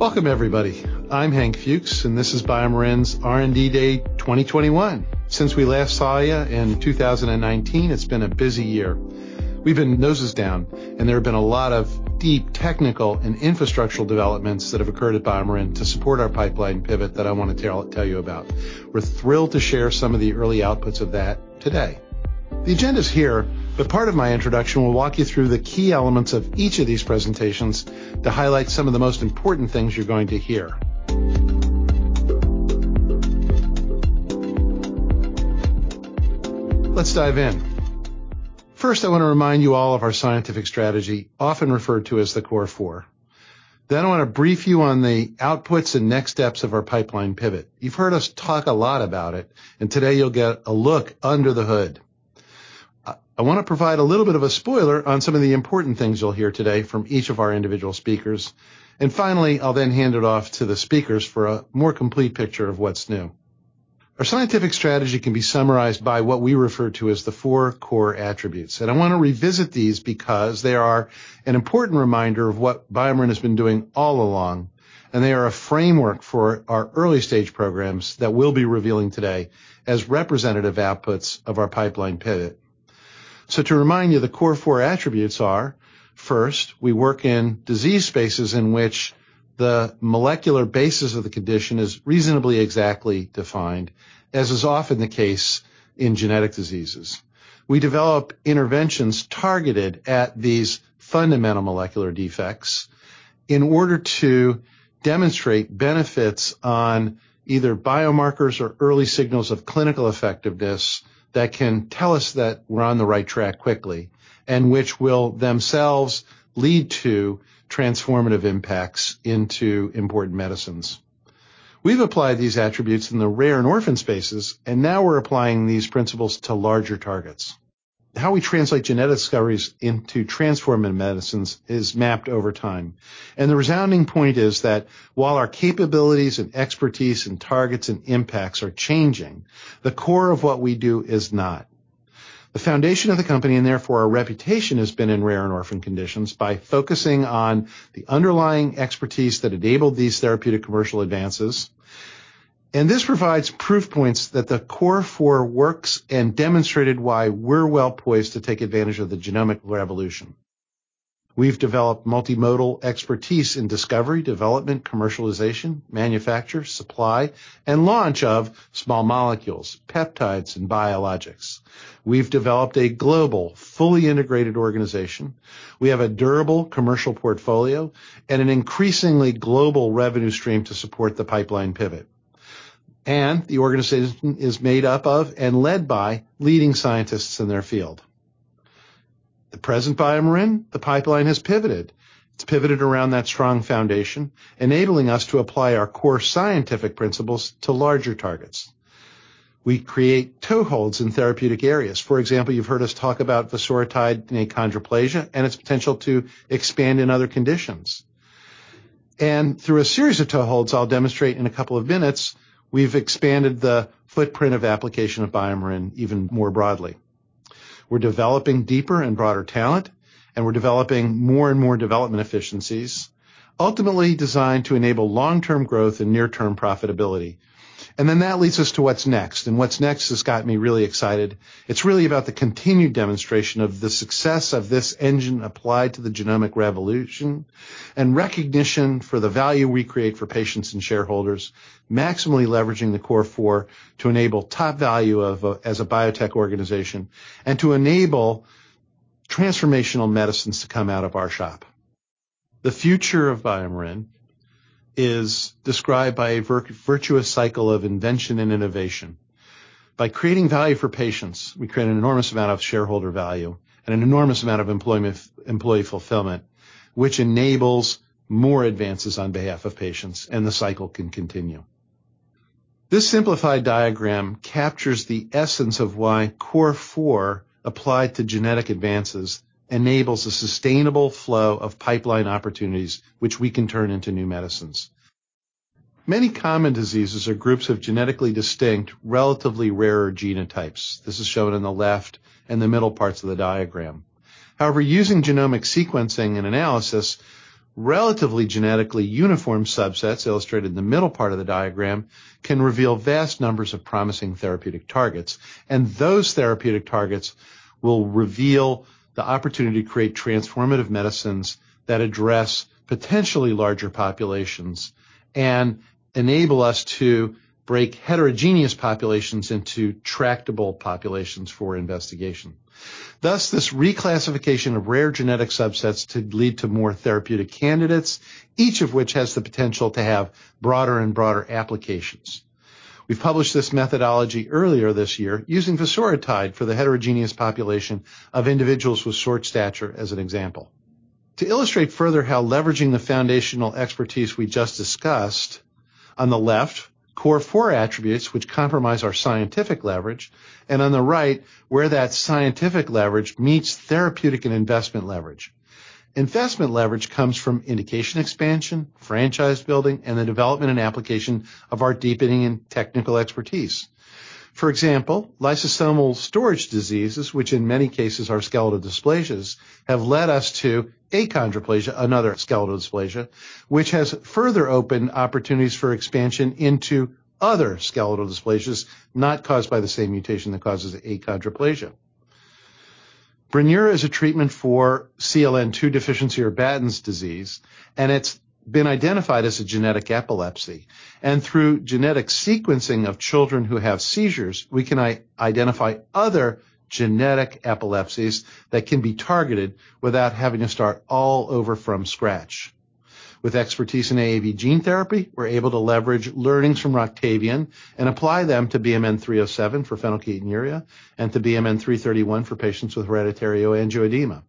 Welcome everybody. I'm Hank Fuchs, and this is BioMarin's R&D Day 2021. Since we last saw you in 2019, it's been a busy year. We've been noses down, and there have been a lot of deep technical and infrastructural developments that have occurred at BioMarin to support our pipeline pivot that I wanna tell you about. We're thrilled to share some of the early outputs of that today. The agenda's here, but part of my introduction will walk you through the key elements of each of these presentations to highlight some of the most important things you're going to hear. Let's dive in. First, I wanna remind you all of our scientific strategy, often referred to as the Core Four. Then I wanna brief you on the outputs and next steps of our pipeline pivot. You've heard us talk a lot about it, and today you'll get a look under the hood. I wanna provide a little bit of a spoiler on some of the important things you'll hear today from each of our individual speakers. Finally, I'll then hand it off to the speakers for a more complete picture of what's new. Our scientific strategy can be summarized by what we refer to as the four core attributes. I wanna revisit these because they are an important reminder of what BioMarin has been doing all along, and they are a framework for our early stage programs that we'll be revealing today as representative outputs of our pipeline pivot. To remind you, the Core Four attributes are. First, we work in disease spaces in which the molecular basis of the condition is reasonably exactly defined, as is often the case in genetic diseases. We develop interventions targeted at these fundamental molecular defects in order to demonstrate benefits on either biomarkers or early signals of clinical effectiveness that can tell us that we're on the right track quickly, and which will themselves lead to transformative impacts into important medicines. We've applied these attributes in the rare and orphan spaces, and now we're applying these principles to larger targets. How we translate genetic discoveries into transformative medicines is mapped over time, and the resounding point is that while our capabilities and expertise and targets and impacts are changing, the core of what we do is not. The foundation of the company, and therefore our reputation, has been in rare and orphan conditions by focusing on the underlying expertise that enabled these therapeutic commercial advances. This provides proof points that the Core Four works and demonstrated why we're well poised to take advantage of the genomic revolution. We've developed multimodal expertise in discovery, development, commercialization, manufacture, supply, and launch of small molecules, peptides, and biologics. We've developed a global, fully integrated organization. We have a durable commercial portfolio and an increasingly global revenue stream to support the pipeline pivot. The organization is made up of and led by leading scientists in their field. The present BioMarin pipeline has pivoted. It's pivoted around that strong foundation, enabling us to apply our core scientific principles to larger targets. We create toeholds in therapeutic areas. For example, you've heard us talk about vosoritide in achondroplasia and its potential to expand in other conditions. Through a series of toeholds I'll demonstrate in a couple of minutes, we've expanded the footprint of application of BioMarin even more broadly. We're developing deeper and broader talent, and we're developing more and more development efficiencies ultimately designed to enable long-term growth and near-term profitability. Then that leads us to what's next. What's next has got me really excited. It's really about the continued demonstration of the success of this engine applied to the genomic revolution and recognition for the value we create for patients and shareholders, maximally leveraging the Core Four to enable top value as a biotech organization and to enable transformational medicines to come out of our shop. The future of BioMarin is described by a virtuous cycle of invention and innovation. By creating value for patients, we create an enormous amount of shareholder value and an enormous amount of employment, employee fulfillment, which enables more advances on behalf of patients, and the cycle can continue. This simplified diagram captures the essence of why Core Four applied to genetic advances enables a sustainable flow of pipeline opportunities which we can turn into new medicines. Many common diseases are groups of genetically distinct, relatively rarer genotypes. This is shown in the left and the middle parts of the diagram. However, using genomic sequencing and analysis, relatively genetically uniform subsets, illustrated in the middle part of the diagram, can reveal vast numbers of promising therapeutic targets. Those therapeutic targets will reveal the opportunity to create transformative medicines that address potentially larger populations and enable us to break heterogeneous populations into tractable populations for investigation. Thus, this reclassification of rare genetic subsets to lead to more therapeutic candidates, each of which has the potential to have broader and broader applications. We've published this methodology earlier this year using vosoritide for the heterogeneous population of individuals with short stature as an example. To illustrate further how leveraging the foundational expertise we just discussed, on the left, Core Four attributes which comprise our scientific leverage, and on the right, where that scientific leverage meets therapeutic and investment leverage. Investment leverage comes from indication expansion, franchise building, and the development and application of our deepening and technical expertise. For example, lysosomal storage diseases, which in many cases are skeletal dysplasias, have led us to achondroplasia, another skeletal dysplasia, which has further opened opportunities for expansion into other skeletal dysplasias not caused by the same mutation that causes achondroplasia. Brineura is a treatment for CLN2 deficiency or Batten disease, and it's been identified as a genetic epilepsy. Through genetic sequencing of children who have seizures, we can identify other genetic epilepsies that can be targeted without having to start all over from scratch. With expertise in AAV gene therapy, we're able to leverage learnings from Roctavian and apply them to BMN 307 for phenylketonuria and to BMN 331 for patients with hereditary angioedema.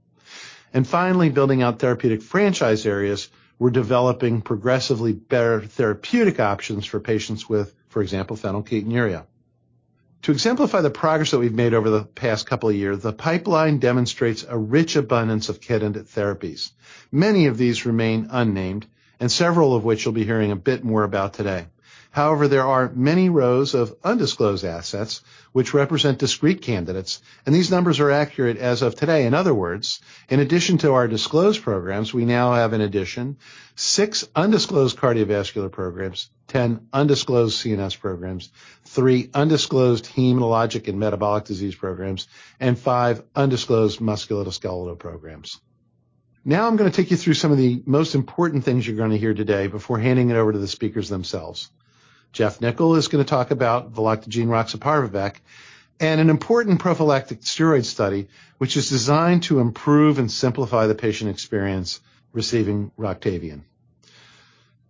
Finally, building out therapeutic franchise areas, we're developing progressively better therapeutic options for patients with, for example, phenylketonuria. To exemplify the progress that we've made over the past couple of years, the pipeline demonstrates a rich abundance of candidate therapies. Many of these remain unnamed, and several of which you'll be hearing a bit more about today. However, there are many rows of undisclosed assets which represent discrete candidates, and these numbers are accurate as of today. In other words, in addition to our disclosed programs, we now have in addition six undisclosed cardiovascular programs, 10 undisclosed CNS programs, three undisclosed hematologic and metabolic disease programs, and five undisclosed musculoskeletal programs. Now I'm gonna take you through some of the most important things you're gonna hear today before handing it over to the speakers themselves. Geoff Nichol is gonna talk about valoctocogene roxaparvovec and an important prophylactic steroid study, which is designed to improve and simplify the patient experience receiving Roctavian.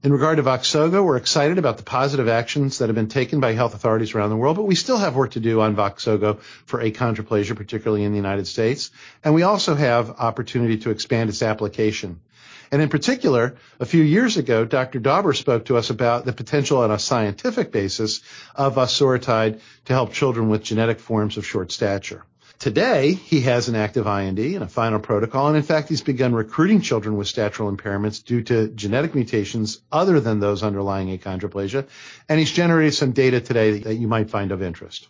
In regard to Voxzogo, we're excited about the positive actions that have been taken by health authorities around the world, but we still have work to do on Voxzogo for achondroplasia, particularly in the United States. We also have opportunity to expand its application. In particular, a few years ago, Dr. Dauber spoke to us about the potential on a scientific basis of vosoritide to help children with genetic forms of short stature. Today, he has an active IND and a final protocol, and in fact he's begun recruiting children with statural impairments due to genetic mutations other than those underlying achondroplasia, and he's generated some data today that you might find of interest.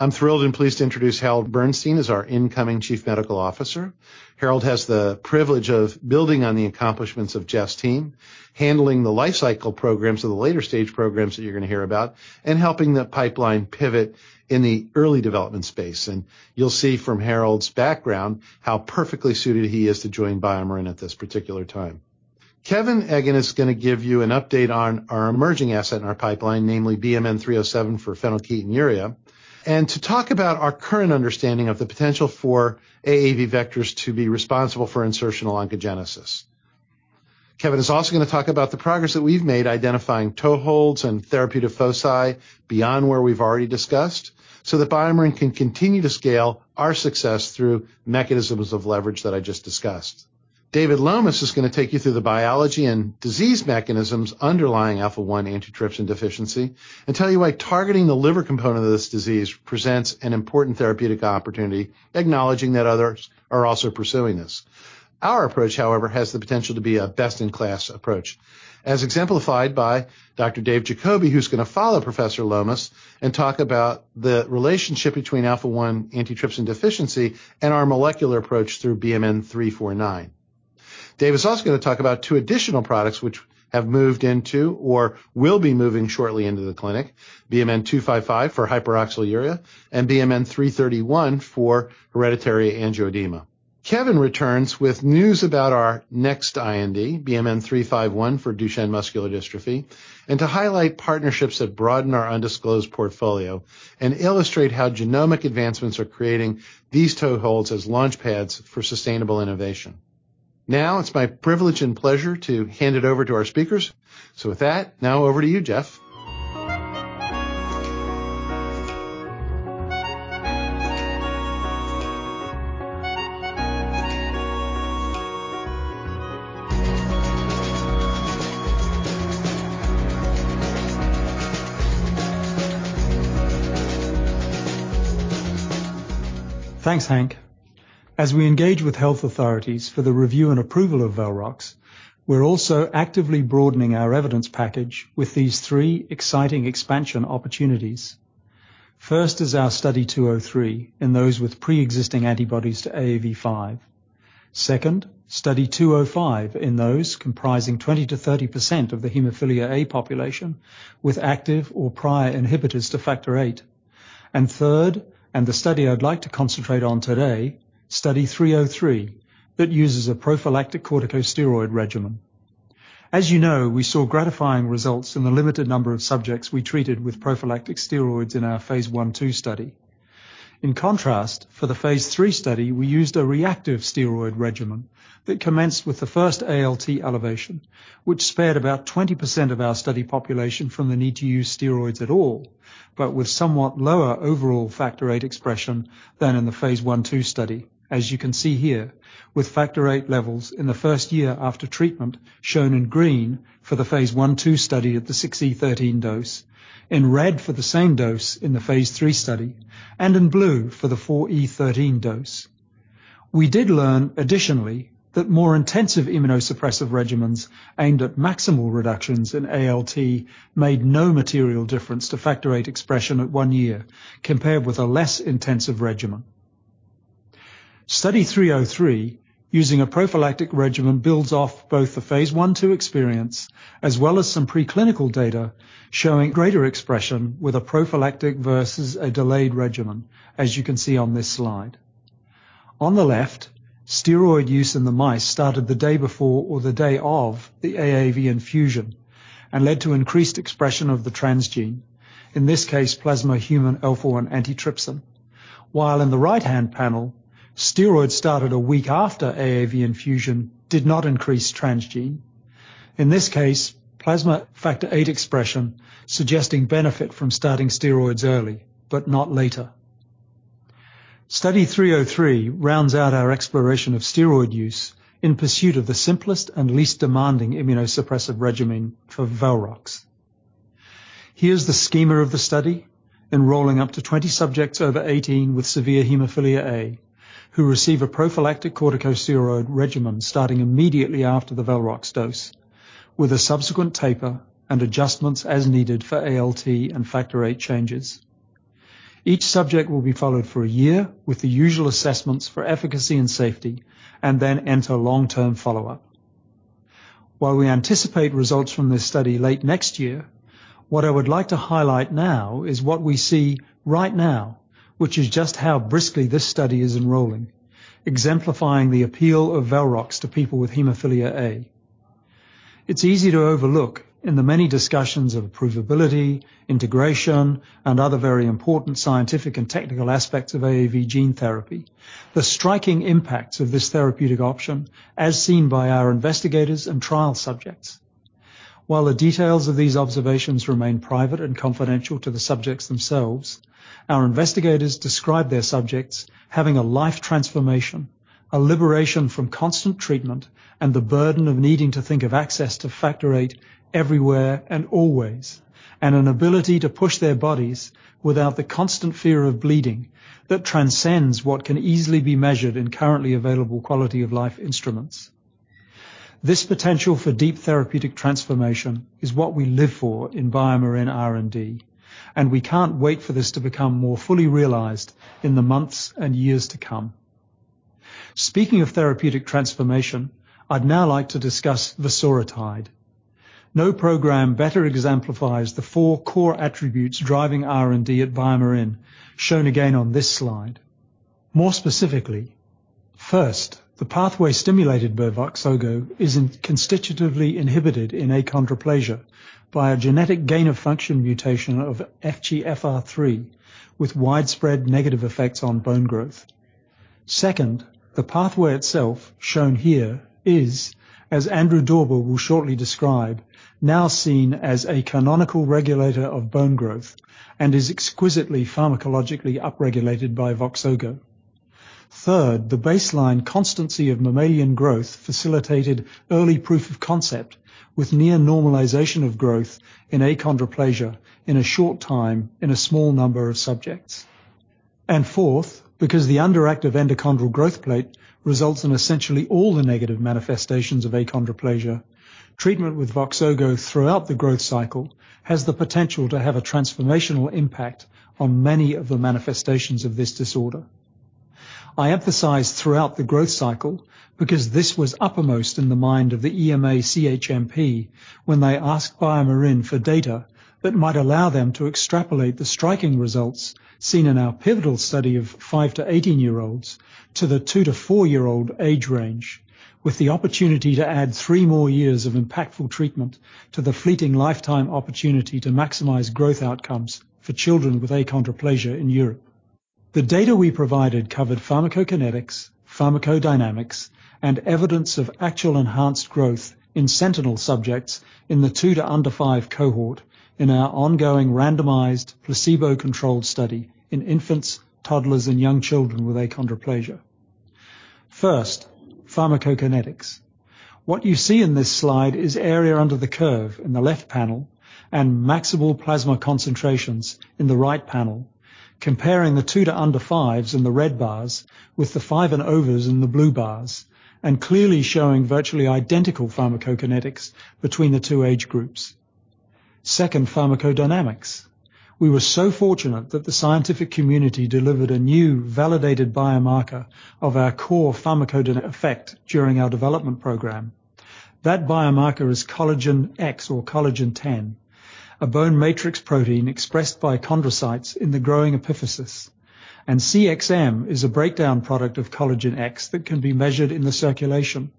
I'm thrilled and pleased to introduce Harold Bernstein as our incoming Chief Medical Officer. Harold has the privilege of building on the accomplishments of Geoff's team, handling the life cycle programs of the later stage programs that you're gonna hear about, and helping the pipeline pivot in the early development space. You'll see from Harold's background how perfectly suited he is to join BioMarin at this particular time. Kevin Eggan is gonna give you an update on our emerging asset in our pipeline, namely BMN 307 for phenylketonuria, and to talk about our current understanding of the potential for AAV vectors to be responsible for insertional oncogenesis. Kevin is also gonna talk about the progress that we've made identifying toeholds and therapeutic foci beyond where we've already discussed so that BioMarin can continue to scale our success through mechanisms of leverage that I just discussed. David Lomas is gonna take you through the biology and disease mechanisms underlying alpha-1 antitrypsin deficiency and tell you why targeting the liver component of this disease presents an important therapeutic opportunity, acknowledging that others are also pursuing this. Our approach, however, has the potential to be a best-in-class approach, as exemplified by Dr. Dave Jacoby, who's gonna follow Professor Lomas and talk about the relationship between alpha-1 antitrypsin deficiency and our molecular approach through BMN 349. Dave is also gonna talk about two additional products which have moved into or will be moving shortly into the clinic: BMN 255 for hyperoxaluria and BMN 331 for hereditary angioedema. Kevin returns with news about our next IND, BMN 351 for Duchenne muscular dystrophy, and to highlight partnerships that broaden our undisclosed portfolio and illustrate how genomic advancements are creating these toeholds as launchpads for sustainable innovation. Now it's my privilege and pleasure to hand it over to our speakers. With that, now over to you, Geoff. Thanks, Hank. As we engage with health authorities for the review and approval of Valrox, we're also actively broadening our evidence package with these three exciting expansion opportunities. First is our study 203 in those with pre-existing antibodies to AAV5. Second, study 205 in those comprising 20%-30% of the hemophilia A population with active or prior inhibitors to factor VIII. And third, and the study I'd like to concentrate on today, study 303 that uses a prophylactic corticosteroid regimen. As you know, we saw gratifying results in the limited number of subjects we treated with prophylactic steroids in our Phase I/II study. In contrast, for the Phase III study, we used a reactive steroid regimen that commenced with the first ALT elevation, which spared about 20% of our study population from the need to use steroids at all, but with somewhat lower overall factor VIII expression than in the Phase I/II study, as you can see here with factor VIII levels in the first year after treatment shown in green for the phase I/II study at the 6e13 dose, in red for the same dose in the Phase III study, and in blue for the 4e13 dose. We did learn additionally that more intensive immunosuppressive regimens aimed at maximal reductions in ALT made no material difference to factor VIII expression at one year compared with a less intensive regimen. Study 303 using a prophylactic regimen builds off both the Phase I/II experience as well as some preclinical data showing greater expression with a prophylactic versus a delayed regimen, as you can see on this slide. On the left, steroid use in the mice started the day before or the day of the AAV infusion and led to increased expression of the transgene, in this case, plasma human alpha-1 antitrypsin. While in the right-hand panel, steroids started one week after AAV infusion did not increase transgene, in this case, plasma factor VIII expression suggesting benefit from starting steroids early, but not later. Study 303 rounds out our exploration of steroid use in pursuit of the simplest and least demanding immunosuppressive regimen for Valrox. Here's the schema of the study enrolling up to 20 subjects over 18 with severe hemophilia A, who receive a prophylactic corticosteroid regimen starting immediately after the Valrox dose with a subsequent taper and adjustments as needed for ALT and factor VIII changes. Each subject will be followed for a year with the usual assessments for efficacy and safety, and then enter long-term follow-up. While we anticipate results from this study late next year, what I would like to highlight now is what we see right now, which is just how briskly this study is enrolling, exemplifying the appeal of Valrox to people with hemophilia A. It's easy to overlook in the many discussions of approvability, integration, and other very important scientific and technical aspects of AAV gene therapy, the striking impacts of this therapeutic option as seen by our investigators and trial subjects. While the details of these observations remain private and confidential to the subjects themselves, our investigators describe their subjects having a life transformation, a liberation from constant treatment, and the burden of needing to think of access to factor VIII everywhere and always, and an ability to push their bodies without the constant fear of bleeding that transcends what can easily be measured in currently available quality of life instruments. This potential for deep therapeutic transformation is what we live for in BioMarin R&D, and we can't wait for this to become more fully realized in the months and years to come. Speaking of therapeutic transformation, I'd now like to discuss vosoritide. No program better exemplifies the four core attributes driving R&D at BioMarin, shown again on this slide. More specifically, first, the pathway stimulated by Voxzogo is constitutively inhibited in achondroplasia by a genetic gain-of-function mutation of FGFR3 with widespread negative effects on bone growth. Second, the pathway itself, shown here, is, as Andrew Dauber will shortly describe, now seen as a canonical regulator of bone growth and is exquisitely pharmacologically upregulated by Voxzogo. Third, the baseline constancy of mammalian growth facilitated early proof of concept with near normalization of growth in achondroplasia in a short time in a small number of subjects. Fourth, because the underactive endochondral growth plate results in essentially all the negative manifestations of achondroplasia, treatment with Voxzogo throughout the growth cycle has the potential to have a transformational impact on many of the manifestations of this disorder. I emphasize "throughout the growth cycle" because this was uppermost in the mind of the EMA CHMP when they asked BioMarin for data that might allow them to extrapolate the striking results seen in our pivotal study of five- to 18-year-olds to the two- to four-year-old age range, with the opportunity to add three more years of impactful treatment to the fleeting lifetime opportunity to maximize growth outcomes for children with achondroplasia in Europe. The data we provided covered pharmacokinetics, pharmacodynamics, and evidence of actual enhanced growth in sentinel subjects in the two- to under-five cohort in our ongoing randomized placebo-controlled study in infants, toddlers, and young children with achondroplasia. First, pharmacokinetics. What you see in this slide is area under the curve in the left panel and maximal plasma concentrations in the right panel, comparing the two- to under five years in the red bars with the 5 years- and overs in the blue bars and clearly showing virtually identical pharmacokinetics between the two age groups. Second, pharmacodynamics. We were so fortunate that the scientific community delivered a new validated biomarker of our core pharmacodynamic effect during our development program. That biomarker is collagen type X or collagen ten, a bone matrix protein expressed by chondrocytes in the growing epiphysis. CXM is a breakdown product of collagen type X that can be measured in the circulation.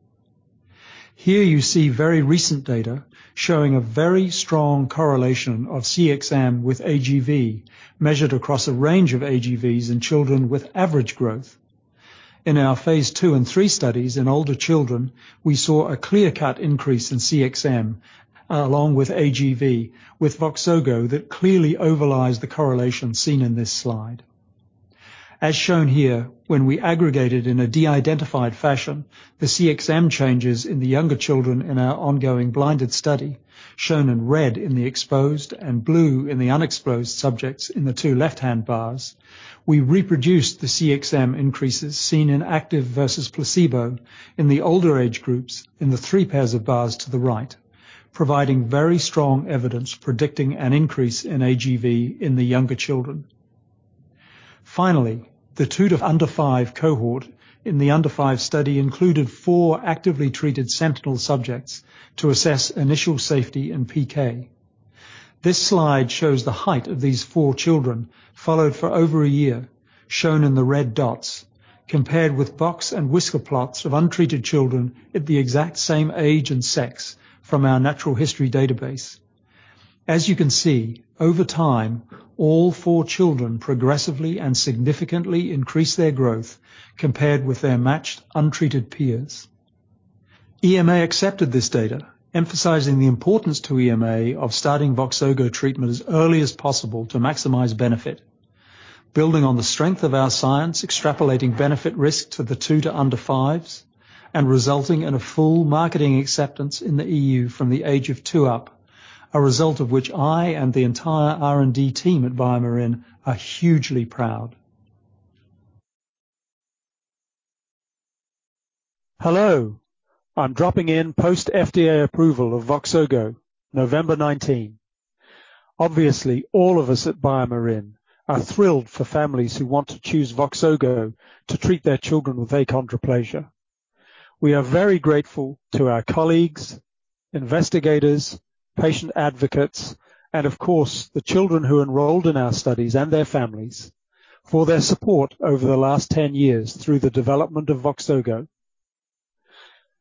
Here you see very recent data showing a very strong correlation of CXM with AGV measured across a range of AGVs in children with average growth. In our Phase II and III studies in older children, we saw a clear-cut increase in CXM along with AGV with Voxzogo that clearly overlies the correlation seen in this slide. As shown here, when we aggregated in a de-identified fashion the CXM changes in the younger children in our ongoing blinded study, shown in red in the exposed and blue in the unexposed subjects in the two left-hand bars, we reproduced the CXM increases seen in active versus placebo in the older age groups in the three pairs of bars to the right, providing very strong evidence predicting an increase in AGV in the younger children. Finally, the two- to under-five cohort in the under-five study included four actively treated sentinel subjects to assess initial safety in PK. This slide shows the height of these four children followed for over a year, shown in the red dots, compared with box and whisker plots of untreated children at the exact same age and sex from our natural history database. As you can see, over time, all four children progressively and significantly increase their growth compared with their matched, untreated peers. EMA accepted this data, emphasizing the importance to EMA of starting VOXZOGO treatment as early as possible to maximize benefit. Building on the strength of our science, extrapolating benefit risk to the two to under fives, and resulting in a full marketing acceptance in the EU from the age of two up, a result of which I and the entire R&D team at BioMarin are hugely proud. Hello. I'm dropping in post FDA approval of VOXZOGO, November 19. Obviously, all of us at BioMarin are thrilled for families who want to choose VOXZOGO to treat their children with achondroplasia. We are very grateful to our colleagues, investigators, patient advocates, and of course, the children who enrolled in our studies and their families for their support over the last 10 years through the development of VOXZOGO.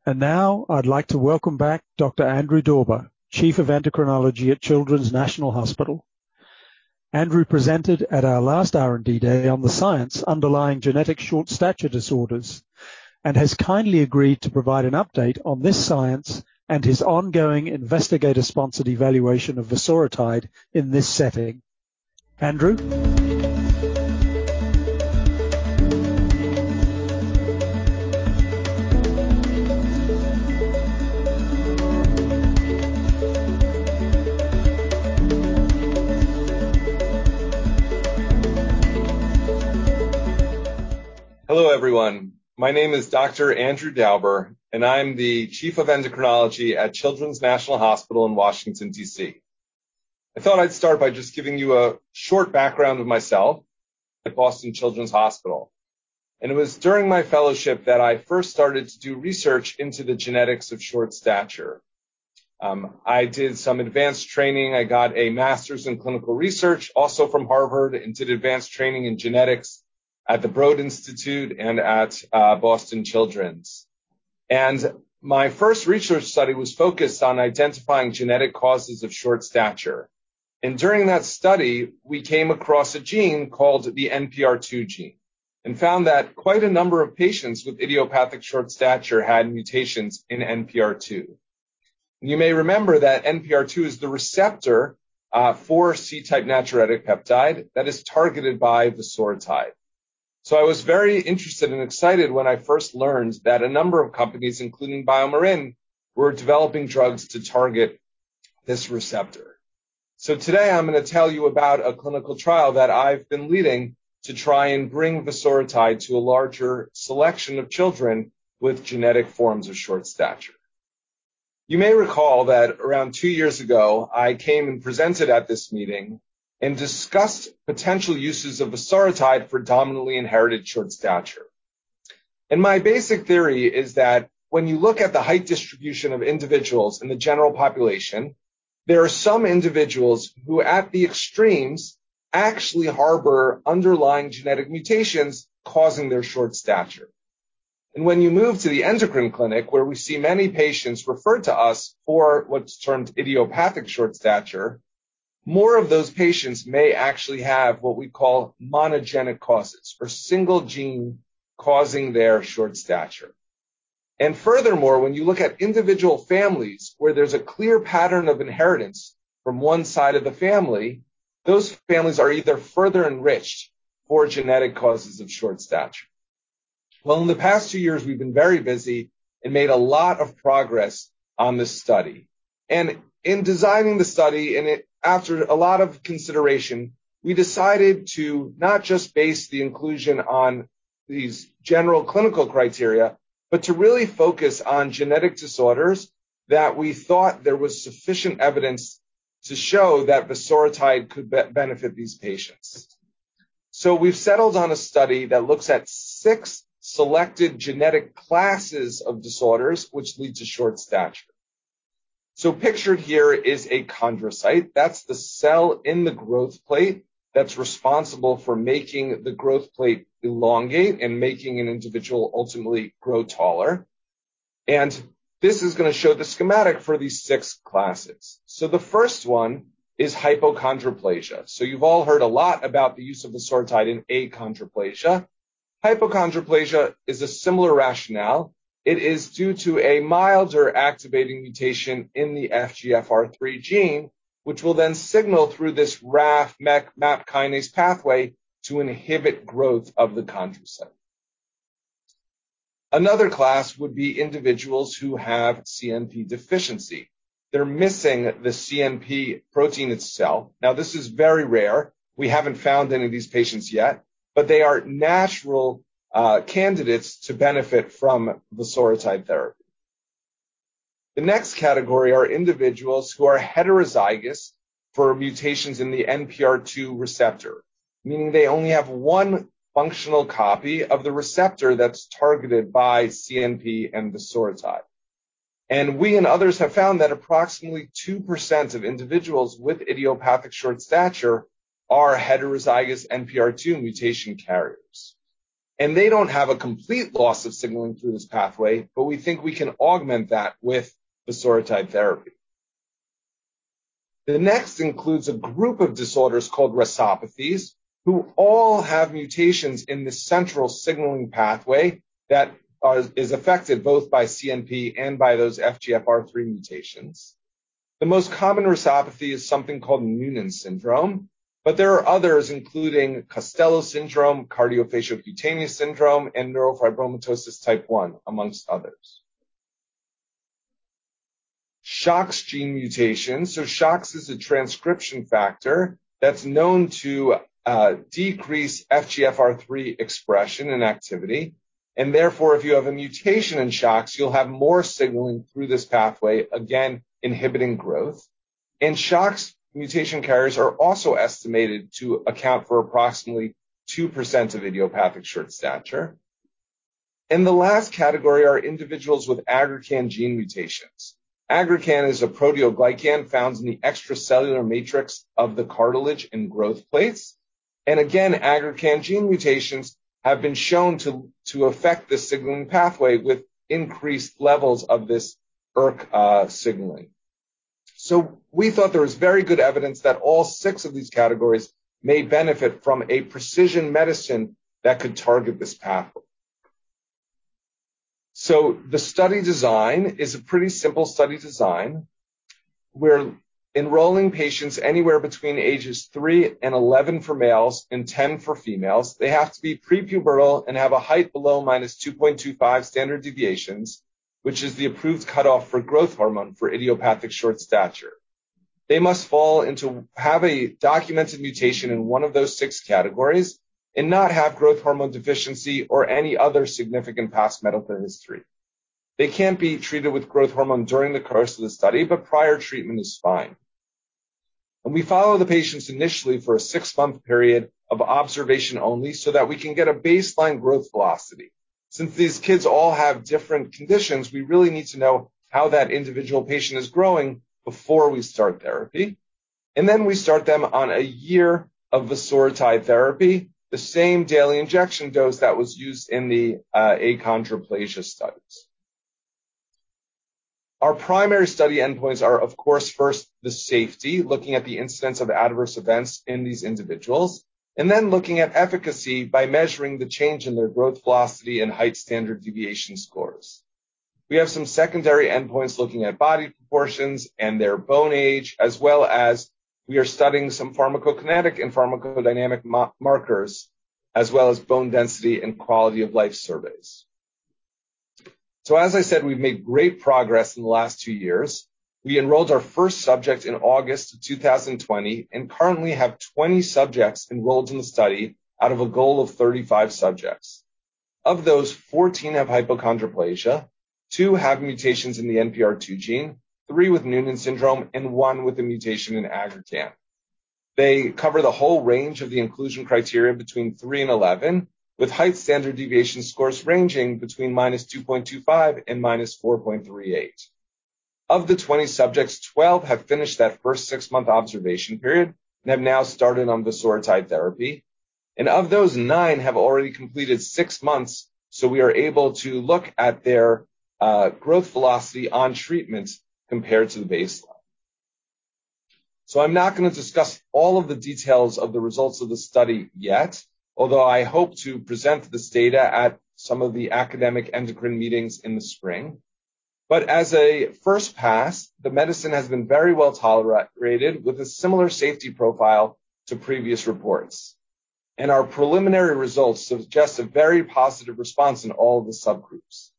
Now I'd like to welcome back Dr. Andrew Dauber, Chief of Endocrinology at Children's National Hospital. Andrew presented at our last R&D Day on the science underlying genetic short stature disorders and has kindly agreed to provide an update on this science and his ongoing investigator-sponsored evaluation of vosoritide in this setting. Andrew? Hello, everyone. My name is Dr. Andrew Dauber, and I'm the Chief of Endocrinology at Children's National Hospital in Washington, D.C. I thought I'd start by just giving you a short background of myself at Boston Children's Hospital. It was during my fellowship that I first started to do research into the genetics of short stature. I did some advanced training. I got a master's in clinical research, also from Harvard, and did advanced training in genetics at the Broad Institute and at Boston Children's. My first research study was focused on identifying genetic causes of short stature. During that study, we came across a gene called the NPR2 gene and found that quite a number of patients with idiopathic short stature had mutations in NPR2. You may remember that NPR2 is the receptor for C-type natriuretic peptide that is targeted by vosoritide. I was very interested and excited when I first learned that a number of companies, including BioMarin, were developing drugs to target this receptor. Today I'm gonna tell you about a clinical trial that I've been leading to try and bring vosoritide to a larger selection of children with genetic forms of short stature. You may recall that around two years ago, I came and presented at this meeting and discussed potential uses of vosoritide for dominantly inherited short stature. My basic theory is that when you look at the height distribution of individuals in the general population, there are some individuals who at the extremes actually harbor underlying genetic mutations causing their short stature. When you move to the endocrine clinic where we see many patients referred to us for what's termed idiopathic short stature, more of those patients may actually have what we call monogenic causes or single gene causing their short stature. Furthermore, when you look at individual families where there's a clear pattern of inheritance from one side of the family, those families are either further enriched for genetic causes of short stature. Well, in the past two years, we've been very busy and made a lot of progress on this study. In designing the study after a lot of consideration, we decided to not just base the inclusion on these general clinical criteria, but to really focus on genetic disorders that we thought there was sufficient evidence to show that vosoritide could benefit these patients. We've settled on a study that looks at six selected genetic classes of disorders which lead to short stature. Pictured here is a chondrocyte. That's the cell in the growth plate that's responsible for making the growth plate elongate and making an individual ultimately grow taller. This is gonna show the schematic for these six classes. The first one is hypochondroplasia. You've all heard a lot about the use of vosoritide in achondroplasia. Hypochondroplasia is a similar rationale. It is due to a milder activating mutation in the FGFR3 gene, which will then signal through this RAF MEK MAP kinase pathway to inhibit growth of the chondrocyte. Another class would be individuals who have CNP deficiency. They're missing the CNP protein itself. Now, this is very rare. We haven't found any of these patients yet, but they are natural candidates to benefit from the vosoritide therapy. The next category are individuals who are heterozygous for mutations in the NPR2 receptor, meaning they only have one functional copy of the receptor that's targeted by CNP and vosoritide. We and others have found that approximately 2% of individuals with idiopathic short stature are heterozygous NPR2 mutation carriers. They don't have a complete loss of signaling through this pathway, but we think we can augment that with vosoritide therapy. The next includes a group of disorders called RASopathies, who all have mutations in the central signaling pathway that is affected both by CNP and by those FGFR3 mutations. The most common RASopathy is something called Noonan syndrome, but there are others, including Costello syndrome, cardiofaciocutaneous syndrome, and neurofibromatosis type 1, amongst others. SHOX gene mutations. SHOX is a transcription factor that's known to decrease FGFR3 expression and activity, and therefore, if you have a mutation in SHOX, you'll have more signaling through this pathway, again, inhibiting growth. SHOX mutation carriers are also estimated to account for approximately 2% of idiopathic short stature. The last category are individuals with aggrecan gene mutations. Aggrecan is a proteoglycan found in the extracellular matrix of the cartilage in growth plates. Aggrecan gene mutations have been shown to affect the signaling pathway with increased levels of this ERK signaling. We thought there was very good evidence that all six of these categories may benefit from a precision medicine that could target this pathway. The study design is a pretty simple study design. We're enrolling patients anywhere between ages three and 11 for males and 10 for females. They have to be prepubertal and have a height below negative 2.25 standard deviations, which is the approved cutoff for growth hormone for idiopathic short stature. They must have a documented mutation in one of those 6 categories and not have growth hormone deficiency or any other significant past medical history. They can't be treated with growth hormone during the course of the study, but prior treatment is fine. We follow the patients initially for a six-month period of observation only so that we can get a baseline growth velocity. Since these kids all have different conditions, we really need to know how that individual patient is growing before we start therapy. Then we start them on a year of vosoritide therapy, the same daily injection dose that was used in the achondroplasia studies. Our primary study endpoints are, of course, first the safety, looking at the incidence of adverse events in these individuals, and then looking at efficacy by measuring the change in their growth velocity and height standard deviation scores. We have some secondary endpoints looking at body proportions and their bone age, as well as we are studying some pharmacokinetic and pharmacodynamic markers, as well as bone density and quality-of-life surveys. As I said, we've made great progress in the last two years. We enrolled our first subject in August of 2020 and currently have 20 subjects enrolled in the study out of a goal of 35 subjects. Of those, 14 have hypochondroplasia, two have mutations in the NPR2 gene, three with Noonan syndrome, and one with a mutation in aggrecan. They cover the whole range of the inclusion criteria between three and 11, with height standard deviation scores ranging between negative 2.25 and negative 4.38. Of the 20 subjects, 12 have finished that first six-month observation period and have now started on vosoritide therapy. Of those, 9 have already completed six months, so we are able to look at their growth velocity on treatment compared to the baseline. I'm not gonna discuss all of the details of the results of the study yet, although I hope to present this data at some of the academic endocrine meetings in the spring. As a first pass, the medicine has been very well-tolerated with a similar safety profile to previous reports. Our preliminary results suggest a very positive response in all of the subgroups.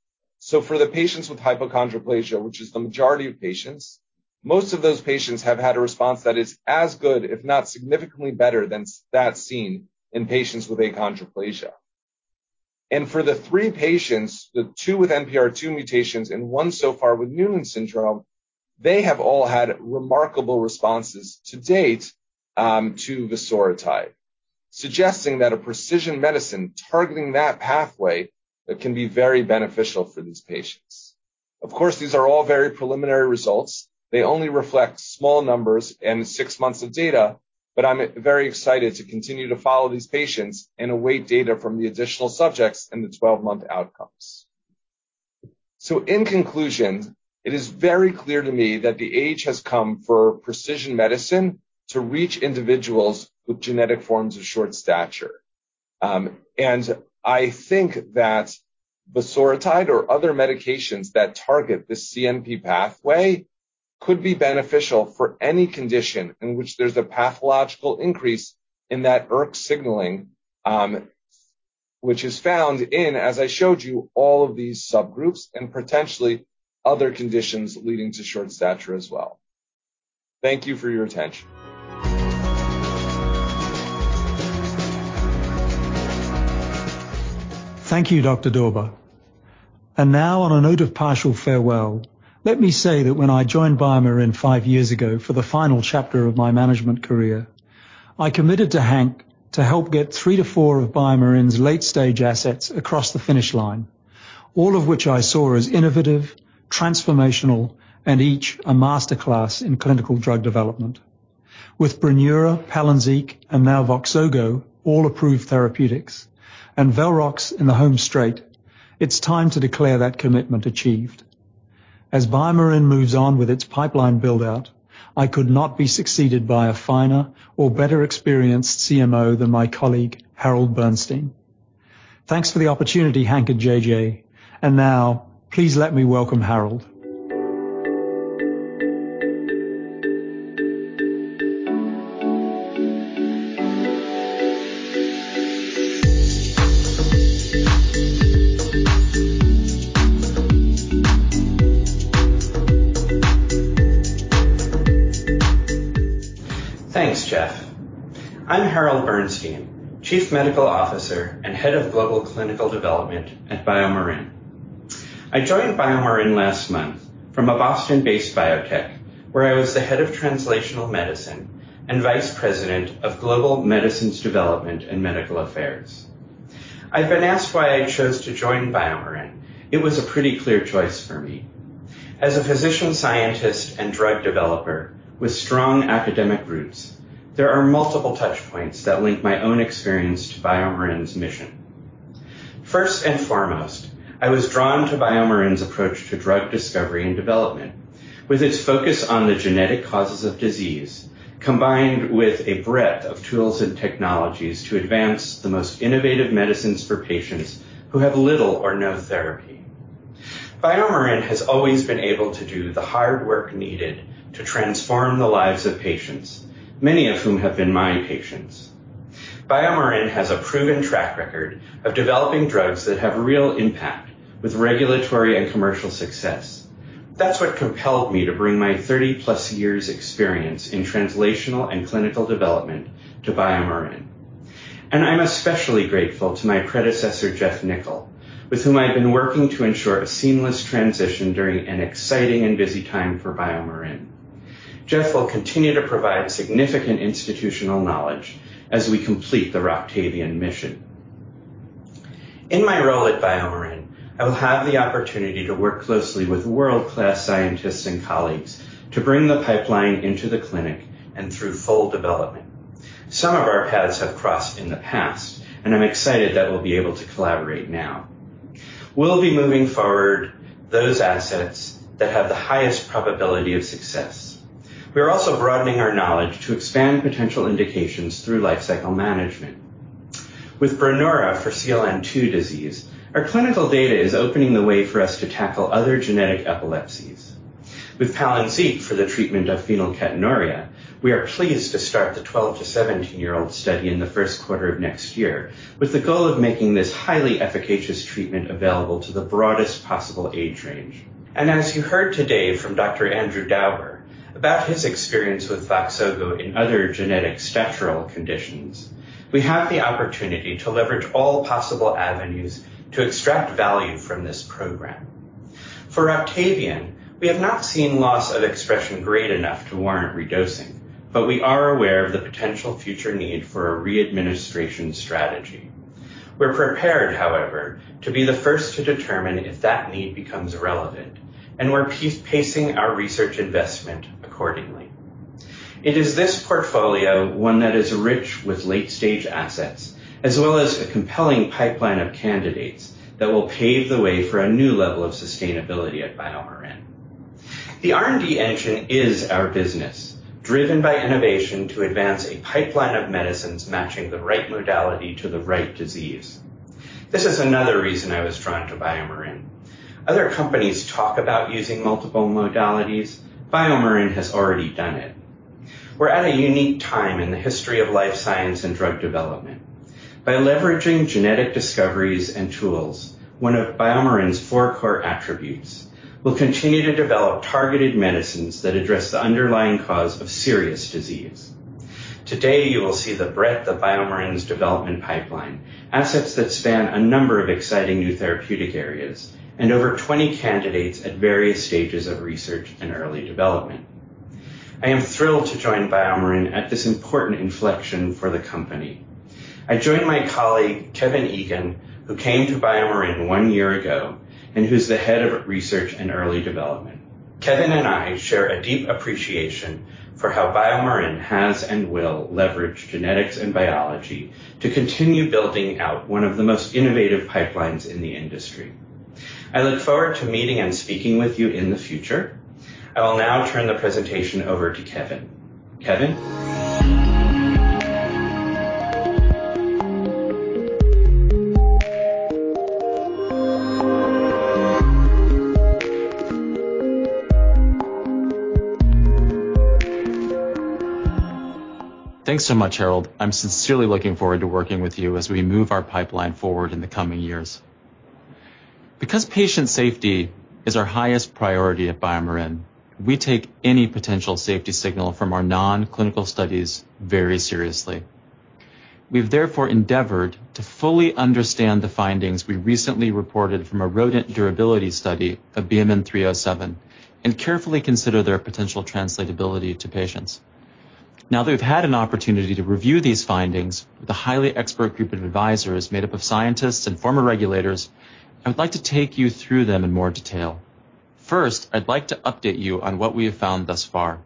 For the patients with hypochondroplasia, which is the majority of patients, most of those patients have had a response that is as good, if not significantly better than that seen in patients with achondroplasia. For the three patients, the two with NPR2 mutations and one so far with Noonan syndrome, they have all had remarkable responses to date, to vosoritide, suggesting that a precision medicine targeting that pathway can be very beneficial for these patients. Of course, these are all very preliminary results. They only reflect small numbers and six months of data, but I'm very excited to continue to follow these patients and await data from the additional subjects in the 12-month outcomes. In conclusion, it is very clear to me that the age has come for precision medicine to reach individuals with genetic forms of short stature. I think that vosoritide or other medications that target the CNP pathway could be beneficial for any condition in which there's a pathological increase in that ERK signaling, which is found in, as I showed you, all of these subgroups and potentially other conditions leading to short stature as well. Thank you for your attention. Thank you, Dr. Dauber. Now on a note of partial farewell, let me say that when I joined BioMarin five years ago for the final chapter of my management career, I committed to Hank to help get three to four of BioMarin's late-stage assets across the finish line, all of which I saw as innovative, transformational, and each a master class in clinical drug development. With Brineura, Palynziq, and now Voxzogo, all approved therapeutics, and Valrox in the home straight, it's time to declare that commitment achieved. As BioMarin moves on with its pipeline build-out, I could not be succeeded by a finer or better-experienced CMO than my colleague, Harold Bernstein. Thanks for the opportunity, Hank and JJ. Now please let me welcome Harold. Thanks, Geoff. I'm Harold Bernstein, Chief Medical Officer and Head of Global Clinical Development at BioMarin. I joined BioMarin last month from a Boston-based biotech, where I was the Head of Translational Medicine and Vice President of Global Medicines Development and Medical Affairs. I've been asked why I chose to join BioMarin. It was a pretty clear choice for me. As a physician scientist and drug developer with strong academic roots, there are multiple touch points that link my own experience to BioMarin's mission. First and foremost, I was drawn to BioMarin's approach to drug discovery and development. With its focus on the genetic causes of disease, combined with a breadth of tools and technologies to advance the most innovative medicines for patients who have little or no therapy. BioMarin has always been able to do the hard work needed to transform the lives of patients, many of whom have been my patients. BioMarin has a proven track record of developing drugs that have real impact with regulatory and commercial success. That's what compelled me to bring my 30+ years experience in translational and clinical development to BioMarin. I'm especially grateful to my predecessor, Geoff Nichol, with whom I've been working to ensure a seamless transition during an exciting and busy time for BioMarin. Geoff will continue to provide significant institutional knowledge as we complete the Roctavian mission. In my role at BioMarin, I will have the opportunity to work closely with world-class scientists and colleagues to bring the pipeline into the clinic and through full development. Some of our paths have crossed in the past, and I'm excited that we'll be able to collaborate now. We'll be moving forward those assets that have the highest probability of success. We are also broadening our knowledge to expand potential indications through lifecycle management. With Brineura for CLN2 disease, our clinical data is opening the way for us to tackle other genetic epilepsies. With Palynziq for the treatment of phenylketonuria, we are pleased to start the 12- to 17-year-old study in the first quarter of next year with the goal of making this highly efficacious treatment available to the broadest possible age range. As you heard today from Dr. Andrew Dauber about his experience with Voxzogo in other genetic skeletal conditions, we have the opportunity to leverage all possible avenues to extract value from this program. For Roctavian, we have not seen loss of expression great enough to warrant redosing, but we are aware of the potential future need for a readministration strategy. We're prepared, however, to be the first to determine if that need becomes relevant, and we're pacing our research investment accordingly. It is this portfolio, one that is rich with late-stage assets, as well as a compelling pipeline of candidates that will pave the way for a new level of sustainability at BioMarin. The R&D engine is our business, driven by innovation to advance a pipeline of medicines matching the right modality to the right disease. This is another reason I was drawn to BioMarin. Other companies talk about using multiple modalities. BioMarin has already done it. We're at a unique time in the history of life science and drug development. By leveraging genetic discoveries and tools, one of BioMarin's four core attributes, we'll continue to develop targeted medicines that address the underlying cause of serious disease. Today, you will see the breadth of BioMarin's development pipeline, assets that span a number of exciting new therapeutic areas, and over 20 candidates at various stages of research and early development. I am thrilled to join BioMarin at this important inflection for the company. I join my colleague, Kevin Eggan, who came to BioMarin 1 year ago and who's the head of research and early development. Kevin Eggan and I share a deep appreciation for how BioMarin has and will leverage genetics and biology to continue building out one of the most innovative pipelines in the industry. I look forward to meeting and speaking with you in the future. I will now turn the presentation over to Kevin Eggan. Kevin Eggan? Thanks so much, Harold. I'm sincerely looking forward to working with you as we move our pipeline forward in the coming years. Because patient safety is our highest priority at BioMarin, we take any potential safety signal from our non-clinical studies very seriously. We've therefore endeavored to fully understand the findings we recently reported from a rodent durability study of BMN 307 and carefully consider their potential translatability to patients. Now that we've had an opportunity to review these findings with a highly expert group of advisors made up of scientists and former regulators, I would like to take you through them in more detail. First, I'd like to update you on what we have found thus far.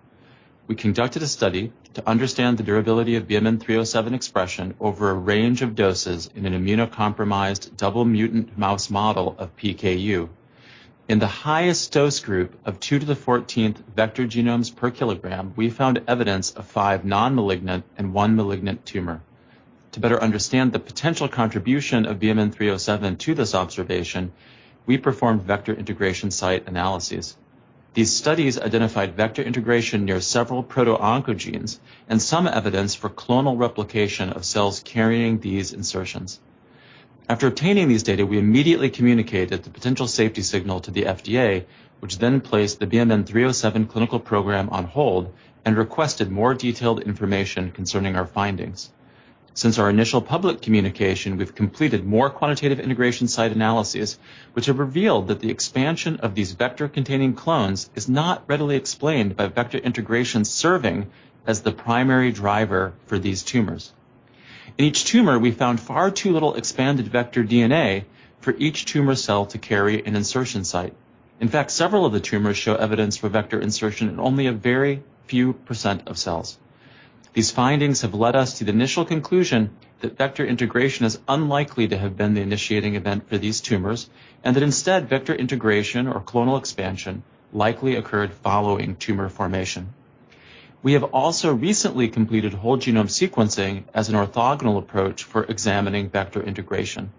We conducted a study to understand the durability of BMN 307 expression over a range of doses in an immunocompromised double mutant mouse model of PKU. In the highest dose group of (2 × 10¹⁴ vector genomes per kilogram), we found evidence of five nonmalignant and one malignant tumor. To better understand the potential contribution of BMN 307 to this observation, we performed vector integration site analyses. These studies identified vector integration near several proto-oncogenes and some evidence for clonal replication of cells carrying these insertions. After obtaining these data, we immediately communicated the potential safety signal to the FDA, which then placed the BMN 307 clinical program on hold and requested more detailed information concerning our findings. Since our initial public communication, we've completed more quantitative integration site analyses which have revealed that the expansion of these vector-containing clones is not readily explained by vector integration serving as the primary driver for these tumors. In each tumor, we found far too little expanded vector DNA for each tumor cell to carry an insertion site. In fact, several of the tumors show evidence for vector insertion in only a very few % of cells. These findings have led us to the initial conclusion that vector integration is unlikely to have been the initiating event for these tumors, and that instead, vector integration or clonal expansion likely occurred following tumor formation. We have also recently completed whole genome sequencing as an orthogonal approach for examining vector integration.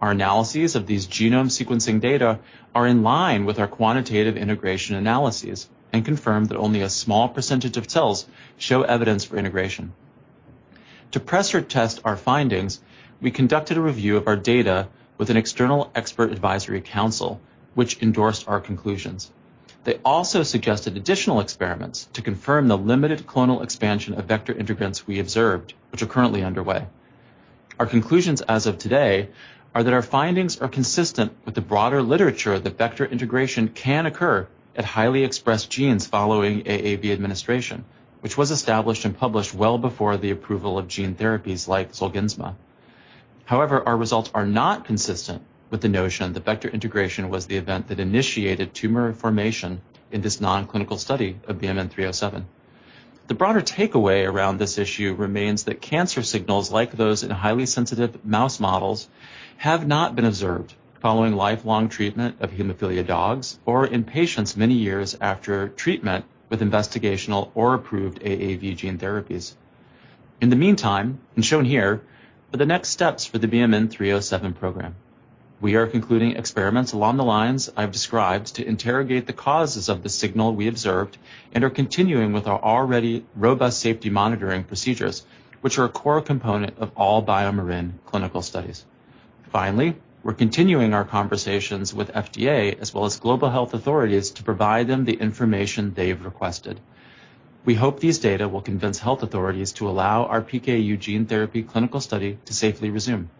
Our analyses of these genome sequencing data are in line with our quantitative integration analyses and confirm that only a small % of cells show evidence for integration. To pressure test our findings, we conducted a review of our data with an external expert advisory council, which endorsed our conclusions. They also suggested additional experiments to confirm the limited clonal expansion of vector integrants we observed, which are currently underway. Our conclusions as of today are that our findings are consistent with the broader literature that vector integration can occur at highly expressed genes following AAV administration, which was established and published well before the approval of gene therapies like Zolgensma. However, our results are not consistent with the notion that vector integration was the event that initiated tumor formation in this non-clinical study of BMN 307. The broader takeaway around this issue remains that cancer signals like those in highly sensitive mouse models have not been observed following lifelong treatment of hemophilia dogs or in patients many years after treatment with investigational or approved AAV gene therapies. In the meantime, and shown here, are the next steps for the BMN 307 program. We are concluding experiments along the lines I've described to interrogate the causes of the signal we observed and are continuing with our already robust safety monitoring procedures, which are a core component of all BioMarin clinical studies. Finally, we're continuing our conversations with FDA as well as global health authorities to provide them the information they've requested. We hope these data will convince health authorities to allow our PKU gene therapy clinical study to safely resume.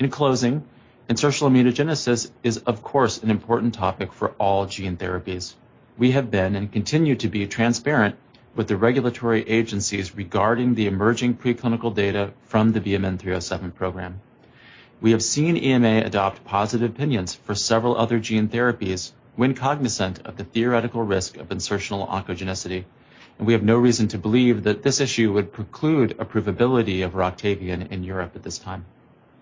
In closing, insertional oncogenesis is of course an important topic for all gene therapies. We have been and continue to be transparent with the regulatory agencies regarding the emerging preclinical data from the BMN 307 program. We have seen EMA adopt positive opinions for several other gene therapies when cognizant of the theoretical risk of insertional oncogenesis, and we have no reason to believe that this issue would preclude approvability of Roctavian in Europe at this time.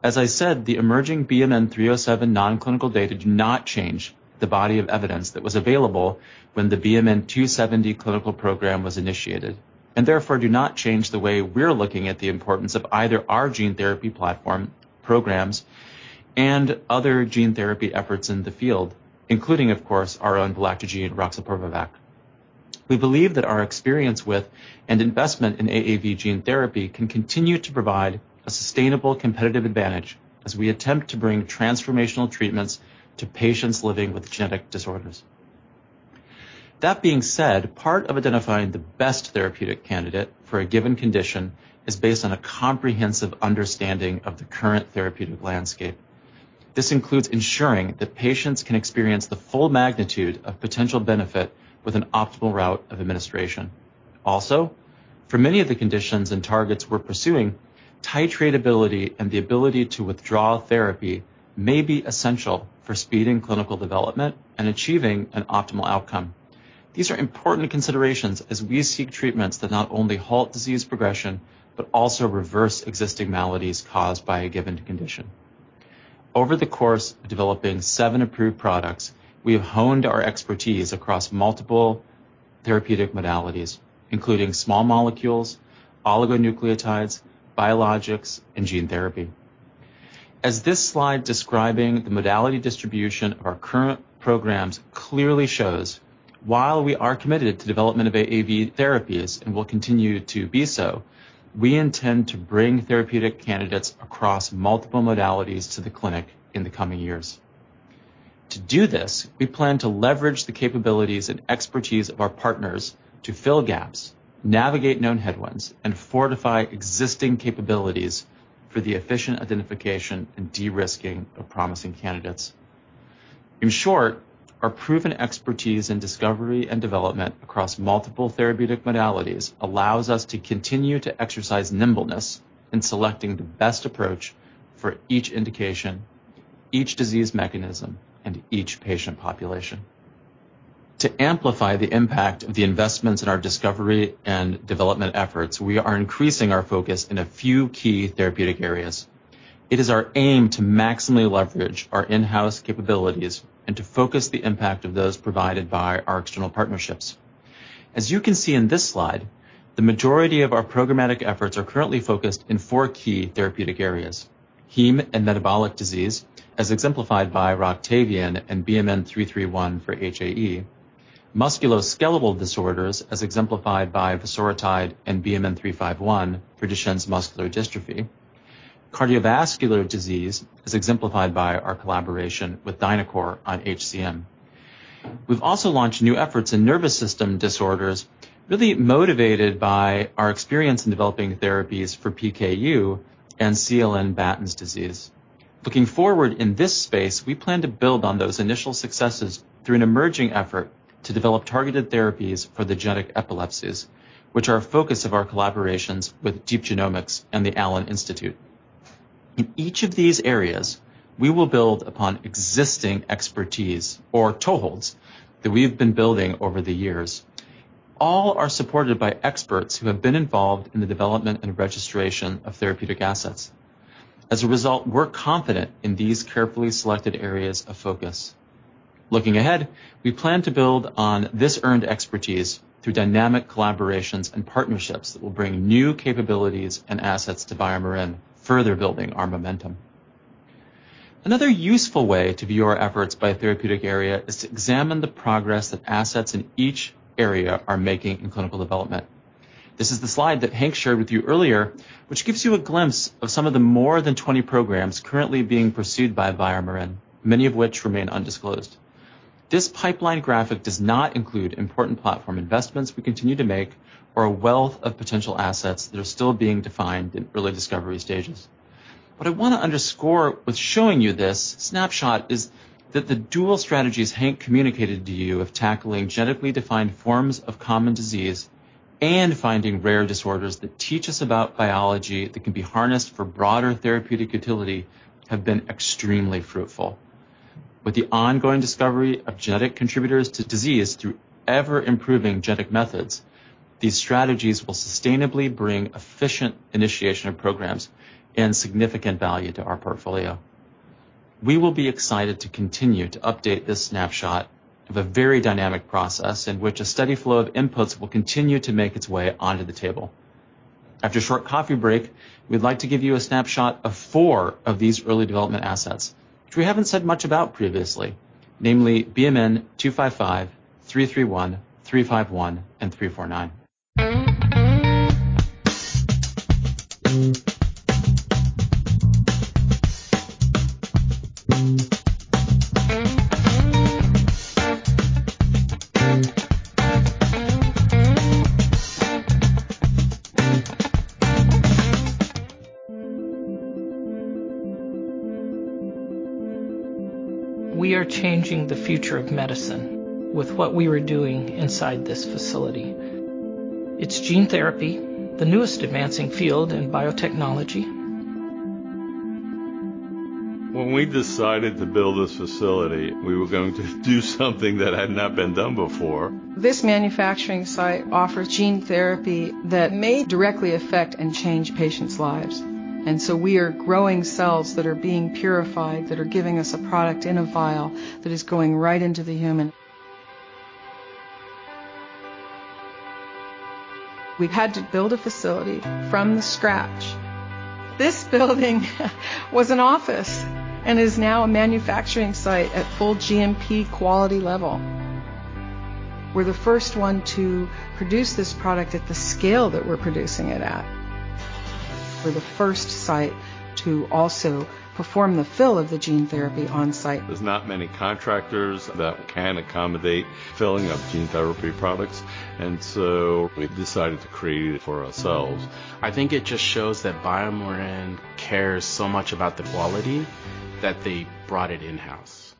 As I said, the emerging BMN 307 non-clinical data do not change the body of evidence that was available when the BMN 270 clinical program was initiated, and therefore do not change the way we're looking at the importance of either our gene therapy platform programs and other gene therapy efforts in the field, including of course our own valoctocogene roxaparvovec. We believe that our experience with and investment in AAV gene therapy can continue to provide a sustainable competitive advantage as we attempt to bring transformational treatments to patients living with genetic disorders. That being said, part of identifying the best therapeutic candidate for a given condition is based on a comprehensive understanding of the current therapeutic landscape. This includes ensuring that patients can experience the full magnitude of potential benefit with an optimal route of administration. Also, for many of the conditions and targets we're pursuing, titratability and the ability to withdraw therapy may be essential for speeding clinical development and achieving an optimal outcome. These are important considerations as we seek treatments that not only halt disease progression, but also reverse existing maladies caused by a given condition. Over the course of developing seven approved products, we have honed our expertise across multiple therapeutic modalities, including small molecules, oligonucleotides, biologics, and gene therapy. As this slide describing the modality distribution of our current programs clearly shows, while we are committed to development of AAV therapies and will continue to be so, we intend to bring therapeutic candidates across multiple modalities to the clinic in the coming years. To do this, we plan to leverage the capabilities and expertise of our partners to fill gaps, navigate known headwinds, and fortify existing capabilities for the efficient identification and de-risking of promising candidates. In short, our proven expertise in discovery and development across multiple therapeutic modalities allows us to continue to exercise nimbleness in selecting the best approach for each indication, each disease mechanism, and each patient population. To amplify the impact of the investments in our discovery and development efforts, we are increasing our focus in a few key therapeutic areas. It is our aim to maximally leverage our in-house capabilities and to focus the impact of those provided by our external partnerships. As you can see in this slide, the majority of our programmatic efforts are currently focused in four key therapeutic areas: heme and metabolic disease, as exemplified by Roctavian and BMN 331 for HAE, musculoskeletal disorders, as exemplified by Voxzogo and BMN 351 for Duchenne muscular dystrophy, cardiovascular disease, as exemplified by our collaboration with DiNAQOR on HCM. We've also launched new efforts in nervous system disorders, really motivated by our experience in developing therapies for PKU and CLN2 Batten disease. Looking forward in this space, we plan to build on those initial successes through an emerging effort to develop targeted therapies for the genetic epilepsies, which are a focus of our collaborations with Deep Genomics and the Allen Institute. In each of these areas, we will build upon existing expertise or toeholds that we have been building over the years. All are supported by experts who have been involved in the development and registration of therapeutic assets. As a result, we're confident in these carefully selected areas of focus. Looking ahead, we plan to build on this earned expertise through dynamic collaborations and partnerships that will bring new capabilities and assets to BioMarin, further building our momentum. Another useful way to view our efforts by therapeutic area is to examine the progress that assets in each area are making in clinical development. This is the slide that Hank shared with you earlier, which gives you a glimpse of some of the more than 20 programs currently being pursued by BioMarin, many of which remain undisclosed. This pipeline graphic does not include important platform investments we continue to make or a wealth of potential assets that are still being defined in early discovery stages. What I wanna underscore with showing you this snapshot is that the dual strategies Hank communicated to you of tackling genetically defined forms of common disease and finding rare disorders that teach us about biology that can be harnessed for broader therapeutic utility have been extremely fruitful. With the ongoing discovery of genetic contributors to disease through ever-improving genetic methods, these strategies will sustainably bring efficient initiation of programs and significant value to our portfolio. We will be excited to continue to update this snapshot of a very dynamic process in which a steady flow of inputs will continue to make its way onto the table. After a short coffee break, we'd like to give you a snapshot of four of these early development assets, which we haven't said much about previously, namely BMN 255, 331, 351, and 349. We are changing the future of medicine with what we are doing inside this facility. It's gene therapy, the newest advancing field in biotechnology. When we decided to build this facility, we were going to do something that had not been done before. This manufacturing site offers gene therapy that may directly affect and change patients' lives, and so we are growing cells that are being purified, that are giving us a product in a vial that is going right into the human. We've had to build a facility from scratch. This building was an office and is now a manufacturing site at full GMP quality level. We're the first one to produce this product at the scale that we're producing it at. We're the first site to also perform the fill of the gene therapy on-site. There's not many contractors that can accommodate filling of gene therapy products, and so we decided to create it for ourselves. I think it just shows that BioMarin cares so much about the quality that they brought it in-house.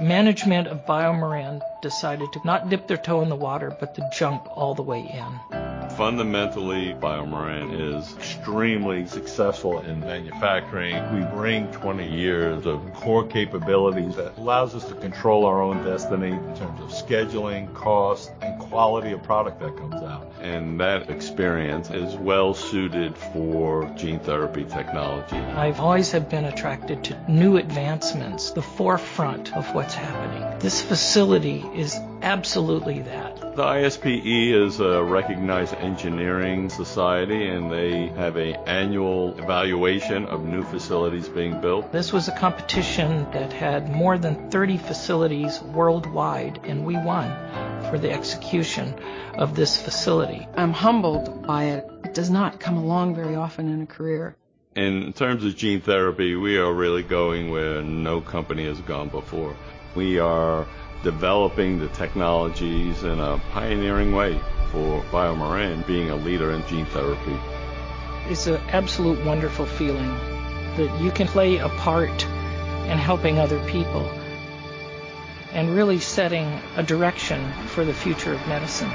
Management of BioMarin decided to not dip their toe in the water, but to jump all the way in. Fundamentally, BioMarin is extremely successful in manufacturing. We bring 20 years of core capabilities that allows us to control our own destiny in terms of scheduling, cost, and quality of product that comes out, and that experience is well-suited for gene therapy technology. I've always been attracted to new advancements, the forefront of what's happening. This facility is absolutely that. The ISPE is a recognized engineering society, and they have an annual evaluation of new facilities being built. This was a competition that had more than 30 facilities worldwide, and we won for the execution of this facility. I'm humbled by it. It does not come along very often in a career. In terms of gene therapy, we are really going where no company has gone before. We are developing the technologies in a pioneering way for BioMarin being a leader in gene therapy. It's an absolute wonderful feeling that you can play a part in helping other people and really setting a direction for the future of medicine.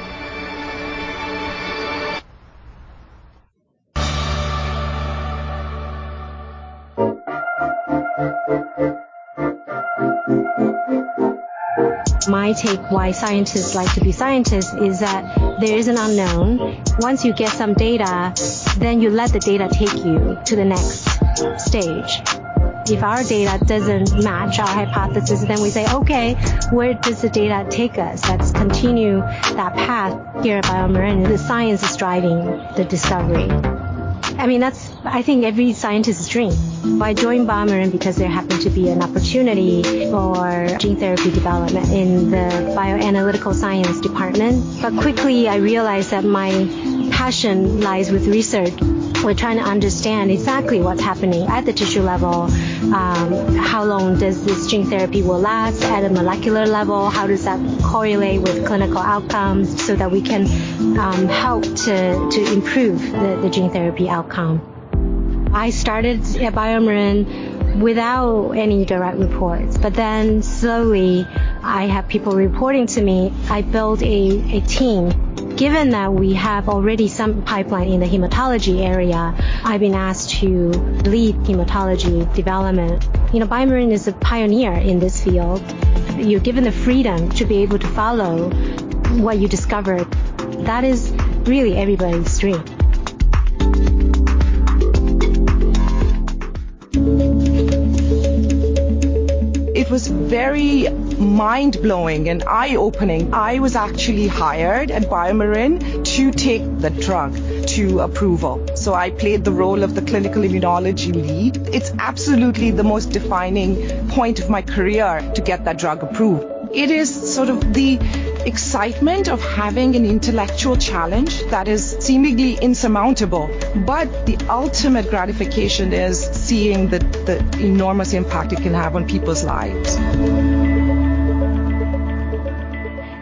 My take why scientists like to be scientists is that there is an unknown. Once you get some data, then you let the data take you to the next stage. If our data doesn't match our hypothesis, then we say, "Okay, where does the data take us? Let's continue that path." Here at BioMarin, the science is driving the discovery. I mean, that's, I think, every scientist's dream. I joined BioMarin because there happened to be an opportunity for gene therapy development in the Bioanalytical Science department. But quickly, I realized that my passion lies with research. We're trying to understand exactly what's happening at the tissue level. How long does this gene therapy will last at a molecular level? How does that correlate with clinical outcomes so that we can help to improve the gene therapy outcome? I started at BioMarin without any direct reports, but then slowly I have people reporting to me. I built a team. Given that we have already some pipeline in the hematology area, I've been asked to lead Hematology Development. You know, BioMarin is a pioneer in this field. You're given the freedom to be able to follow what you discovered. That is really everybody's dream. It was very mind-blowing and eye-opening. I was actually hired at BioMarin to take the drug to approval, so I played the role of the Clinical Immunology Lead. It's absolutely the most defining point of my career to get that drug approved. It is sort of the excitement of having an intellectual challenge that is seemingly insurmountable, but the ultimate gratification is seeing the enormous impact it can have on people's lives.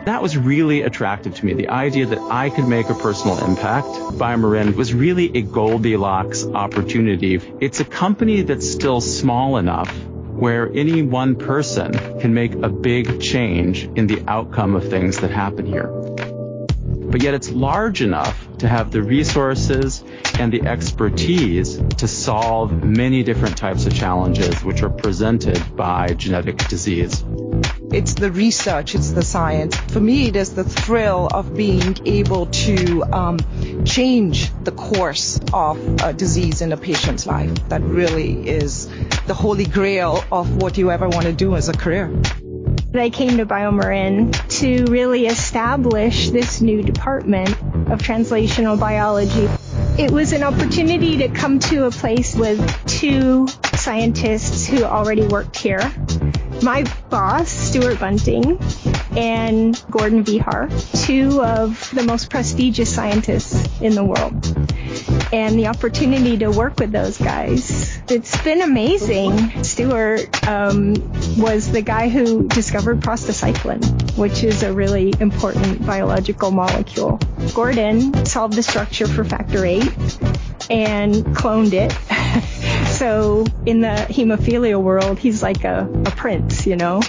That was really attractive to me, the idea that I could make a personal impact. BioMarin was really a Goldilocks opportunity. It's a company that's still small enough where any one person can make a big change in the outcome of things that happen here. Yet it's large enough to have the resources and the expertise to solve many different types of challenges which are presented by genetic disease. It's the research. It's the science. For me, it is the thrill of being able to change the course of a disease in a patient's life that really is the holy grail of what you ever wanna do as a career. I came to BioMarin to really establish this new department of Translational Biology. It was an opportunity to come to a place with two scientists who already worked here, my boss, Stuart Bunting and Gordon Vehar, two of the most prestigious scientists in the world. The opportunity to work with those guys, it's been amazing. Stuart was the guy who discovered prostacyclin, which is a really important biological molecule. Gordon solved the structure for factor VIII and cloned it. In the hemophilia world, he's like a prince, you know.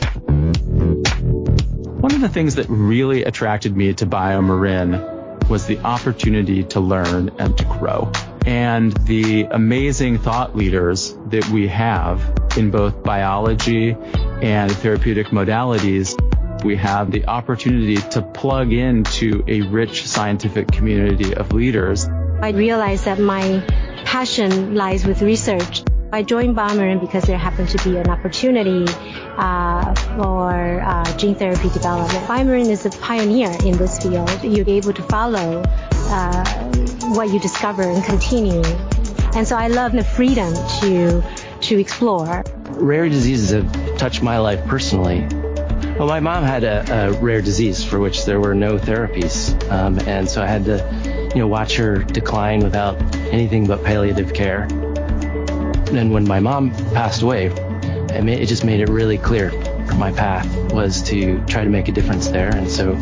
One of the things that really attracted me to BioMarin was the opportunity to learn and to grow, and the amazing thought leaders that we have in both biology and therapeutic modalities. We have the opportunity to plug into a rich scientific community of leaders. I realized that my passion lies with research. I joined BioMarin because there happened to be an opportunity for gene therapy development. BioMarin is a pioneer in this field. You're able to follow what you discover and continue, and so I love the freedom to explore. Rare diseases have touched my life personally. My mom had a rare disease for which there were no therapies. I had to, you know, watch her decline without anything but palliative care. When my mom passed away, it just made it really clear my path was to try to make a difference there, and so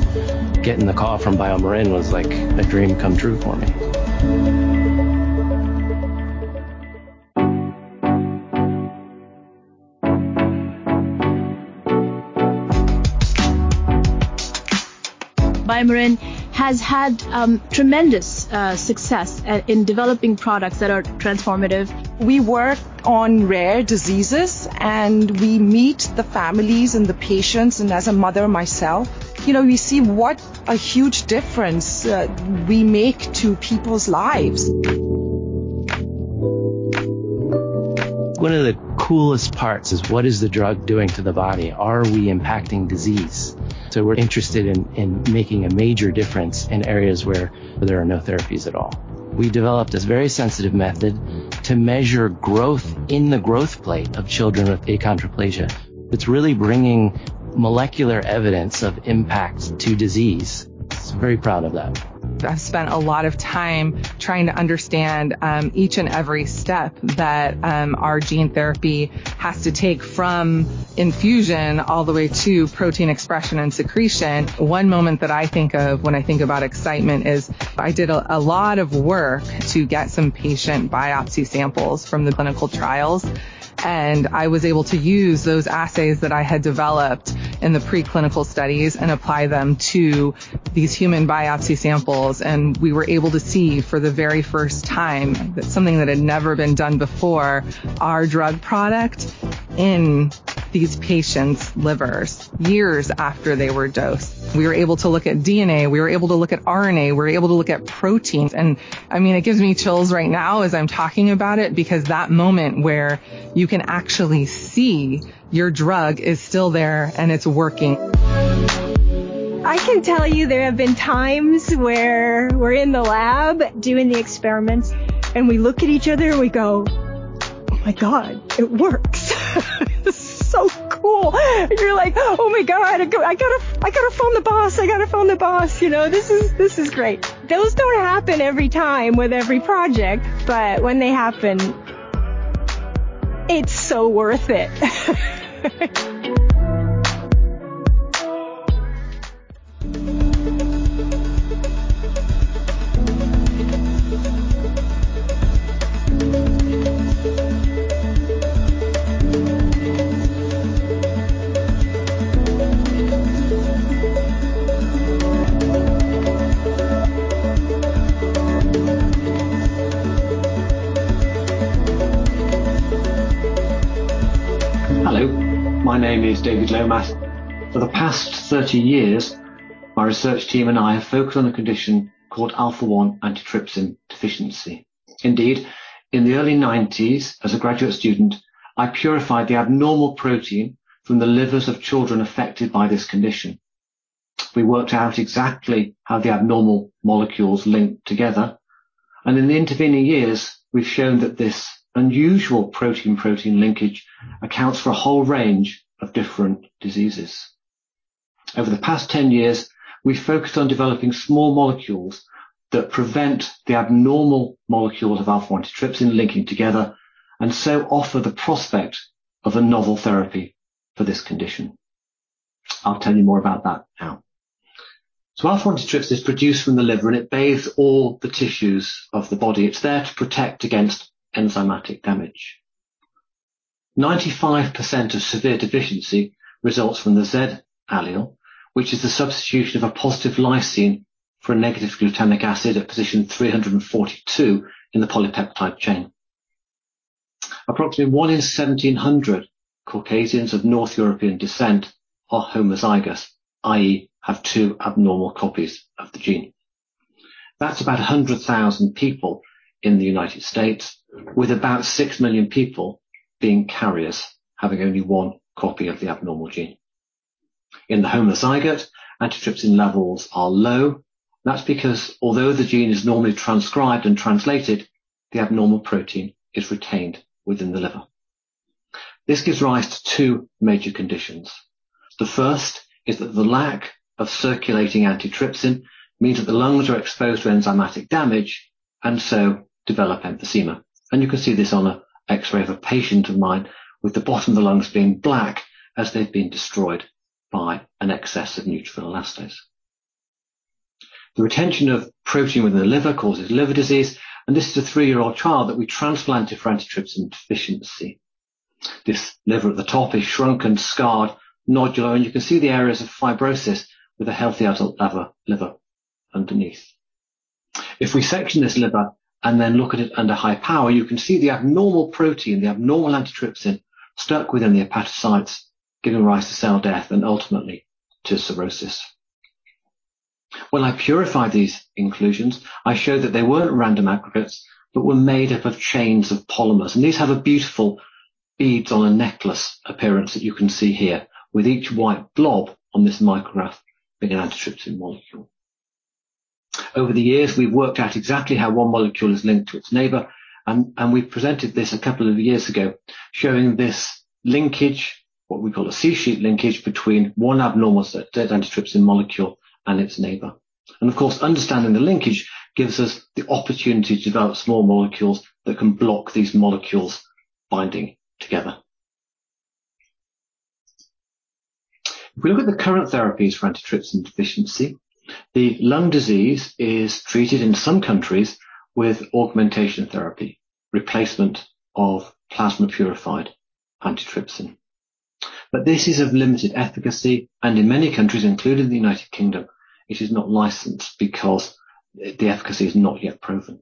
getting the call from BioMarin was like a dream come true for me. BioMarin has had tremendous success in developing products that are transformative. We work on rare diseases, and we meet the families and the patients, and as a mother myself, you know, we see what a huge difference we make to people's lives. One of the coolest parts is what is the drug doing to the body? Are we impacting disease? We're interested in making a major difference in areas where there are no therapies at all. We developed this very sensitive method to measure growth in the growth plate of children with achondroplasia. It's really bringing molecular evidence of impact to disease. Very proud of that. I've spent a lot of time trying to understand, each and every step that, our gene therapy has to take from infusion all the way to protein expression and secretion. One moment that I think of when I think about excitement is I did a lot of work to get some patient biopsy samples from the clinical trials, and I was able to use those assays that I had developed in the preclinical studies and apply them to these human biopsy samples, and we were able to see for the very first time, that something that had never been done before, our drug product in these patients' livers years after they were dosed. We were able to look at DNA, we were able to look at RNA, we were able to look at proteins, and, I mean, it gives me chills right now as I'm talking about it because that moment where you can actually see your drug is still there and it's working. I can tell you there have been times where we're in the lab doing the experiments, and we look at each other, and we go, "Oh my God, it works. This is so cool." You're like, "Oh my God. I gotta phone the boss." You know, this is, this is great. Those don't happen every time with every project, but when they happen, it's so worth it. Hello, my name is David Lomas. For the past 30 years, my research team and I have focused on a condition called alpha-1 antitrypsin deficiency. Indeed, in the early 1990s, as a graduate student, I purified the abnormal protein from the livers of children affected by this condition. We worked out exactly how the abnormal molecules link together, and in the intervening years, we've shown that this unusual protein-protein linkage accounts for a whole range of different diseases. Over the past 10 years, we've focused on developing small molecules that prevent the abnormal molecules of alpha-1 antitrypsin linking together and so offer the prospect of a novel therapy for this condition. I'll tell you more about that now. Alpha-1 antitrypsin is produced from the liver, and it bathes all the tissues of the body. It's there to protect against enzymatic damage. 95% of severe deficiency results from the Z allele, which is the substitution of a positive lysine for a negative glutamic acid at position 342 in the polypeptide chain. Approximately one in 1700 Caucasians of North European descent are homozygous, i.e., have two abnormal copies of the gene. That's about 100,000 people in the United States, with about 6 million people being carriers, having only one copy of the abnormal gene. In the homozygote, antitrypsin levels are low. That's because although the gene is normally transcribed and translated, the abnormal protein is retained within the liver. This gives rise to two major conditions. The first is that the lack of circulating antitrypsin means that the lungs are exposed to enzymatic damage and so develop emphysema. You can see this on an X-ray of a patient of mine with the bottom of the lungs being black as they've been destroyed by an excess of neutrophil elastase. The retention of protein within the liver causes liver disease, and this is a three-year-old child that we transplanted for antitrypsin deficiency. This liver at the top is shrunken, scarred, nodular, and you can see the areas of fibrosis with a healthy adult liver underneath. If we section this liver and then look at it under high power, you can see the abnormal protein, the abnormal antitrypsin, stuck within the hepatocytes, giving rise to cell death and ultimately to cirrhosis. When I purified these inclusions, I showed that they weren't random aggregates but were made up of chains of polymers, and these have a beautiful beads-on-a-necklace appearance that you can see here, with each white blob on this micrograph being an antitrypsin molecule. Over the years, we've worked out exactly how one molecule is linked to its neighbor and we presented this a couple of years ago, showing this linkage, what we call a C-sheet linkage, between one abnormal dead antitrypsin molecule and its neighbor. Of course, understanding the linkage gives us the opportunity to develop small molecules that can block these molecules binding together. If we look at the current therapies for antitrypsin deficiency, the lung disease is treated in some countries with augmentation therapy, replacement of plasma purified antitrypsin. This is of limited efficacy, and in many countries, including the United Kingdom, it is not licensed because the efficacy is not yet proven.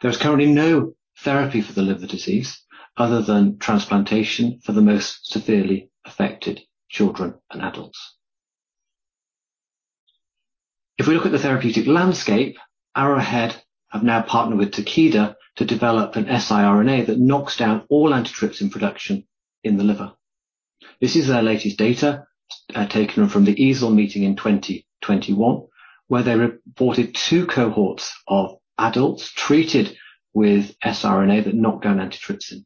There is currently no therapy for the liver disease other than transplantation for the most severely affected children and adults. If we look at the therapeutic landscape, Arrowhead have now partnered with Takeda to develop an siRNA that knocks down all antitrypsin production in the liver. This is their latest data, taken from the EASL meeting in 2021, where they reported two cohorts of adults treated with siRNA that knocked down antitrypsin,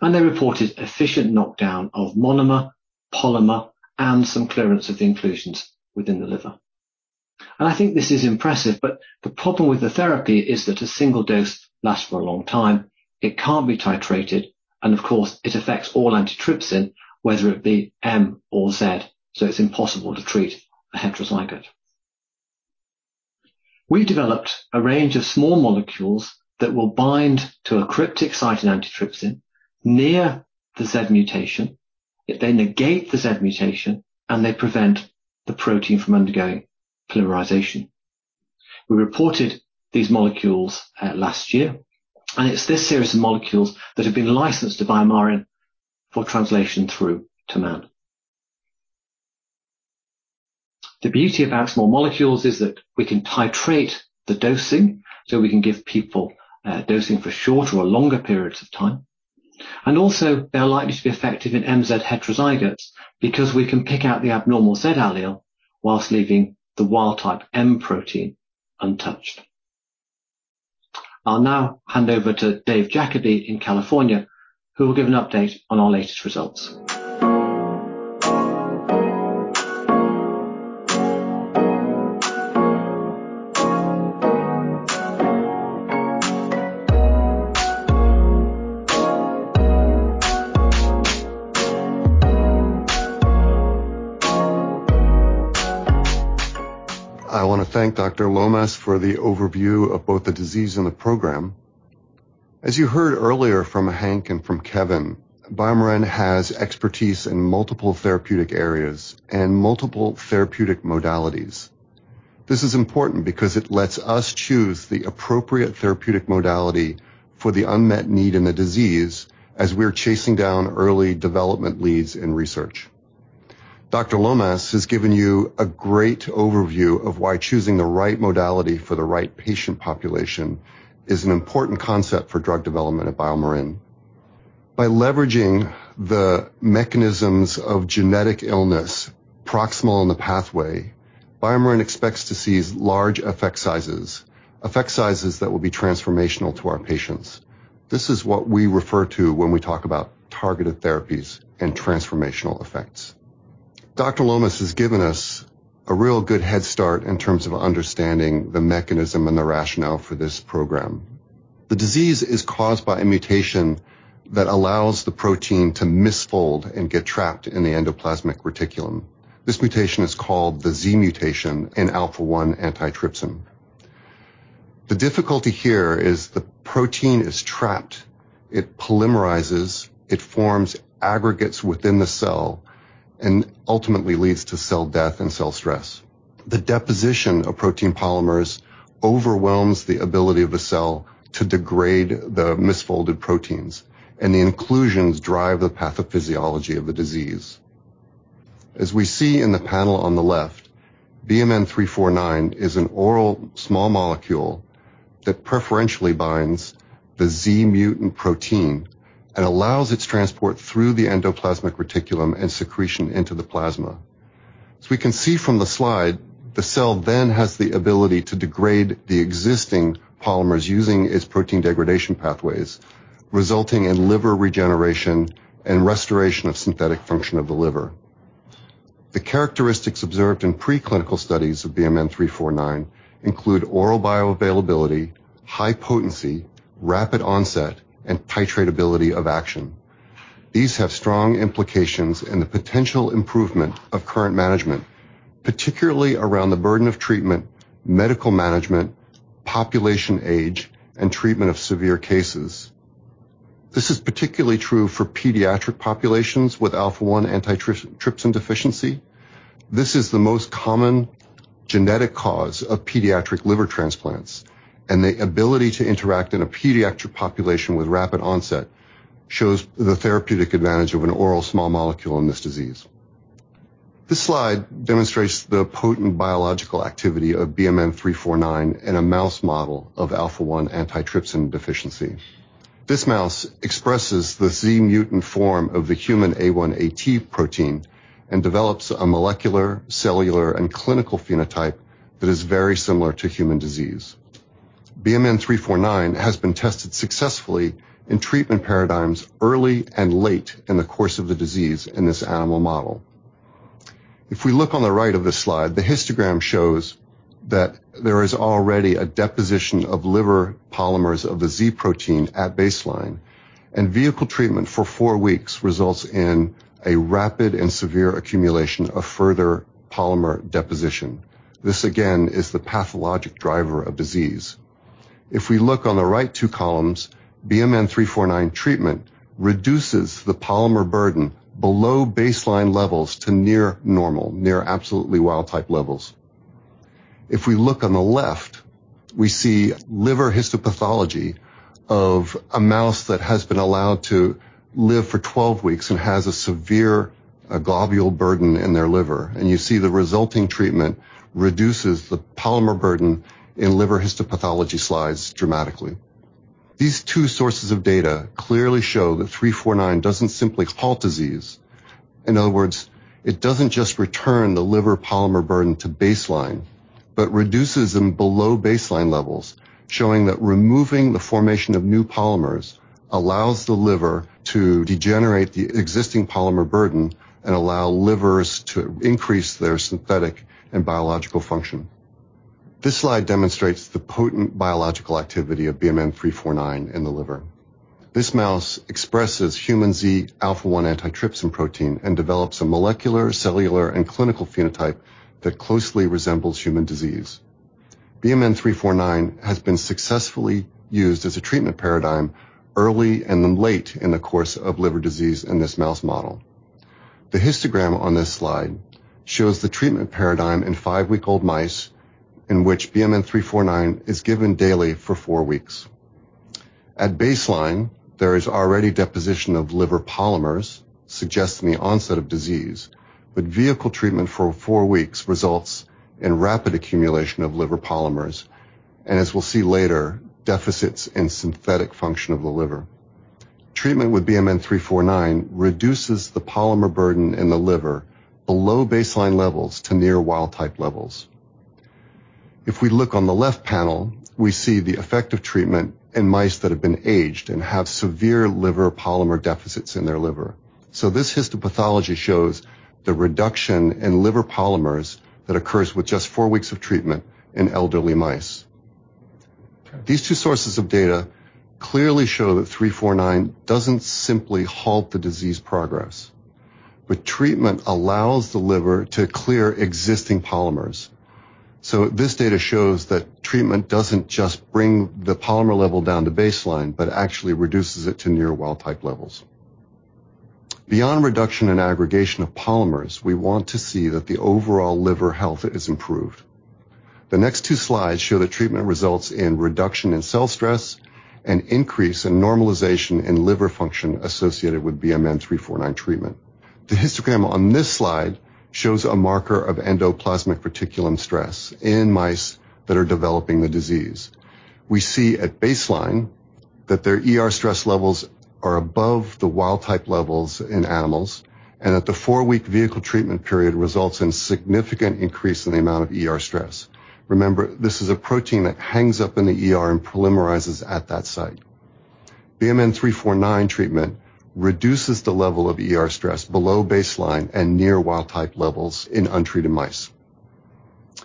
and they reported efficient knockdown of monomer, polymer, and some clearance of the inclusions within the liver. I think this is impressive, but the problem with the therapy is that a single dose lasts for a long time. It can't be titrated, and of course, it affects all antitrypsin, whether it be M or Z, so it's impossible to treat a heterozygote. We developed a range of small molecules that will bind to a cryptic site in antitrypsin near the Z mutation. They negate the Z mutation, and they prevent the protein from undergoing polymerization. We reported these molecules last year, and it's this series of molecules that have been licensed to BioMarin for translation through to man. The beauty about small molecules is that we can titrate the dosing, so we can give people dosing for shorter or longer periods of time. Also, they are likely to be effective in MZ heterozygotes because we can pick out the abnormal Z allele whilst leaving the wild type M protein untouched. I'll now hand over to Dave Jacoby in California, who will give an update on our latest results. I want to thank Dr. Lomas for the overview of both the disease and the program. As you heard earlier from Hank and from Kevin, BioMarin has expertise in multiple therapeutic areas and multiple therapeutic modalities. This is important because it lets us choose the appropriate therapeutic modality for the unmet need in the disease as we're chasing down early development leads in research. Dr. Lomas has given you a great overview of why choosing the right modality for the right patient population is an important concept for drug development at BioMarin. By leveraging the mechanisms of genetic illness proximal in the pathway, BioMarin expects to see large effect sizes, effect sizes that will be transformational to our patients. This is what we refer to when we talk about targeted therapies and transformational effects. Dr. Lomas has given us a real good head start in terms of understanding the mechanism and the rationale for this program. The disease is caused by a mutation that allows the protein to misfold and get trapped in the endoplasmic reticulum. This mutation is called the Z mutation in alpha-1 antitrypsin. The difficulty here is the protein is trapped. It polymerizes, it forms aggregates within the cell, and ultimately leads to cell death and cell stress. The deposition of protein polymers overwhelms the ability of a cell to degrade the misfolded proteins, and the inclusions drive the pathophysiology of the disease. As we see in the panel on the left, BMN 349 is an oral small molecule that preferentially binds the Z mutant protein and allows its transport through the endoplasmic reticulum and secretion into the plasma. As we can see from the slide, the cell then has the ability to degrade the existing polymers using its protein degradation pathways, resulting in liver regeneration and restoration of synthetic function of the liver. The characteristics observed in preclinical studies of BMN 349 include oral bioavailability, high potency, rapid onset, and titratability of action. These have strong implications in the potential improvement of current management, particularly around the burden of treatment, medical management, population age, and treatment of severe cases. This is particularly true for pediatric populations with alpha-1 antitrypsin deficiency. This is the most common genetic cause of pediatric liver transplants, and the ability to interact in a pediatric population with rapid onset shows the therapeutic advantage of an oral small molecule in this disease. This slide demonstrates the potent biological activity of BMN 349 in a mouse model of alpha-1 antitrypsin deficiency. This mouse expresses the Z mutant form of the human A1AT protein and develops a molecular, cellular, and clinical phenotype that is very similar to human disease. BMN 349 has been tested successfully in treatment paradigms early and late in the course of the disease in this animal model. If we look on the right of this slide, the histogram shows that there is already a deposition of liver polymers of the Z protein at baseline, and vehicle treatment for four weeks results in a rapid and severe accumulation of further polymer deposition. This again is the pathologic driver of disease. If we look on the right two columns, BMN 349 treatment reduces the polymer burden below baseline levels to near normal, near absolutely wild-type levels. If we look on the left, we see liver histopathology of a mouse that has been allowed to live for 12 weeks and has a severe globule burden in their liver, and you see the resulting treatment reduces the polymer burden in liver histopathology slides dramatically. These two sources of data clearly show that BMN 349 doesn't simply halt disease. In other words, it doesn't just return the liver polymer burden to baseline, but reduces them below baseline levels, showing that removing the formation of new polymers allows the liver to degrade the existing polymer burden and allow livers to increase their synthetic and biological function. This slide demonstrates the potent biological activity of BMN 349 in the liver. This mouse expresses human Z alpha-1 antitrypsin protein and develops a molecular, cellular, and clinical phenotype that closely resembles human disease. BMN 349 has been successfully used as a treatment paradigm early and then late in the course of liver disease in this mouse model. The histogram on this slide shows the treatment paradigm in five-week-old mice in which BMN 349 is given daily for four weeks. At baseline, there is already deposition of liver polymers suggesting the onset of disease, but vehicle treatment for four weeks results in rapid accumulation of liver polymers, and as we'll see later, deficits in synthetic function of the liver. Treatment with BMN 349 reduces the polymer burden in the liver below baseline levels to near wild-type levels. If we look on the left panel, we see the effect of treatment in mice that have been aged and have severe liver polymer deficits in their liver. This histopathology shows the reduction in liver polymers that occurs with just four weeks of treatment in elderly mice. These two sources of data clearly show that BMN 349 doesn't simply halt the disease progress, but treatment allows the liver to clear existing polymers. This data shows that treatment doesn't just bring the polymer level down to baseline, but actually reduces it to near wild-type levels. Beyond reduction in aggregation of polymers, we want to see that the overall liver health is improved. The next two slides show that treatment results in reduction in cell stress and increase in normalization in liver function associated with BMN 349 treatment. The histogram on this slide shows a marker of endoplasmic reticulum stress in mice that are developing the disease. We see at baseline that their ER stress levels are above the wild-type levels in animals, and that the four-week vehicle treatment period results in significant increase in the amount of ER stress. Remember, this is a protein that hangs up in the ER and polymerizes at that site. BMN 349 treatment reduces the level of ER stress below baseline and near wild-type levels in untreated mice.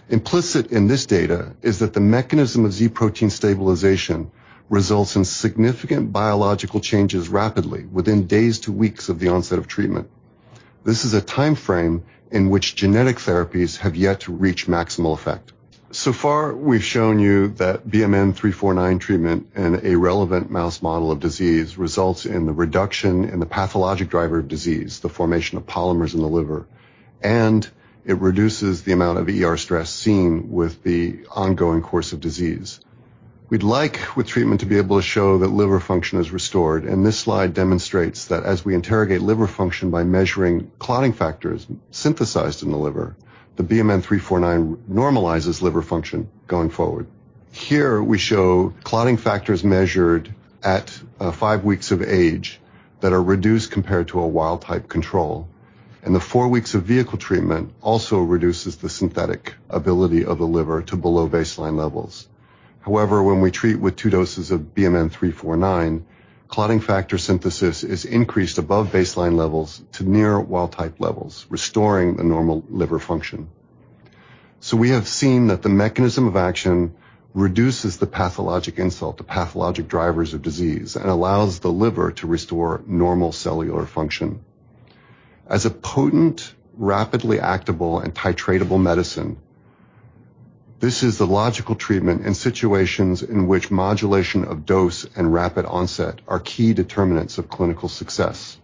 Implicit in this data is that the mechanism of Z protein stabilization results in significant biological changes rapidly within days to weeks of the onset of treatment. This is a timeframe in which genetic therapies have yet to reach maximal effect. So far, we've shown you that BMN 349 treatment in a relevant mouse model of disease results in the reduction in the pathologic driver of disease, the formation of polymers in the liver, and it reduces the amount of ER stress seen with the ongoing course of disease. We'd like with treatment to be able to show that liver function is restored, and this slide demonstrates that as we interrogate liver function by measuring clotting factors synthesized in the liver, the BMN 349 normalizes liver function going forward. Here, we show clotting factors measured at five weeks of age that are reduced compared to a wild-type control. The four weeks of vehicle treatment also reduces the synthetic ability of the liver to below baseline levels. However, when we treat with two doses of BMN 349, clotting factor synthesis is increased above baseline levels to near wild-type levels, restoring the normal liver function. We have seen that the mechanism of action reduces the pathologic insult, the pathologic drivers of disease, and allows the liver to restore normal cellular function. As a potent, rapidly actable, and titratable medicine, this is the logical treatment in situations in which modulation of dose and rapid onset are key determinants of clinical success.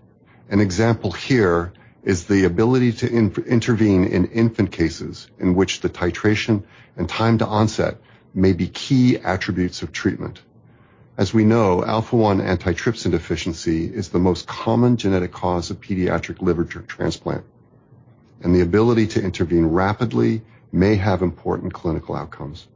An example here is the ability to intervene in infant cases in which the titration and time to onset may be key attributes of treatment. As we know, alpha-1 antitrypsin deficiency is the most common genetic cause of pediatric liver transplant, and the ability to intervene rapidly may have important clinical outcomes.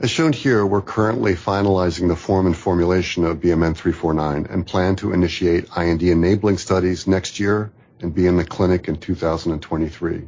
As shown here, we're currently finalizing the form and formulation of BMN 349 and plan to initiate IND-enabling studies next year and be in the clinic in 2023.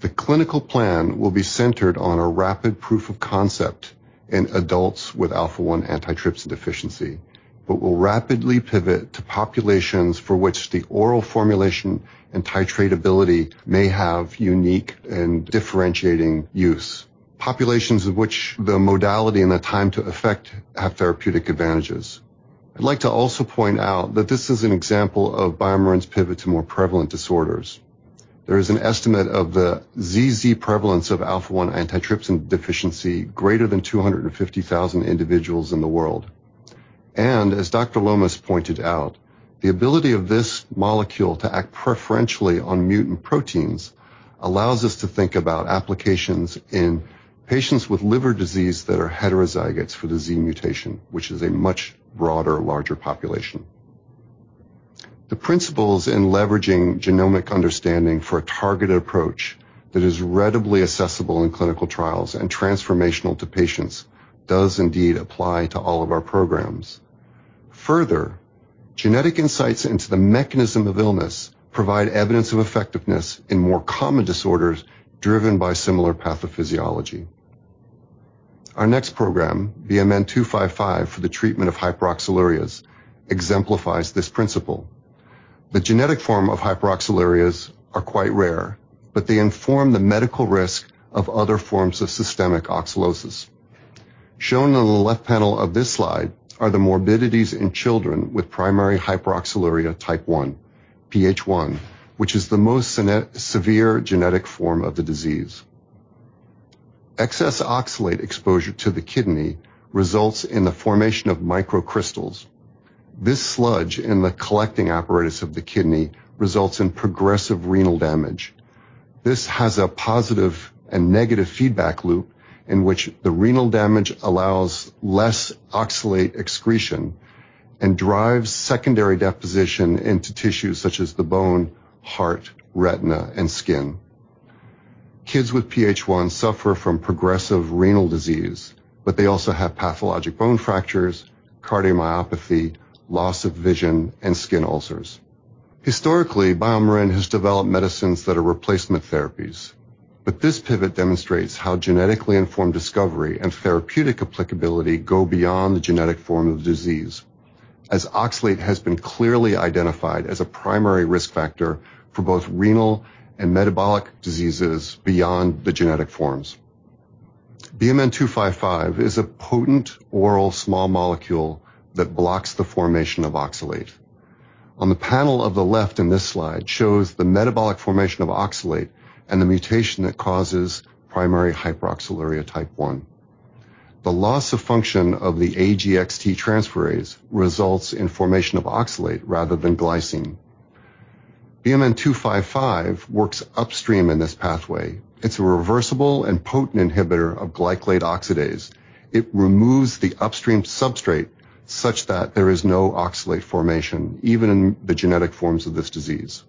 The clinical plan will be centered on a rapid proof of concept in adults with alpha-1 antitrypsin deficiency, but will rapidly pivot to populations for which the oral formulation and titratability may have unique and differentiating use. Populations of which the modality and the time to effect have therapeutic advantages. I'd like to also point out that this is an example of BioMarin's pivot to more prevalent disorders. There is an estimate of the ZZ prevalence of alpha-1 antitrypsin deficiency greater than 250,000 individuals in the world. As Dr. Lomas pointed out, the ability of this molecule to act preferentially on mutant proteins allows us to think about applications in patients with liver disease that are heterozygotes for the Z mutation, which is a much broader, larger population. The principles in leveraging genomic understanding for a targeted approach that is readily accessible in clinical trials and transformational to patients does indeed apply to all of our programs. Further, genetic insights into the mechanism of illness provide evidence of effectiveness in more common disorders driven by similar pathophysiology. Our next program, BMN 255 for the treatment of hyperoxalurias, exemplifies this principle. The genetic form of hyperoxalurias are quite rare, but they inform the medical risk of other forms of systemic oxalosis. Shown on the left panel of this slide are the morbidities in children with primary hyperoxaluria type 1 (PH1), which is the most severe genetic form of the disease. Excess oxalate exposure to the kidney results in the formation of microcrystals. This sludge in the collecting apparatus of the kidney results in progressive renal damage. This has a positive and negative feedback loop in which the renal damage allows less oxalate excretion and drives secondary deposition into tissues such as the bone, heart, retina, and skin. Kids with PH1 suffer from progressive renal disease, but they also have pathologic bone fractures, cardiomyopathy, loss of vision, and skin ulcers. Historically, BioMarin has developed medicines that are replacement therapies. This pivot demonstrates how genetically informed discovery and therapeutic applicability go beyond the genetic form of disease. As oxalate has been clearly identified as a primary risk factor for both renal and metabolic diseases beyond the genetic forms. BMN 255 is a potent oral small molecule that blocks the formation of oxalate. On the panel of the left in this slide shows the metabolic formation of oxalate and the mutation that causes primary hyperoxaluria type 1. The loss of function of the AGXT transferase results in formation of oxalate rather than glycine. BMN 255 works upstream in this pathway. It's a reversible and potent inhibitor of glycolate oxidase. It removes the upstream substrate such that there is no oxalate formation, even in the genetic forms of this disease.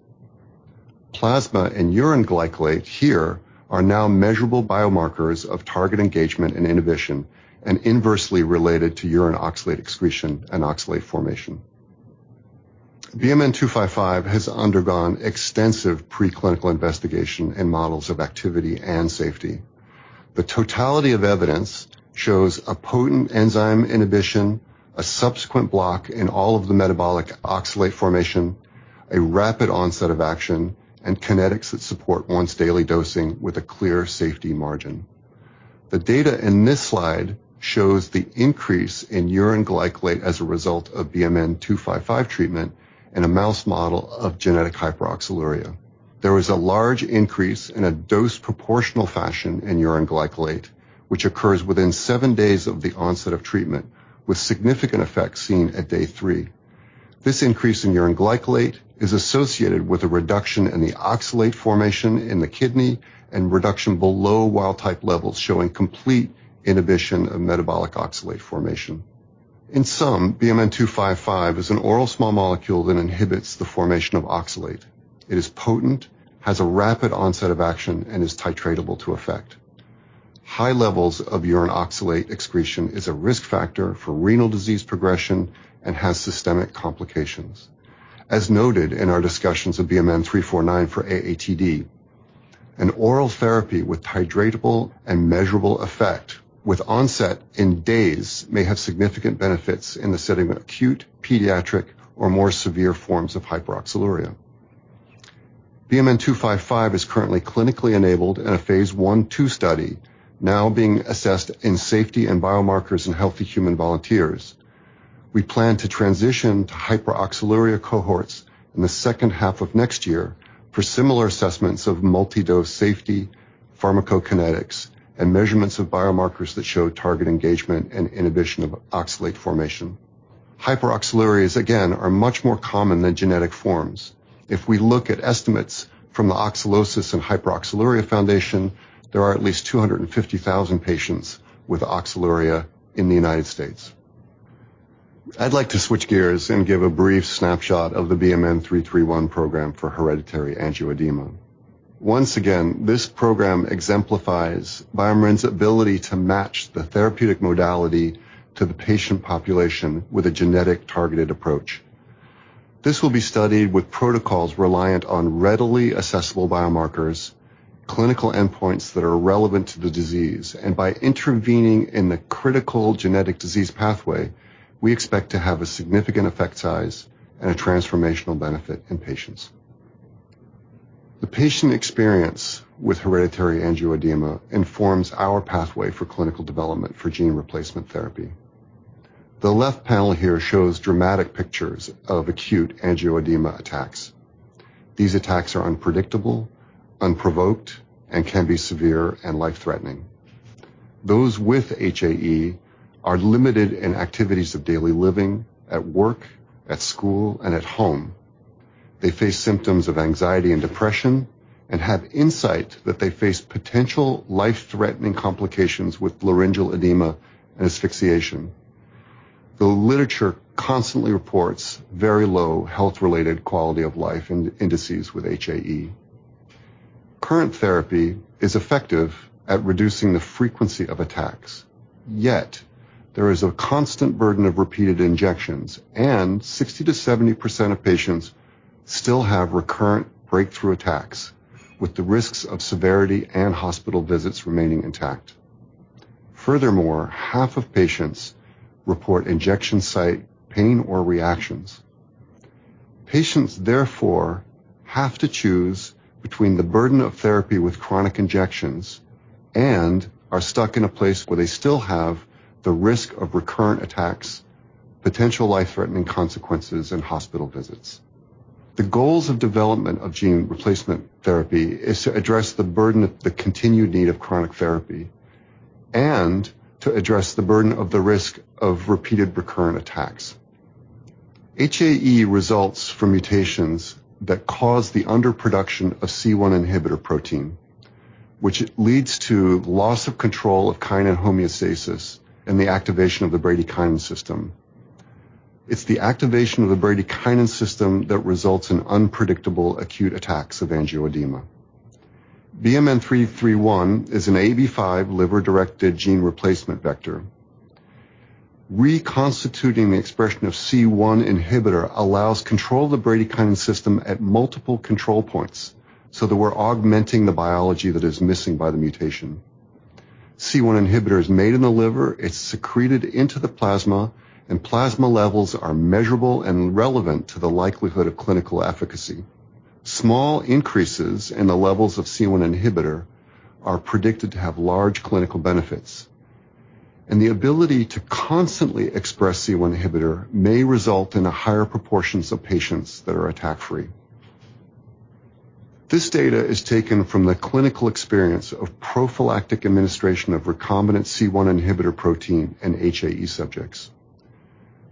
Plasma and urine glycolate here are now measurable biomarkers of target engagement and inhibition and inversely related to urine oxalate excretion and oxalate formation. BMN 255 has undergone extensive preclinical investigation in models of activity and safety. The totality of evidence shows a potent enzyme inhibition, a subsequent block in all of the metabolic oxalate formation, a rapid onset of action, and kinetics that support once-daily dosing with a clear safety margin. The data in this slide shows the increase in urine glycolate as a result of BMN 255 treatment in a mouse model of genetic hyperoxaluria. There was a large increase in a dose proportional fashion in urine glycolate, which occurs within seven days of the onset of treatment, with significant effects seen at day three. This increase in urine glycolate is associated with a reduction in the oxalate formation in the kidney and reduction below wild-type levels, showing complete inhibition of metabolic oxalate formation. In sum, BMN 255 is an oral small molecule that inhibits the formation of oxalate. It is potent, has a rapid onset of action, and is titratable to effect. High levels of urine oxalate excretion is a risk factor for renal disease progression and has systemic complications. As noted in our discussions of BMN 349 for AATD, an oral therapy with titratable and measurable effect with onset in days may have significant benefits in the setting of acute pediatric or more severe forms of hyperoxaluria. BMN 255 is currently clinically enabled in a phase I/II study now being assessed in safety and biomarkers in healthy human volunteers. We plan to transition to hyperoxaluria cohorts in the second half of next year for similar assessments of multi-dose safety, pharmacokinetics, and measurements of biomarkers that show target engagement and inhibition of oxalate formation. Hyperoxalurias, again, are much more common than genetic forms. If we look at estimates from the Oxalosis and Hyperoxaluria Foundation, there are at least 250,000 patients with hyperoxaluria in the United States. I'd like to switch gears and give a brief snapshot of the BMN 331 program for hereditary angioedema. Once again, this program exemplifies BioMarin's ability to match the therapeutic modality to the patient population with a genetic targeted approach. This will be studied with protocols reliant on readily accessible biomarkers, clinical endpoints that are relevant to the disease, and by intervening in the critical genetic disease pathway, we expect to have a significant effect size and a transformational benefit in patients. The patient experience with hereditary angioedema informs our pathway for clinical development for gene replacement therapy. The left panel here shows dramatic pictures of acute angioedema attacks. These attacks are unpredictable, unprovoked, and can be severe and life-threatening. Those with HAE are limited in activities of daily living at work, at school, and at home. They face symptoms of anxiety and depression and have insight that they face potential life-threatening complications with laryngeal edema and asphyxiation. The literature constantly reports very low health-related quality of life indices with HAE. Current therapy is effective at reducing the frequency of attacks, yet there is a constant burden of repeated injections and 60%-70% of patients still have recurrent breakthrough attacks, with the risks of severity and hospital visits remaining intact. Furthermore, half of patients report injection site pain or reactions. Patients therefore have to choose between the burden of therapy with chronic injections and are stuck in a place where they still have the risk of recurrent attacks, potential life-threatening consequences, and hospital visits. The goals of development of gene replacement therapy is to address the burden of the continued need of chronic therapy and to address the burden of the risk of repeated recurrent attacks. HAE results from mutations that cause the underproduction of C1 inhibitor protein, which leads to loss of control of kinin homeostasis and the activation of the bradykinin system. It's the activation of the bradykinin system that results in unpredictable acute attacks of angioedema. BMN 331 is an AAV5 liver-directed gene replacement vector. Reconstituting the expression of C1 inhibitor allows control of the bradykinin system at multiple control points so that we're augmenting the biology that is missing by the mutation. C1 inhibitor is made in the liver, it's secreted into the plasma, and plasma levels are measurable and relevant to the likelihood of clinical efficacy. Small increases in the levels of C1 inhibitor are predicted to have large clinical benefits, and the ability to constantly express C1 inhibitor may result in a higher proportions of patients that are attack-free. This data is taken from the clinical experience of prophylactic administration of recombinant C1 inhibitor protein in HAE subjects.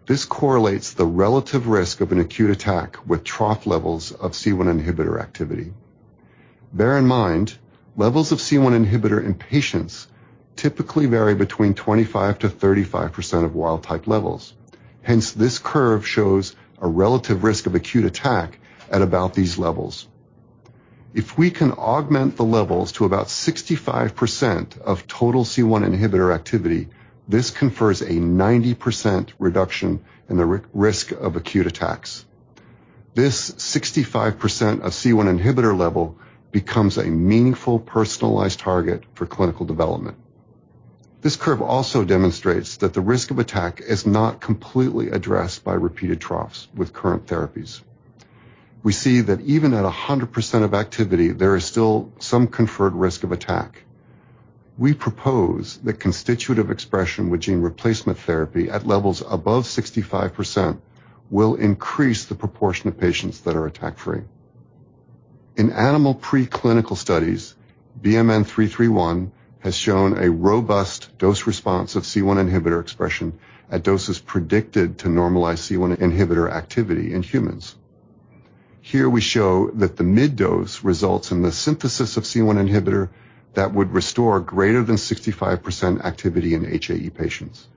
This correlates the relative risk of an acute attack with trough levels of C1 inhibitor activity. Bear in mind, levels of C1 inhibitor in patients typically vary between 25%-35% of wild-type levels. Hence, this curve shows a relative risk of acute attack at about these levels. If we can augment the levels to about 65% of total C1 inhibitor activity, this confers a 90% reduction in the risk of acute attacks. This 65% of C1 inhibitor level becomes a meaningful personalized target for clinical development. This curve also demonstrates that the risk of attack is not completely addressed by repeated troughs with current therapies. We see that even at 100% of activity, there is still some conferred risk of attack. We propose that constitutive expression with gene replacement therapy at levels above 65% will increase the proportion of patients that are attack-free. In animal preclinical studies, BMN 331 has shown a robust dose response of C1 inhibitor expression at doses predicted to normalize C1 inhibitor activity in humans. Here we show that the mid-dose results in the synthesis of C1 inhibitor that would restore greater than 65% activity in HAE patients.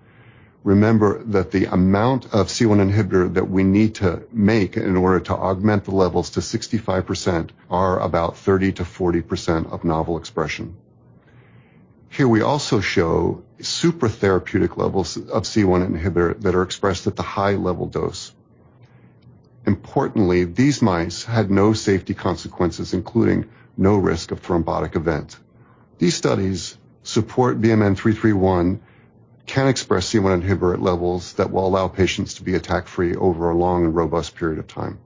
Remember that the amount of C1 inhibitor that we need to make in order to augment the levels to 65% are about 30%-40% of normal expression. Here we also show supratherapeutic levels of C1 inhibitor that are expressed at the high-level dose. Importantly, these mice had no safety consequences, including no risk of thrombotic event. These studies support BMN 331 can express C1 inhibitor at levels that will allow patients to be attack-free over a long and robust period of time.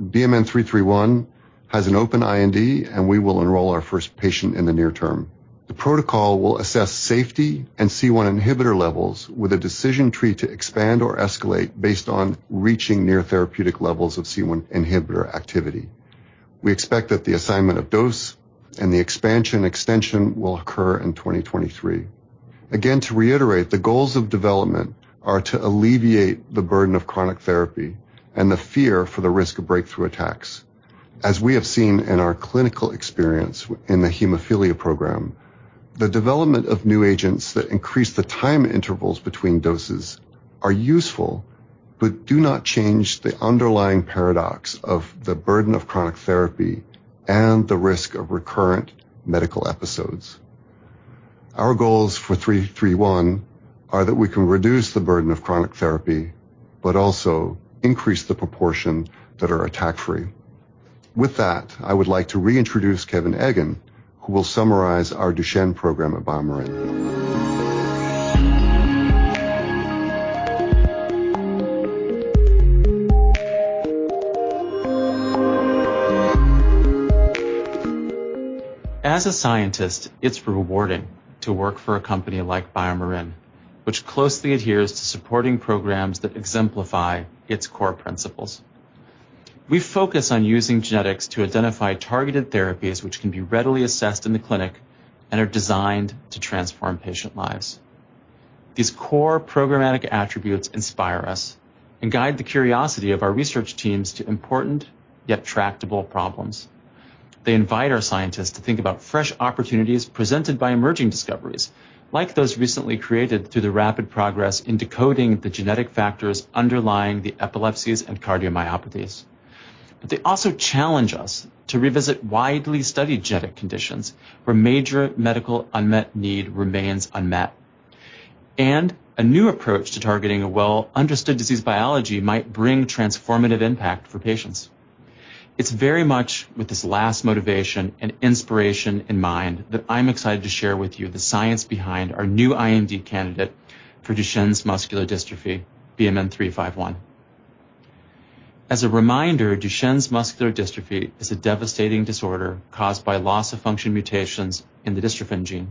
BMN 331 has an open IND, and we will enroll our first patient in the near term. The protocol will assess safety and C1 inhibitor levels with a decision tree to expand or escalate based on reaching near therapeutic levels of C1 inhibitor activity. We expect that the assignment of dose and the expansion extension will occur in 2023. Again, to reiterate, the goals of development are to alleviate the burden of chronic therapy and the fear for the risk of breakthrough attacks. As we have seen in our clinical experience in the hemophilia program, the development of new agents that increase the time intervals between doses are useful but do not change the underlying paradox of the burden of chronic therapy and the risk of recurrent medical episodes. Our goals for BMN 331 are that we can reduce the burden of chronic therapy, but also increase the proportion that are attack free. With that, I would like to reintroduce Kevin Eggan, who will summarize our Duchenne program at BioMarin. As a scientist, it's rewarding to work for a company like BioMarin, which closely adheres to supporting programs that exemplify its core principles. We focus on using genetics to identify targeted therapies which can be readily assessed in the clinic and are designed to transform patient lives. These core programmatic attributes inspire us and guide the curiosity of our research teams to important yet tractable problems. They invite our scientists to think about fresh opportunities presented by emerging discoveries, like those recently created through the rapid progress in decoding the genetic factors underlying the epilepsies and cardiomyopathies. They also challenge us to revisit widely studied genetic conditions where major medical unmet need remains unmet. A new approach to targeting a well-understood disease biology might bring transformative impact for patients. It's very much with this last motivation and inspiration in mind that I'm excited to share with you the science behind our new IND candidate for Duchenne muscular dystrophy, BMN 351. As a reminder, Duchenne muscular dystrophy is a devastating disorder caused by loss of function mutations in the dystrophin gene.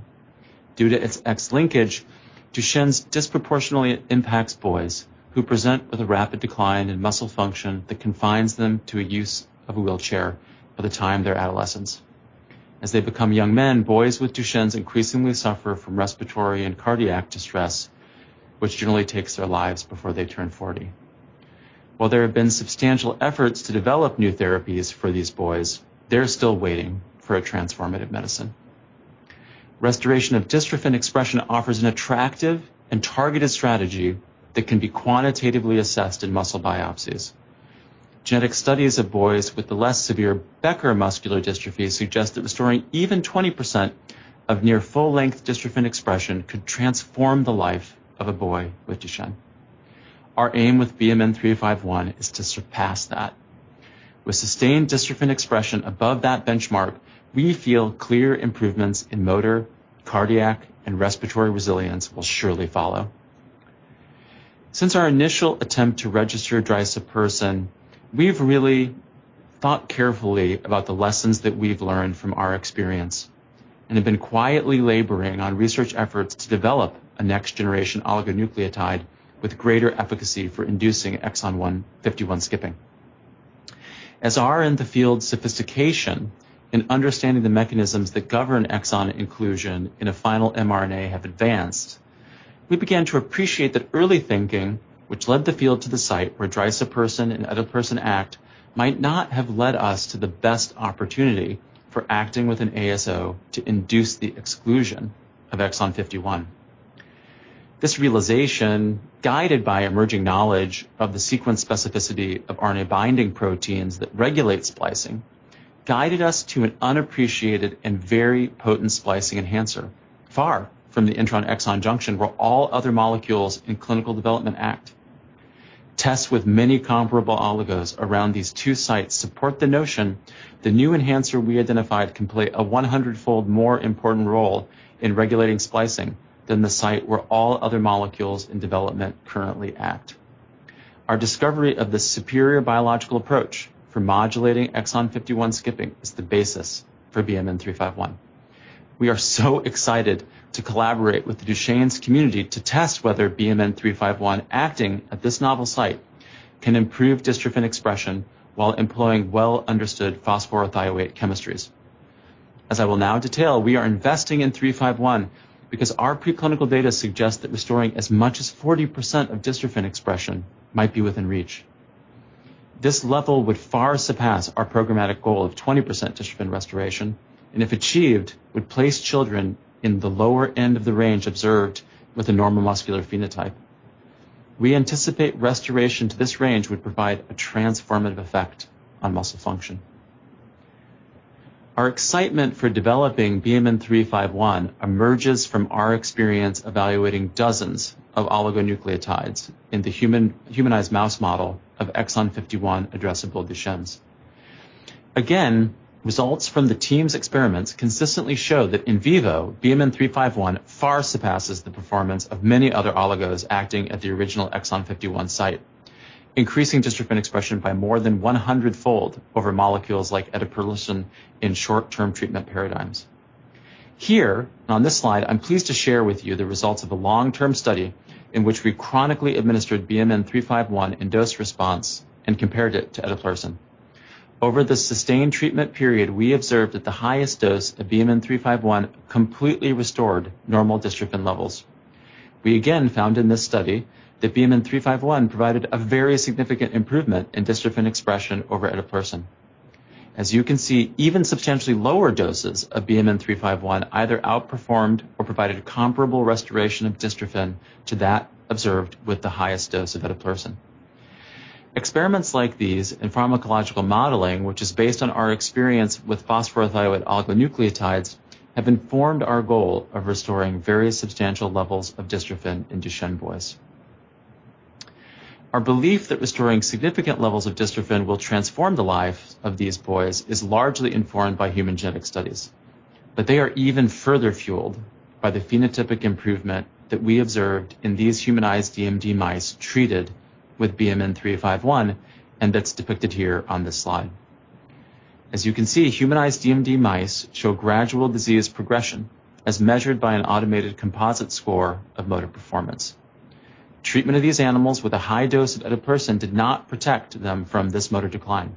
Due to its X linkage, Duchenne muscular dystrophy disproportionately impacts boys who present with a rapid decline in muscle function that confines them to a use of a wheelchair by the time they're adolescents. As they become young men, boys with Duchenne muscular dystrophy increasingly suffer from respiratory and cardiac distress, which generally takes their lives before they turn 40. While there have been substantial efforts to develop new therapies for these boys, they're still waiting for a transformative medicine. Restoration of dystrophin expression offers an attractive and targeted strategy that can be quantitatively assessed in muscle biopsies. Genetic studies of boys with the less severe Becker muscular dystrophy suggest that restoring even 20% of near full-length dystrophin expression could transform the life of a boy with Duchenne. Our aim with BMN 351 is to surpass that. With sustained dystrophin expression above that benchmark, we feel clear improvements in motor, cardiac, and respiratory resilience will surely follow. Since our initial attempt to register drisapersen, we've really thought carefully about the lessons that we've learned from our experience, and have been quietly laboring on research efforts to develop a next-generation oligonucleotide with greater efficacy for inducing exon 51 skipping. As our and the field's sophistication in understanding the mechanisms that govern exon inclusion in a final mRNA have advanced, we began to appreciate that early thinking, which led the field to the site where drisapersen and eteplirsen act, might not have led us to the best opportunity for acting with an ASO to induce the exclusion of exon 51. This realization, guided by emerging knowledge of the sequence specificity of RNA-binding proteins that regulate splicing, guided us to an unappreciated and very potent splicing enhancer, far from the intron-exon junction where all other molecules in clinical development act. Tests with many comparable oligos around these two sites support the notion the new enhancer we identified can play a 100-fold more important role in regulating splicing than the site where all other molecules in development currently act. Our discovery of this superior biological approach for modulating exon 51 skipping is the basis for BMN 351. We are so excited to collaborate with the Duchenne community to test whether BMN 351 acting at this novel site can improve dystrophin expression while employing well-understood phosphorothioate chemistries. As I will now detail, we are investing in 351 because our preclinical data suggest that restoring as much as 40% of dystrophin expression might be within reach. This level would far surpass our programmatic goal of 20% dystrophin restoration, and if achieved, would place children in the lower end of the range observed with a normal muscular phenotype. We anticipate restoration to this range would provide a transformative effect on muscle function. Our excitement for developing BMN 351 emerges from our experience evaluating dozens of oligonucleotides in the humanized mouse model of exon 51 addressable Duchenne's. Results from the team's experiments consistently show that in vivo, BMN 351 far surpasses the performance of many other oligos acting at the original exon 51 site, increasing dystrophin expression by more than 100-fold over molecules like eteplirsen in short-term treatment paradigms. Here on this slide, I'm pleased to share with you the results of a long-term study in which we chronically administered BMN 351 in dose response and compared it to eteplirsen. Over the sustained treatment period, we observed that the highest dose of BMN 351 completely restored normal dystrophin levels. We again found in this study that BMN 351 provided a very significant improvement in dystrophin expression over eteplirsen. As you can see, even substantially lower doses of BMN 351 either outperformed or provided a comparable restoration of dystrophin to that observed with the highest dose of eteplirsen. Experiments like these in pharmacological modeling, which is based on our experience with phosphorothioate oligonucleotides, have informed our goal of restoring various substantial levels of dystrophin in Duchenne boys. Our belief that restoring significant levels of dystrophin will transform the lives of these boys is largely informed by human genetic studies. They are even further fueled by the phenotypic improvement that we observed in these humanized DMD mice treated with BMN 351, and that's depicted here on this slide. As you can see, humanized DMD mice show gradual disease progression as measured by an automated composite score of motor performance. Treatment of these animals with a high dose of drisapersen did not protect them from this motor decline.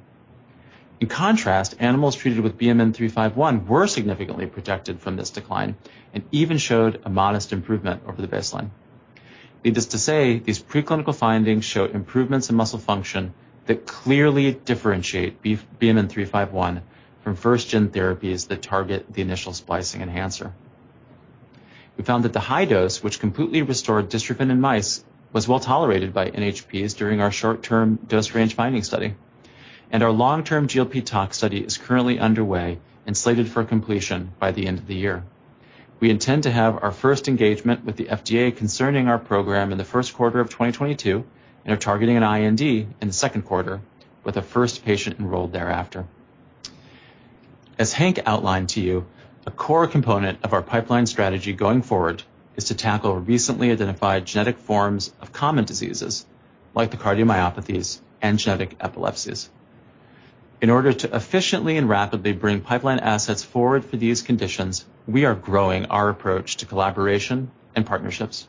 In contrast, animals treated with BMN 351 were significantly protected from this decline and even showed a modest improvement over the baseline. Needless to say, these preclinical findings show improvements in muscle function that clearly differentiate BMN 351 from first gen therapies that target the internal splicing enhancer. We found that the high dose, which completely restored dystrophin in mice, was well-tolerated by NHPs during our short-term dose range finding study, and our long-term GLP toxicology study is currently underway and slated for completion by the end of the year. We intend to have our first engagement with the FDA concerning our program in the Q1 2022 and are targeting an IND in the second quarter with the first patient enrolled thereafter. As Hank outlined to you, a core component of our pipeline strategy going forward is to tackle recently identified genetic forms of common diseases like the cardiomyopathies and genetic epilepsies. In order to efficiently and rapidly bring pipeline assets forward for these conditions, we are growing our approach to collaboration and partnerships.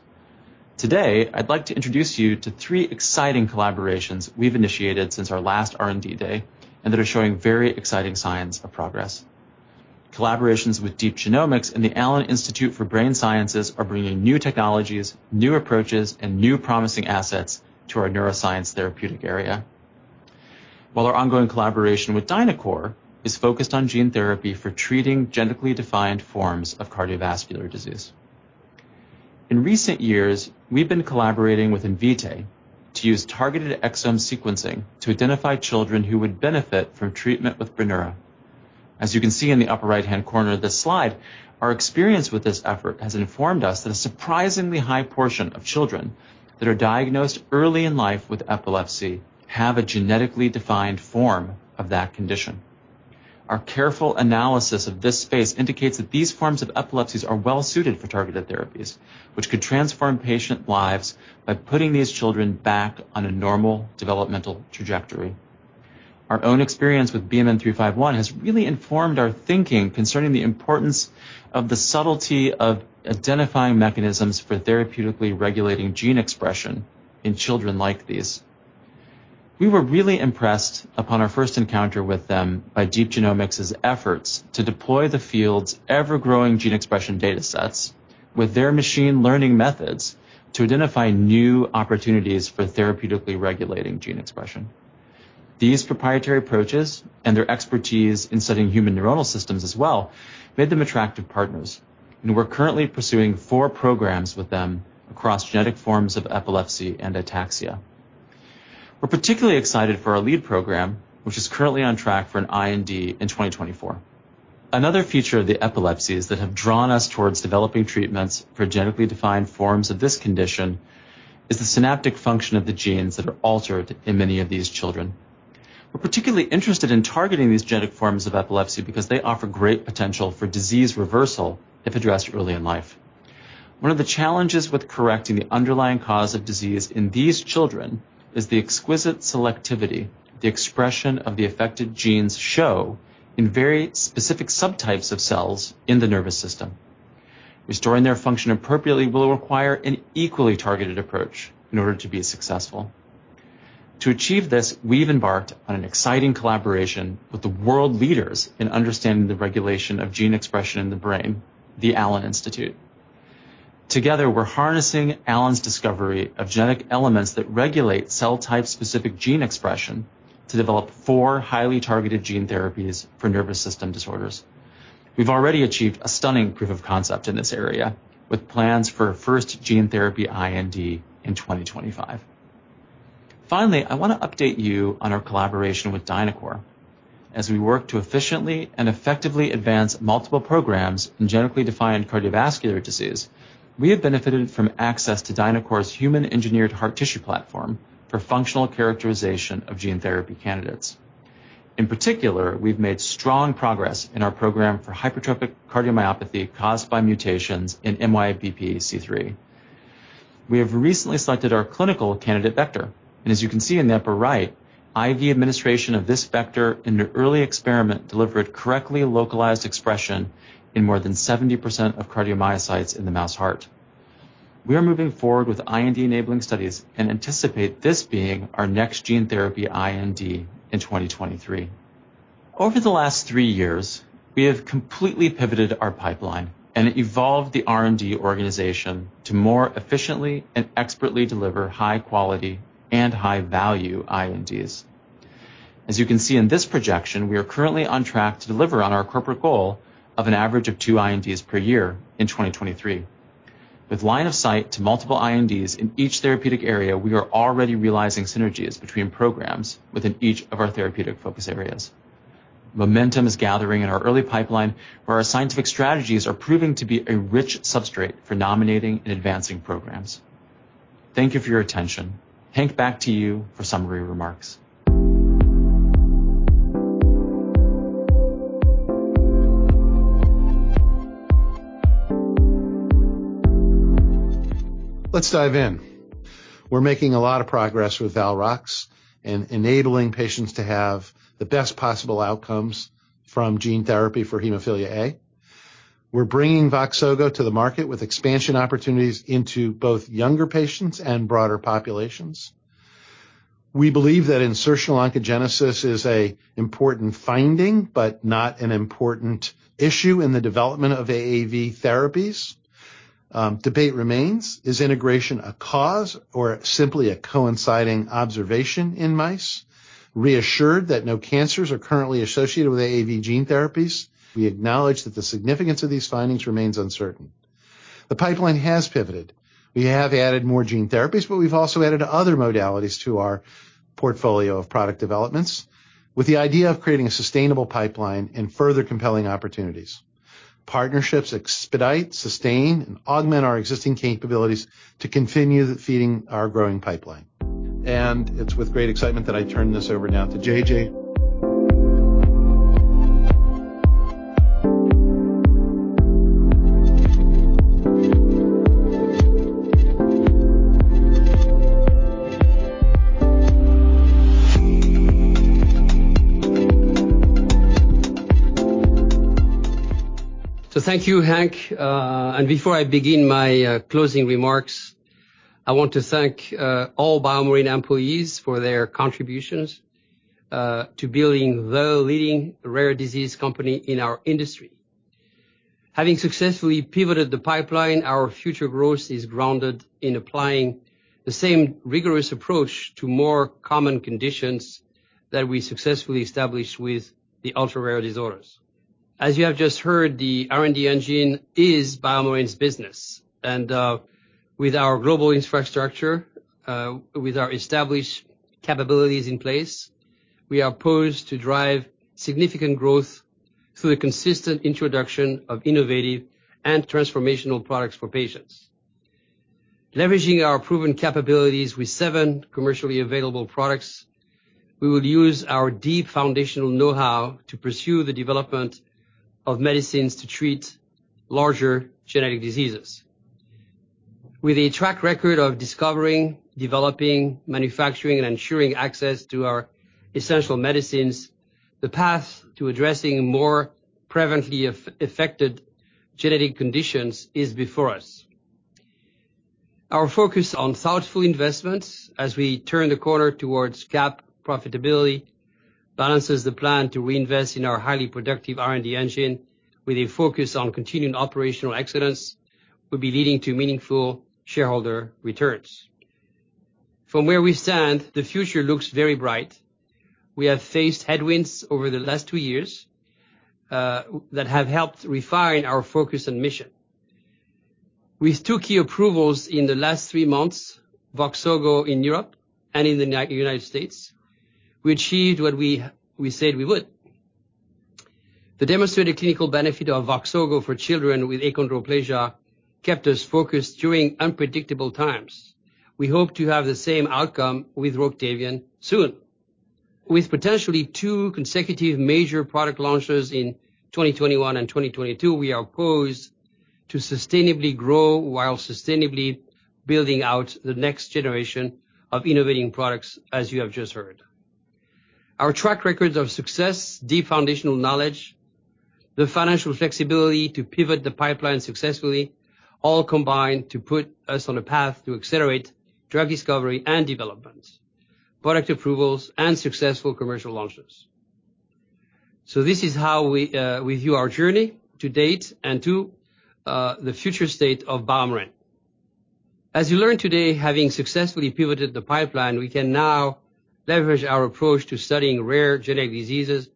Today, I'd like to introduce you to three exciting collaborations we've initiated since our last R&D Day and that are showing very exciting signs of progress. Collaborations with Deep Genomics and the Allen Institute for Brain Science are bringing new technologies, new approaches, and new promising assets to our neuroscience therapeutic area. While our ongoing collaboration with DiNAQOR is focused on gene therapy for treating genetically defined forms of cardiovascular disease. In recent years, we've been collaborating with Invitae to use targeted exome sequencing to identify children who would benefit from treatment with Brineura. As you can see in the upper right-hand corner of this slide, our experience with this effort has informed us that a surprisingly high portion of children that are diagnosed early in life with epilepsy have a genetically defined form of that condition. Our careful analysis of this space indicates that these forms of epilepsies are well suited for targeted therapies, which could transform patient lives by putting these children back on a normal developmental trajectory. Our own experience with BMN 351 has really informed our thinking concerning the importance of the subtlety of identifying mechanisms for therapeutically regulating gene expression in children like these. We were really impressed upon our first encounter with them by Deep Genomics' efforts to deploy the field's ever-growing gene expression data sets with their machine learning methods to identify new opportunities for therapeutically regulating gene expression. These proprietary approaches and their expertise in studying human neuronal systems as well made them attractive partners, and we're currently pursuing four programs with them across genetic forms of epilepsy and ataxia. We're particularly excited for our lead program, which is currently on track for an IND in 2024. Another feature of the epilepsies that have drawn us towards developing treatments for genetically defined forms of this condition is the synaptic function of the genes that are altered in many of these children. We're particularly interested in targeting these genetic forms of epilepsy because they offer great potential for disease reversal if addressed early in life. One of the challenges with correcting the underlying cause of disease in these children is the exquisite selectivity the expression of the affected genes show in very specific subtypes of cells in the nervous system. Restoring their function appropriately will require an equally targeted approach in order to be successful. To achieve this, we've embarked on an exciting collaboration with the world leaders in understanding the regulation of gene expression in the brain, the Allen Institute. Together, we're harnessing Allen's discovery of genetic elements that regulate cell type-specific gene expression to develop four highly targeted gene therapies for nervous system disorders. We've already achieved a stunning proof of concept in this area, with plans for first gene therapy IND in 2025. Finally, I want to update you on our collaboration with DiNAQOR. As we work to efficiently and effectively advance multiple programs in genetically defined cardiovascular disease, we have benefited from access to DiNAQOR's human-engineered heart tissue platform for functional characterization of gene therapy candidates. In particular, we've made strong progress in our program for hypertrophic cardiomyopathy caused by mutations in MYBPC3. We have recently selected our clinical candidate vector, and as you can see in the upper right, IV administration of this vector in an early experiment delivered correctly localized expression in more than 70% of cardiomyocytes in the mouse heart. We are moving forward with IND-enabling studies and anticipate this being our next gene therapy IND in 2023. Over the last three years, we have completely pivoted our pipeline and evolved the R&D organization to more efficiently and expertly deliver high quality and high value INDs. As you can see in this projection, we are currently on track to deliver on our corporate goal of an average of two INDs per year in 2023. With line of sight to multiple INDs in each therapeutic area, we are already realizing synergies between programs within each of our therapeutic focus areas. Momentum is gathering in our early pipeline, where our scientific strategies are proving to be a rich substrate for nominating and advancing programs. Thank you for your attention. Hank, back to you for summary remarks. Let's dive in. We're making a lot of progress with Valrox and enabling patients to have the best possible outcomes from gene therapy for hemophilia A. We're bringing Voxzogo to the market with expansion opportunities into both younger patients and broader populations. We believe that insertional oncogenesis is a important finding, but not an important issue in the development of AAV therapies. Debate remains. Is integration a cause or simply a coinciding observation in mice? Reassured that no cancers are currently associated with AAV gene therapies, we acknowledge that the significance of these findings remains uncertain. The pipeline has pivoted. We have added more gene therapies, but we've also added other modalities to our portfolio of product developments with the idea of creating a sustainable pipeline and further compelling opportunities. Partnerships expedite, sustain, and augment our existing capabilities to continue feeding our growing pipeline. It's with great excitement that I turn this over now to JJ. Thank you, Hank. Before I begin my closing remarks, I want to thank all BioMarin employees for their contributions to building the leading rare disease company in our industry. Having successfully pivoted the pipeline, our future growth is grounded in applying the same rigorous approach to more common conditions that we successfully established with the ultra-rare disorders. As you have just heard, the R&D engine is BioMarin's business, and with our global infrastructure with our established capabilities in place, we are poised to drive significant growth through the consistent introduction of innovative and transformational products for patients. Leveraging our proven capabilities with seven commercially available products, we will use our deep foundational know-how to pursue the development of medicines to treat larger genetic diseases. With a track record of discovering, developing, manufacturing, and ensuring access to our essential medicines, the path to addressing more prevalently affected genetic conditions is before us. Our focus on thoughtful investments as we turn the corner towards GAAP profitability balances the plan to reinvest in our highly productive R&D engine with a focus on continuing operational excellence will be leading to meaningful shareholder returns. From where we stand, the future looks very bright. We have faced headwinds over the last two years that have helped refine our focus and mission. With two key approvals in the last three months, Voxzogo in Europe and in the United States, we achieved what we said we would. The demonstrated clinical benefit of Voxzogo for children with achondroplasia kept us focused during unpredictable times. We hope to have the same outcome with Roctavian soon. With potentially two consecutive major product launches in 2021 and 2022, we are poised to sustainably grow while sustainably building out the next generation of innovating products, as you have just heard. Our track record of success, deep foundational knowledge, the financial flexibility to pivot the pipeline successfully all combine to put us on a path to accelerate drug discovery and development, product approvals, and successful commercial launches. This is how we view our journey to date and to the future state of BioMarin. As you learned today, having successfully pivoted the pipeline, we can now leverage our approach to studying rare genetic diseases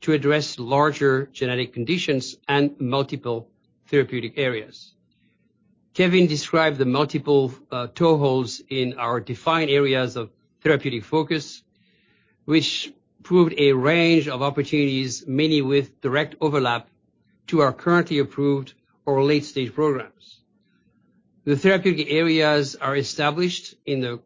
to address larger genetic conditions and multiple therapeutic areas. Kevin described the multiple toeholds in our defined areas of therapeutic focus, which proved a range of opportunities, many with direct overlap to our currently approved or late-stage programs. The therapeutic areas are established in the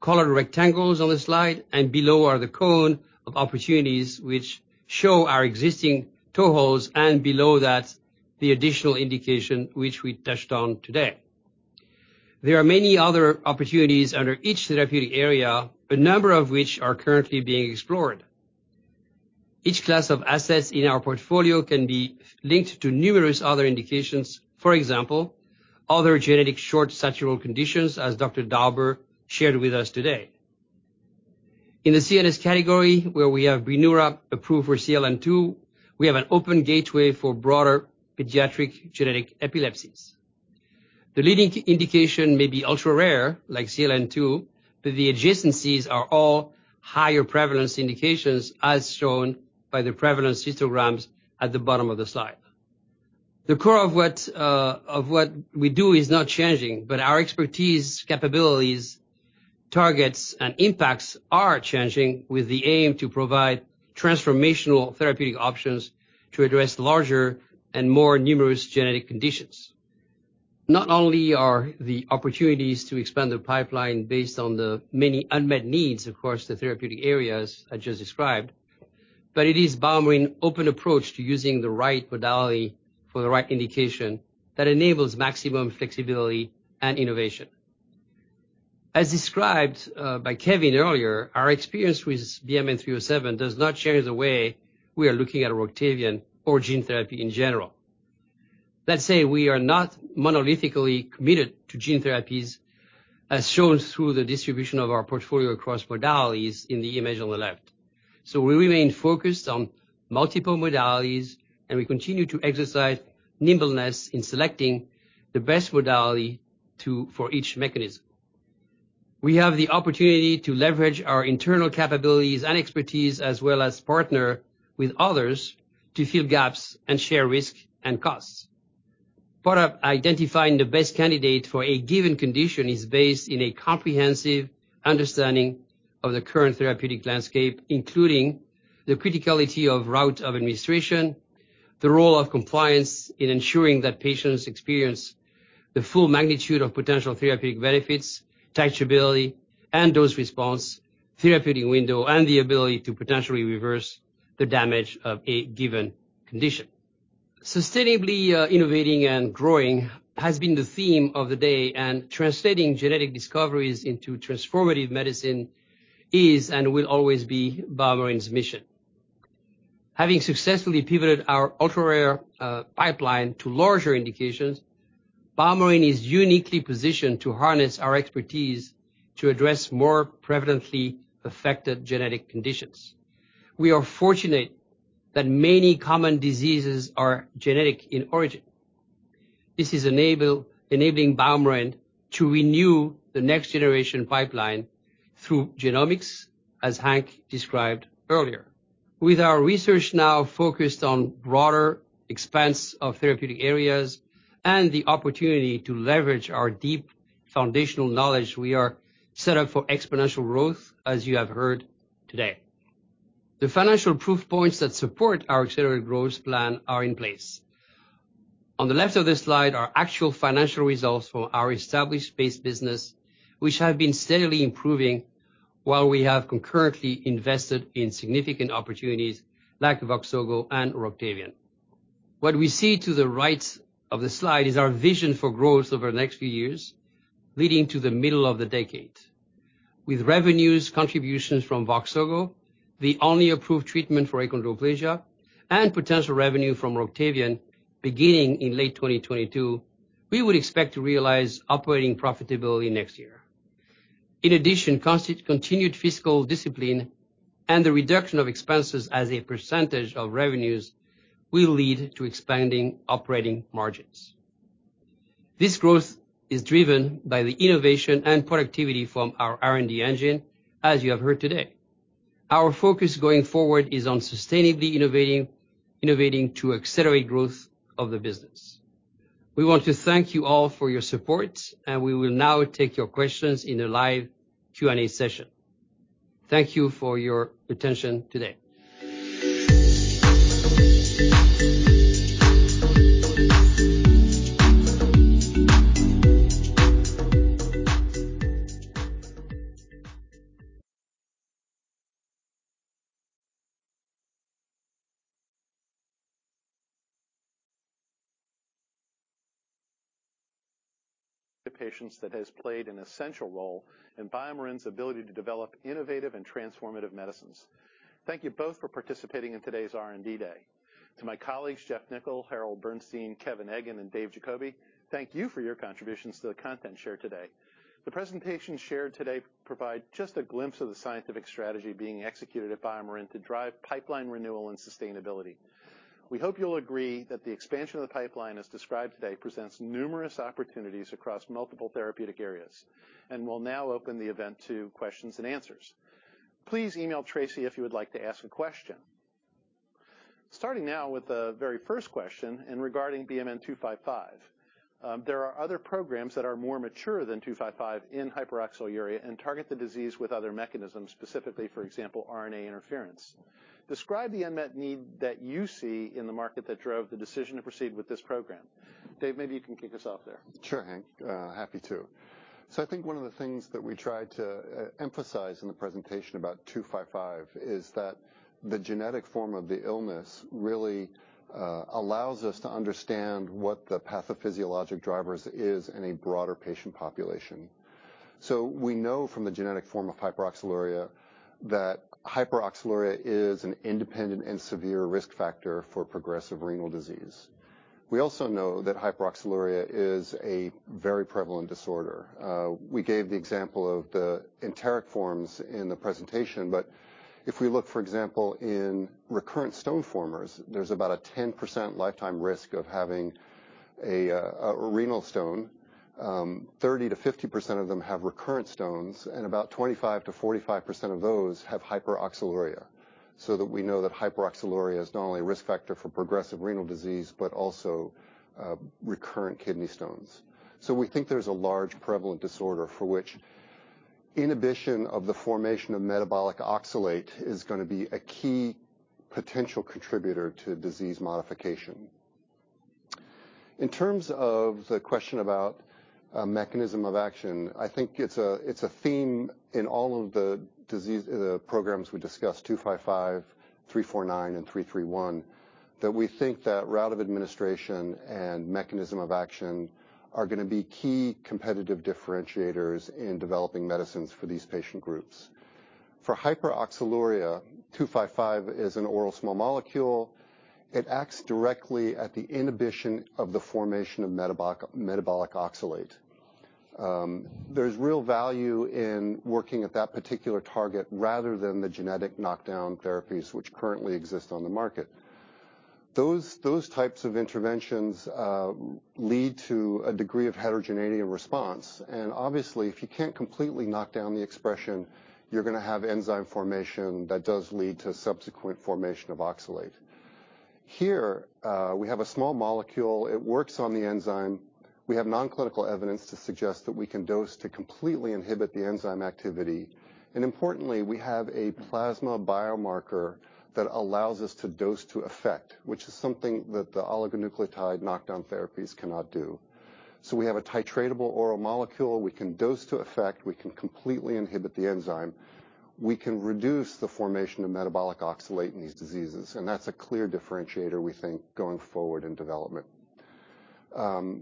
colored rectangles on this slide, and below are the cone of opportunities which show our existing toeholds and below that, the additional indication which we touched on today. There are many other opportunities under each therapeutic area, a number of which are currently being explored. Each class of assets in our portfolio can be linked to numerous other indications. For example, other genetic short stature conditions, as Dr. Dauber shared with us today. In the CNS category, where we have Brineura approved for CLN2, we have an open gateway for broader pediatric genetic epilepsies. The leading indication may be ultra-rare, like CLN2, but the adjacencies are all higher prevalence indications, as shown by the prevalence histograms at the bottom of the slide. The core of what we do is not changing, but our expertise, capabilities, targets, and impacts are changing with the aim to provide transformational therapeutic options to address larger and more numerous genetic conditions. Not only are the opportunities to expand the pipeline based on the many unmet needs across the therapeutic areas I just described, but it is BioMarin's open approach to using the right modality for the right indication that enables maximum flexibility and innovation. As described by Kevin earlier, our experience with BMN 307 does not change the way we are looking at Roctavian or gene therapy in general. Let's say we are not monolithically committed to gene therapies, as shown through the distribution of our portfolio across modalities in the image on the left. We remain focused on multiple modalities, and we continue to exercise nimbleness in selecting the best modality for each mechanism. We have the opportunity to leverage our internal capabilities and expertise, as well as partner with others to fill gaps and share risk and costs. Part of identifying the best candidate for a given condition is based in a comprehensive understanding of the current therapeutic landscape, including the criticality of route of administration, the role of compliance in ensuring that patients experience the full magnitude of potential therapeutic benefits, teachability, and dose response, therapeutic window, and the ability to potentially reverse the damage of a given condition. Sustainably innovating and growing has been the theme of the day, and translating genetic discoveries into transformative medicine is and will always be BioMarin's mission. Having successfully pivoted our ultra-rare pipeline to larger indications, BioMarin is uniquely positioned to harness our expertise to address more prevalently affected genetic conditions. We are fortunate that many common diseases are genetic in origin. This is enabling BioMarin to renew the next generation pipeline through genomics, as Hank described earlier. With our research now focused on broader expanse of therapeutic areas and the opportunity to leverage our deep foundational knowledge, we are set up for exponential growth, as you have heard today. The financial proof points that support our accelerated growth plan are in place. On the left of this slide are actual financial results from our established base business, which have been steadily improving while we have concurrently invested in significant opportunities like Voxzogo and Roctavian. What we see to the right of the slide is our vision for growth over the next few years, leading to the middle of the decade. With revenues, contributions from Voxzogo, the only approved treatment for achondroplasia, and potential revenue from Roctavian beginning in late 2022, we would expect to realize operating profitability next year. In addition, continued fiscal discipline and the reduction of expenses as a percentage of revenues will lead to expanding operating margins. This growth is driven by the innovation and productivity from our R&D engine, as you have heard today. Our focus going forward is on sustainably innovating to accelerate growth of the business. We want to thank you all for your support, and we will now take your questions in a live Q&A session. Thank you for your attention today. The patients that has played an essential role in BioMarin's ability to develop innovative and transformative medicines. Thank you both for participating in today's R&D Day. To my colleagues, Geoff Nichol, Harold Bernstein, Kevin Eggan, and Dave Jacoby, thank you for your contributions to the content shared today. The presentations shared today provide just a glimpse of the scientific strategy being executed at BioMarin to drive pipeline renewal and sustainability. We hope you'll agree that the expansion of the pipeline as described today presents numerous opportunities across multiple therapeutic areas, and we'll now open the event to questions and answers. Please email Tracy if you would like to ask a question. Starting now with the very first question and regarding BMN 255. There are other programs that are more mature than 255 in hyperoxaluria and target the disease with other mechanisms, specifically, for example, RNA interference. Describe the unmet need that you see in the market that drove the decision to proceed with this program. Dave, maybe you can kick us off there. Sure, Hank. Happy to. I think one of the things that we tried to emphasize in the presentation about BMN 255 is that the genetic form of the illness really allows us to understand what the pathophysiologic drivers is in a broader patient population. We know from the genetic form of hyperoxaluria that hyperoxaluria is an independent and severe risk factor for progressive renal disease. We also know that hyperoxaluria is a very prevalent disorder. We gave the example of the enteric forms in the presentation, but if we look, for example, in recurrent stone formers, there's about a 10% lifetime risk of having a renal stone. 30%-50% of them have recurrent stones, and about 25%-45% of those have hyperoxaluria. That we know that hyperoxaluria is not only a risk factor for progressive renal disease, but also recurrent kidney stones. We think there's a large prevalent disorder for which inhibition of the formation of metabolic oxalate is gonna be a key potential contributor to disease modification. In terms of the question about a mechanism of action, I think it's a theme in all of the programs we discussed-255, 349, and 331-that we think that route of administration and mechanism of action are gonna be key competitive differentiators in developing medicines for these patient groups. For hyperoxaluria, 255 is an oral small molecule. It acts directly at the inhibition of the formation of metabolic oxalate. There's real value in working at that particular target rather than the genetic knockdown therapies which currently exist on the market. Those types of interventions lead to a degree of heterogeneity in response. Obviously, if you can't completely knock down the expression, you're gonna have enzyme formation that does lead to subsequent formation of oxalate. Here, we have a small molecule. It works on the enzyme. We have non-clinical evidence to suggest that we can dose to completely inhibit the enzyme activity. Importantly, we have a plasma biomarker that allows us to dose to effect, which is something that the oligonucleotide knockdown therapies cannot do. We have a titratable oral molecule. We can dose to effect. We can completely inhibit the enzyme. We can reduce the formation of metabolic oxalate in these diseases, and that's a clear differentiator, we think, going forward in development.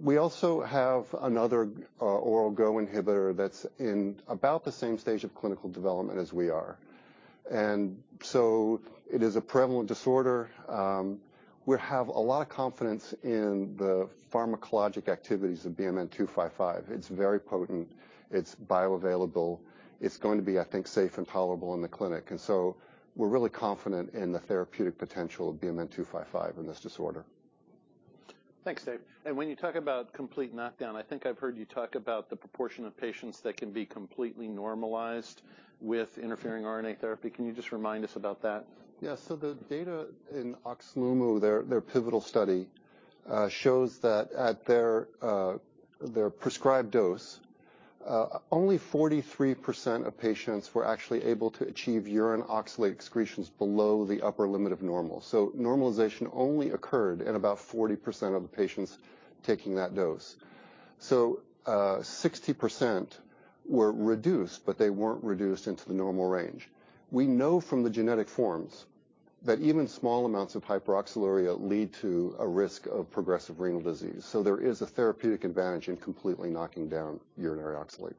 We also have another oral GO inhibitor that's in about the same stage of clinical development as we are. It is a prevalent disorder. We have a lot of confidence in the pharmacologic activities of BMN 255. It's very potent. It's bioavailable. It's going to be, I think, safe and tolerable in the clinic. We're really confident in the therapeutic potential of BMN 255 in this disorder. Thanks, Dave. When you talk about complete knockdown, I think I've heard you talk about the proportion of patients that can be completely normalized with interfering RNA therapy. Can you just remind us about that? Yeah. The data in Oxlumo, their pivotal study, shows that at their prescribed dose, only 43% of patients were actually able to achieve urine oxalate excretions below the upper limit of normal. Normalization only occurred in about 40% of the patients taking that dose. 60% were reduced, but they weren't reduced into the normal range. We know from the genetic forms that even small amounts of hyperoxaluria lead to a risk of progressive renal disease. There is a therapeutic advantage in completely knocking down urinary oxalate.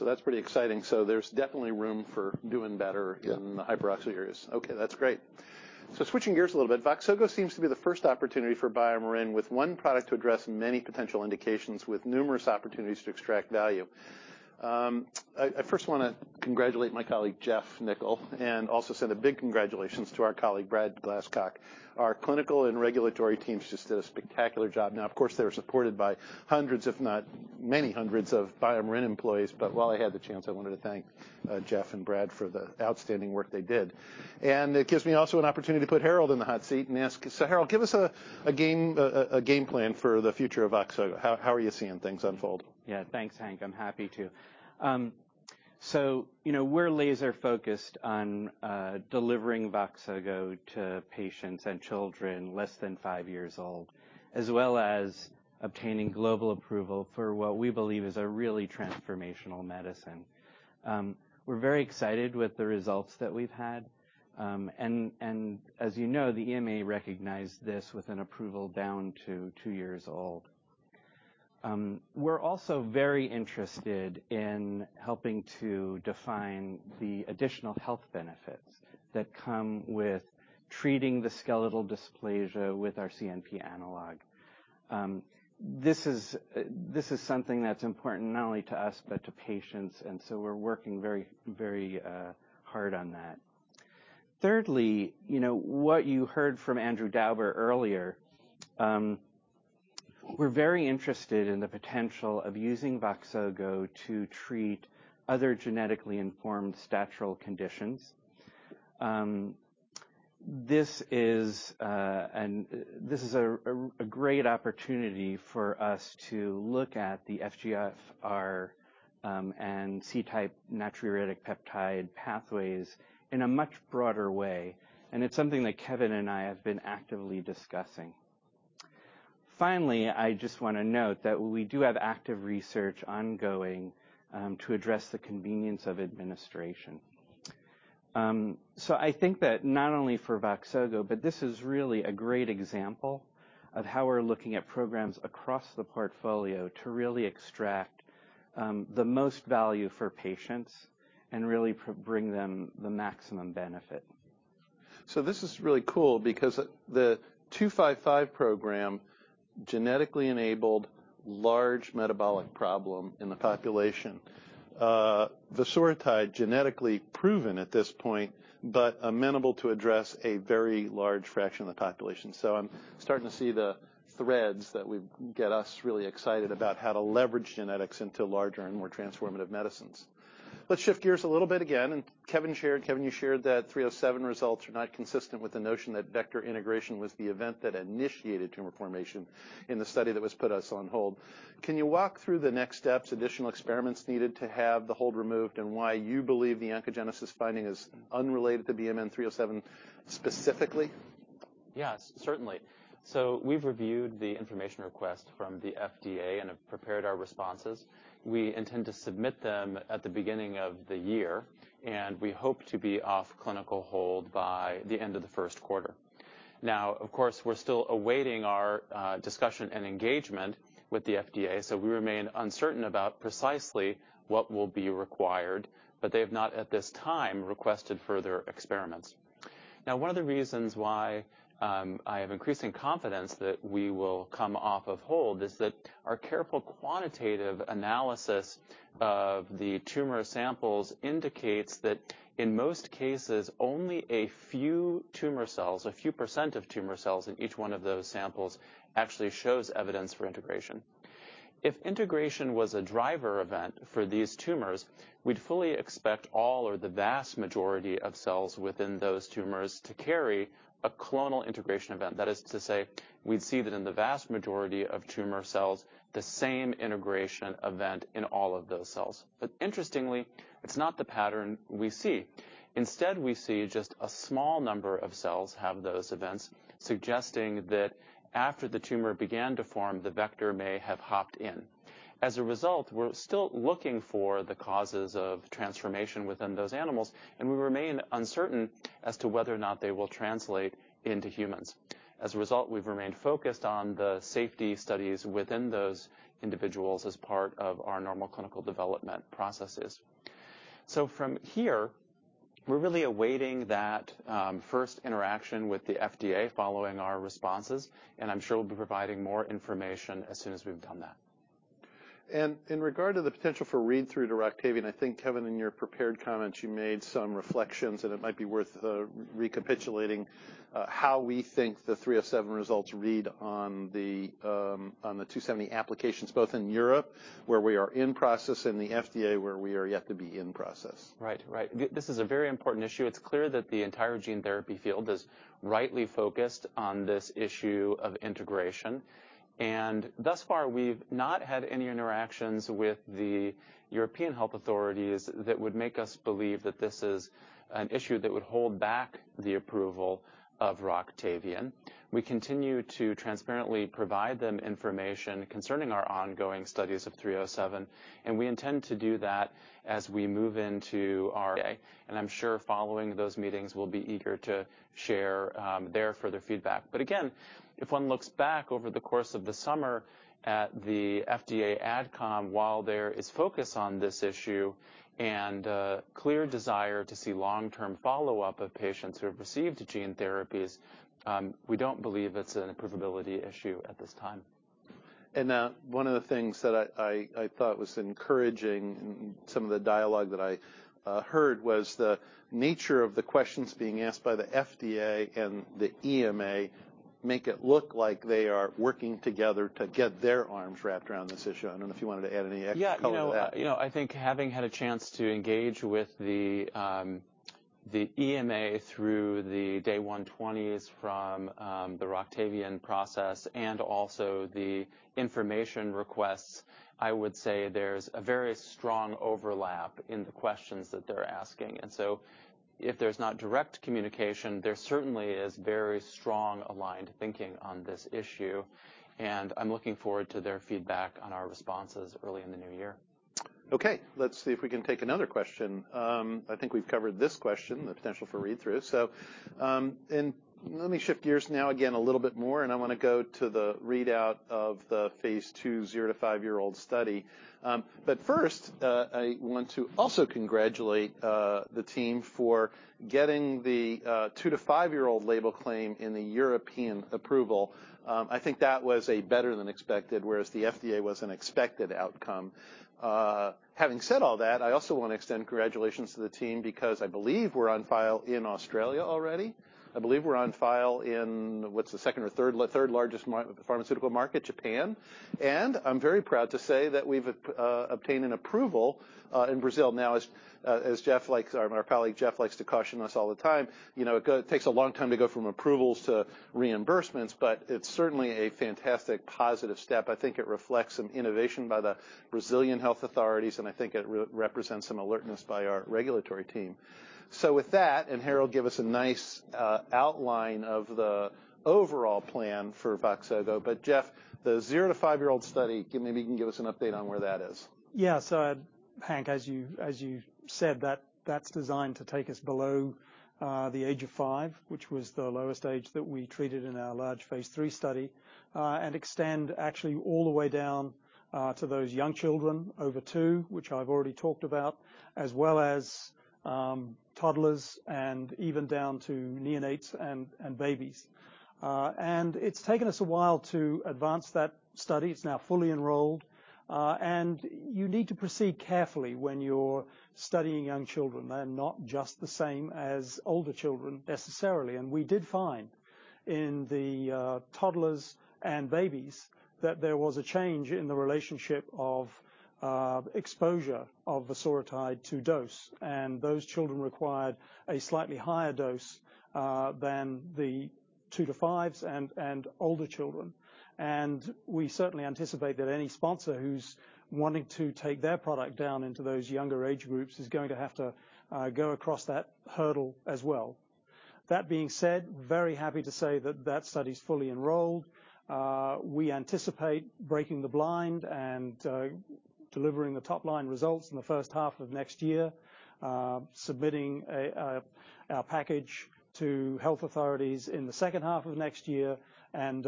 That's pretty exciting. There's definitely room for doing better- Yeah. In the hyperoxalurias. Okay, that's great. Switching gears a little bit, Voxzogo seems to be the first opportunity for BioMarin with one product to address many potential indications with numerous opportunities to extract value. I first wanna congratulate my colleague, Geoff Nichol, and also send a big congratulations to our colleague, Brad Glasscock. Our clinical and regulatory teams just did a spectacular job. Now, of course, they were supported by hundreds, if not many hundreds of BioMarin employees. While I had the chance, I wanted to thank Geoff and Brad for the outstanding work they did. It gives me also an opportunity to put Harold in the hot seat and ask. Harold, give us a game plan for the future of Voxzogo. How are you seeing things unfold? Yeah. Thanks, Hank. I'm happy to. So, you know, we're laser-focused on delivering Voxzogo to patients and children less than five years old, as well as obtaining global approval for what we believe is a really transformational medicine. We're very excited with the results that we've had. And as you know, the EMA recognized this with an approval down to two years old. We're also very interested in helping to define the additional health benefits that come with treating the skeletal dysplasia with our CNP analog. This is something that's important not only to us but to patients, and so we're working very, very hard on that. Thirdly, you know, what you heard from Andrew Dauber earlier, we're very interested in the potential of using Voxzogo to treat other genetically informed statural conditions. This is an... This is a great opportunity for us to look at the FGFR and C-type natriuretic peptide pathways in a much broader way, and it's something that Kevin and I have been actively discussing. Finally, I just wanna note that we do have active research ongoing to address the convenience of administration. I think that not only for Voxzogo, but this is really a great example of how we're looking at programs across the portfolio to really extract the most value for patients and really bring them the maximum benefit. This is really cool because the BMN 255 program genetically enabled large metabolic problem in the population. Vosoritide genetically proven at this point, but amenable to address a very large fraction of the population. I'm starting to see the threads that get us really excited about how to leverage genetics into larger and more transformative medicines. Let's shift gears a little bit again. Kevin, you shared that 307 results are not consistent with the notion that vector integration was the event that initiated tumor formation in the study that put us on hold. Can you walk through the next steps, additional experiments needed to have the hold removed, and why you believe the oncogenesis finding is unrelated to BMN 307 specifically? Yes, certainly. We've reviewed the information request from the FDA and have prepared our responses. We intend to submit them at the beginning of the year, and we hope to be off clinical hold by the end of the first quarter. Now, of course, we're still awaiting our discussion and engagement with the FDA, so we remain uncertain about precisely what will be required, but they have not, at this time, requested further experiments. Now, one of the reasons why I have increasing confidence that we will come off of hold is that our careful quantitative analysis of the tumor samples indicates that in most cases, only a few tumor cells, a few % of tumor cells in each one of those samples actually shows evidence for integration. If integration was a driver event for these tumors, we'd fully expect all or the vast majority of cells within those tumors to carry a clonal integration event. That is to say, we'd see that in the vast majority of tumor cells, the same integration event in all of those cells. Interestingly, it's not the pattern we see. Instead, we see just a small number of cells have those events, suggesting that after the tumor began to form, the vector may have hopped in. As a result, we're still looking for the causes of transformation within those animals, and we remain uncertain as to whether or not they will translate into humans. As a result, we've remained focused on the safety studies within those individuals as part of our normal clinical development processes. From here, we're really awaiting that first interaction with the FDA following our responses, and I'm sure we'll be providing more information as soon as we've done that. In regard to the potential for read-through to Roctavian, I think, Kevin, in your prepared comments, you made some reflections, and it might be worth recapitulating how we think the 307 results read on the 270 applications, both in Europe, where we are in process, and the FDA, where we are yet to be in process. Right. This is a very important issue. It's clear that the entire gene therapy field is rightly focused on this issue of integration. Thus far, we've not had any interactions with the European health authorities that would make us believe that this is an issue that would hold back the approval of Roctavian. We continue to transparently provide them information concerning our ongoing studies of 307, and we intend to do that. I'm sure following those meetings, we'll be eager to share their further feedback. Again, if one looks back over the course of the summer at the FDA AdCom, while there is focus on this issue and a clear desire to see long-term follow-up of patients who have received gene therapies, we don't believe it's an approvability issue at this time. One of the things that I thought was encouraging in some of the dialogue that I heard was the nature of the questions being asked by the FDA and the EMA make it look like they are working together to get their arms wrapped around this issue. I don't know if you wanted to add any extra color to that. Yeah. You know, I think having had a chance to engage with the EMA through the Day 120 from the Roctavian process and also the information requests, I would say there's a very strong overlap in the questions that they're asking. If there's not direct communication, there certainly is very strong aligned thinking on this issue, and I'm looking forward to their feedback on our responses early in the new year. Okay. Let's see if we can take another question. I think we've covered this question, the potential for read-through. Let me shift gears now again a little bit more, and I wanna go to the readout of the phase II zero- to five-year-old study. But first, I want to also congratulate the team for getting the two- to five-year-old label claim in the European approval. I think that was a better than expected, whereas the FDA was an expected outcome. Having said all that, I also want to extend congratulations to the team because I believe we're on file in Australia already. I believe we're on file in, what's the second or third-largest pharmaceutical market, Japan. I'm very proud to say that we've obtained an approval in Brazil. Now, as our colleague Jeff likes to caution us all the time, you know, it takes a long time to go from approvals to reimbursements, but it's certainly a fantastic positive step. I think it reflects some innovation by the Brazilian health authorities, and I think it represents some alertness by our regulatory team. With that, Harold, give us a nice outline of the overall plan for Voxzogo. Geoff, the zero- to five-year-old study, maybe you can give us an update on where that is. Yeah. Hank, as you said, that's designed to take us below the age of five, which was the lowest age that we treated in our large phase III study, and extend actually all the way down to those young children over two, which I've already talked about, as well as toddlers and even down to neonates and babies. It's taken us a while to advance that study. It's now fully enrolled. You need to proceed carefully when you're studying young children. They're not just the same as older children necessarily. We did find in the toddlers and babies that there was a change in the relationship of exposure of vosoritide to dose. Those children required a slightly higher dose than the two- to five and older children. We certainly anticipate that any sponsor who's wanting to take their product down into those younger age groups is going to have to go across that hurdle as well. That being said, very happy to say that that study's fully enrolled. We anticipate breaking the blind and delivering the top-line results in the first half of next year, submitting our package to health authorities in the second half of next year, and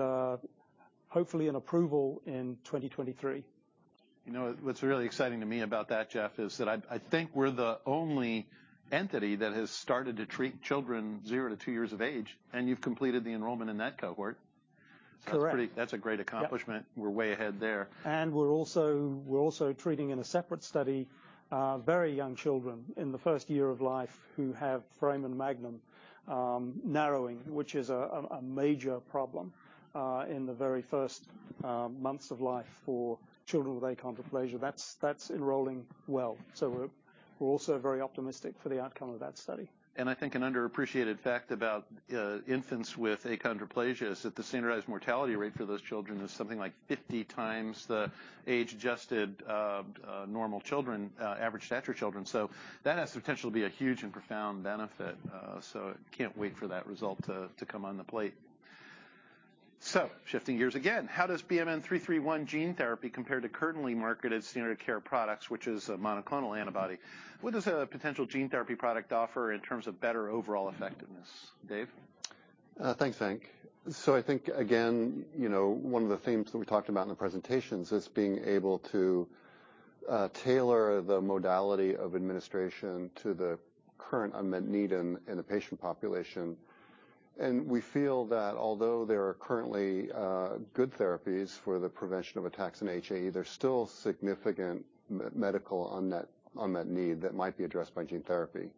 hopefully an approval in 2023. You know what's really exciting to me about that, Jeff, is that I think we're the only entity that has started to treat children zero-two years of age, and you've completed the enrollment in that cohort. Correct. That's a great accomplishment. Yep. We're way ahead there. We're also treating in a separate study very young children in the first year of life who have foramen magnum stenosis, which is a major problem in the very first months of life for children with achondroplasia. That's enrolling well. We're also very optimistic for the outcome of that study. I think an underappreciated fact about infants with achondroplasia is that the standardized mortality rate for those children is something like 50x the age-adjusted normal children average stature children. That has the potential to be a huge and profound benefit. Can't wait for that result to come on the plate. Shifting gears again, how does BMN 331 gene therapy compare to currently marketed standard care products, which is a monoclonal antibody? What does a potential gene therapy product offer in terms of better overall effectiveness, Dave? Thanks, Hank. I think, again, you know, one of the themes that we talked about in the presentations is being able to tailor the modality of administration to the current unmet need in the patient population. We feel that although there are currently good therapies for the prevention of attacks in HAE, there's still significant medical unmet need that might be addressed by gene therapy.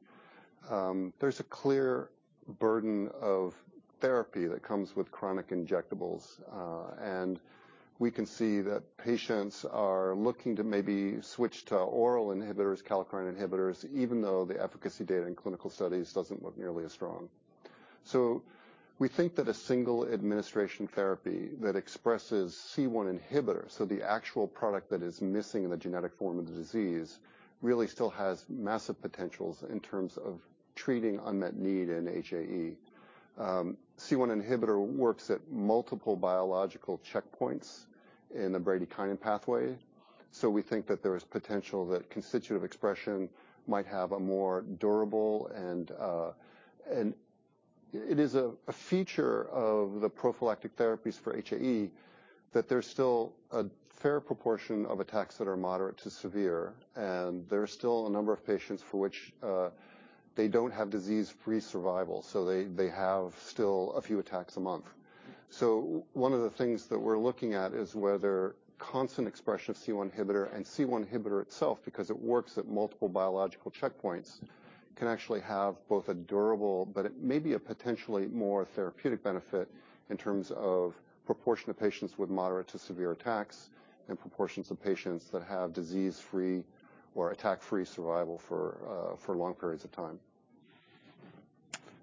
There's a clear burden of therapy that comes with chronic injectables, and we can see that patients are looking to maybe switch to oral inhibitors, kallikrein inhibitors, even though the efficacy data in clinical studies doesn't look nearly as strong. We think that a single administration therapy that expresses C1 inhibitor, so the actual product that is missing in the genetic form of the disease, really still has massive potentials in terms of treating unmet need in HAE. C1 inhibitor works at multiple biological checkpoints in the bradykinin pathway. We think that there's potential that constitutive expression might have a more durable. It is a feature of the prophylactic therapies for HAE that there's still a fair proportion of attacks that are moderate to severe, and there are still a number of patients for which they don't have disease-free survival, so they have still a few attacks a month. One of the things that we're looking at is whether constant expression of C1 inhibitor and C1 inhibitor itself, because it works at multiple biological checkpoints, can actually have both a durable but it may be a potentially more therapeutic benefit in terms of proportion of patients with moderate to severe attacks and proportions of patients that have disease-free or attack-free survival for long periods of time.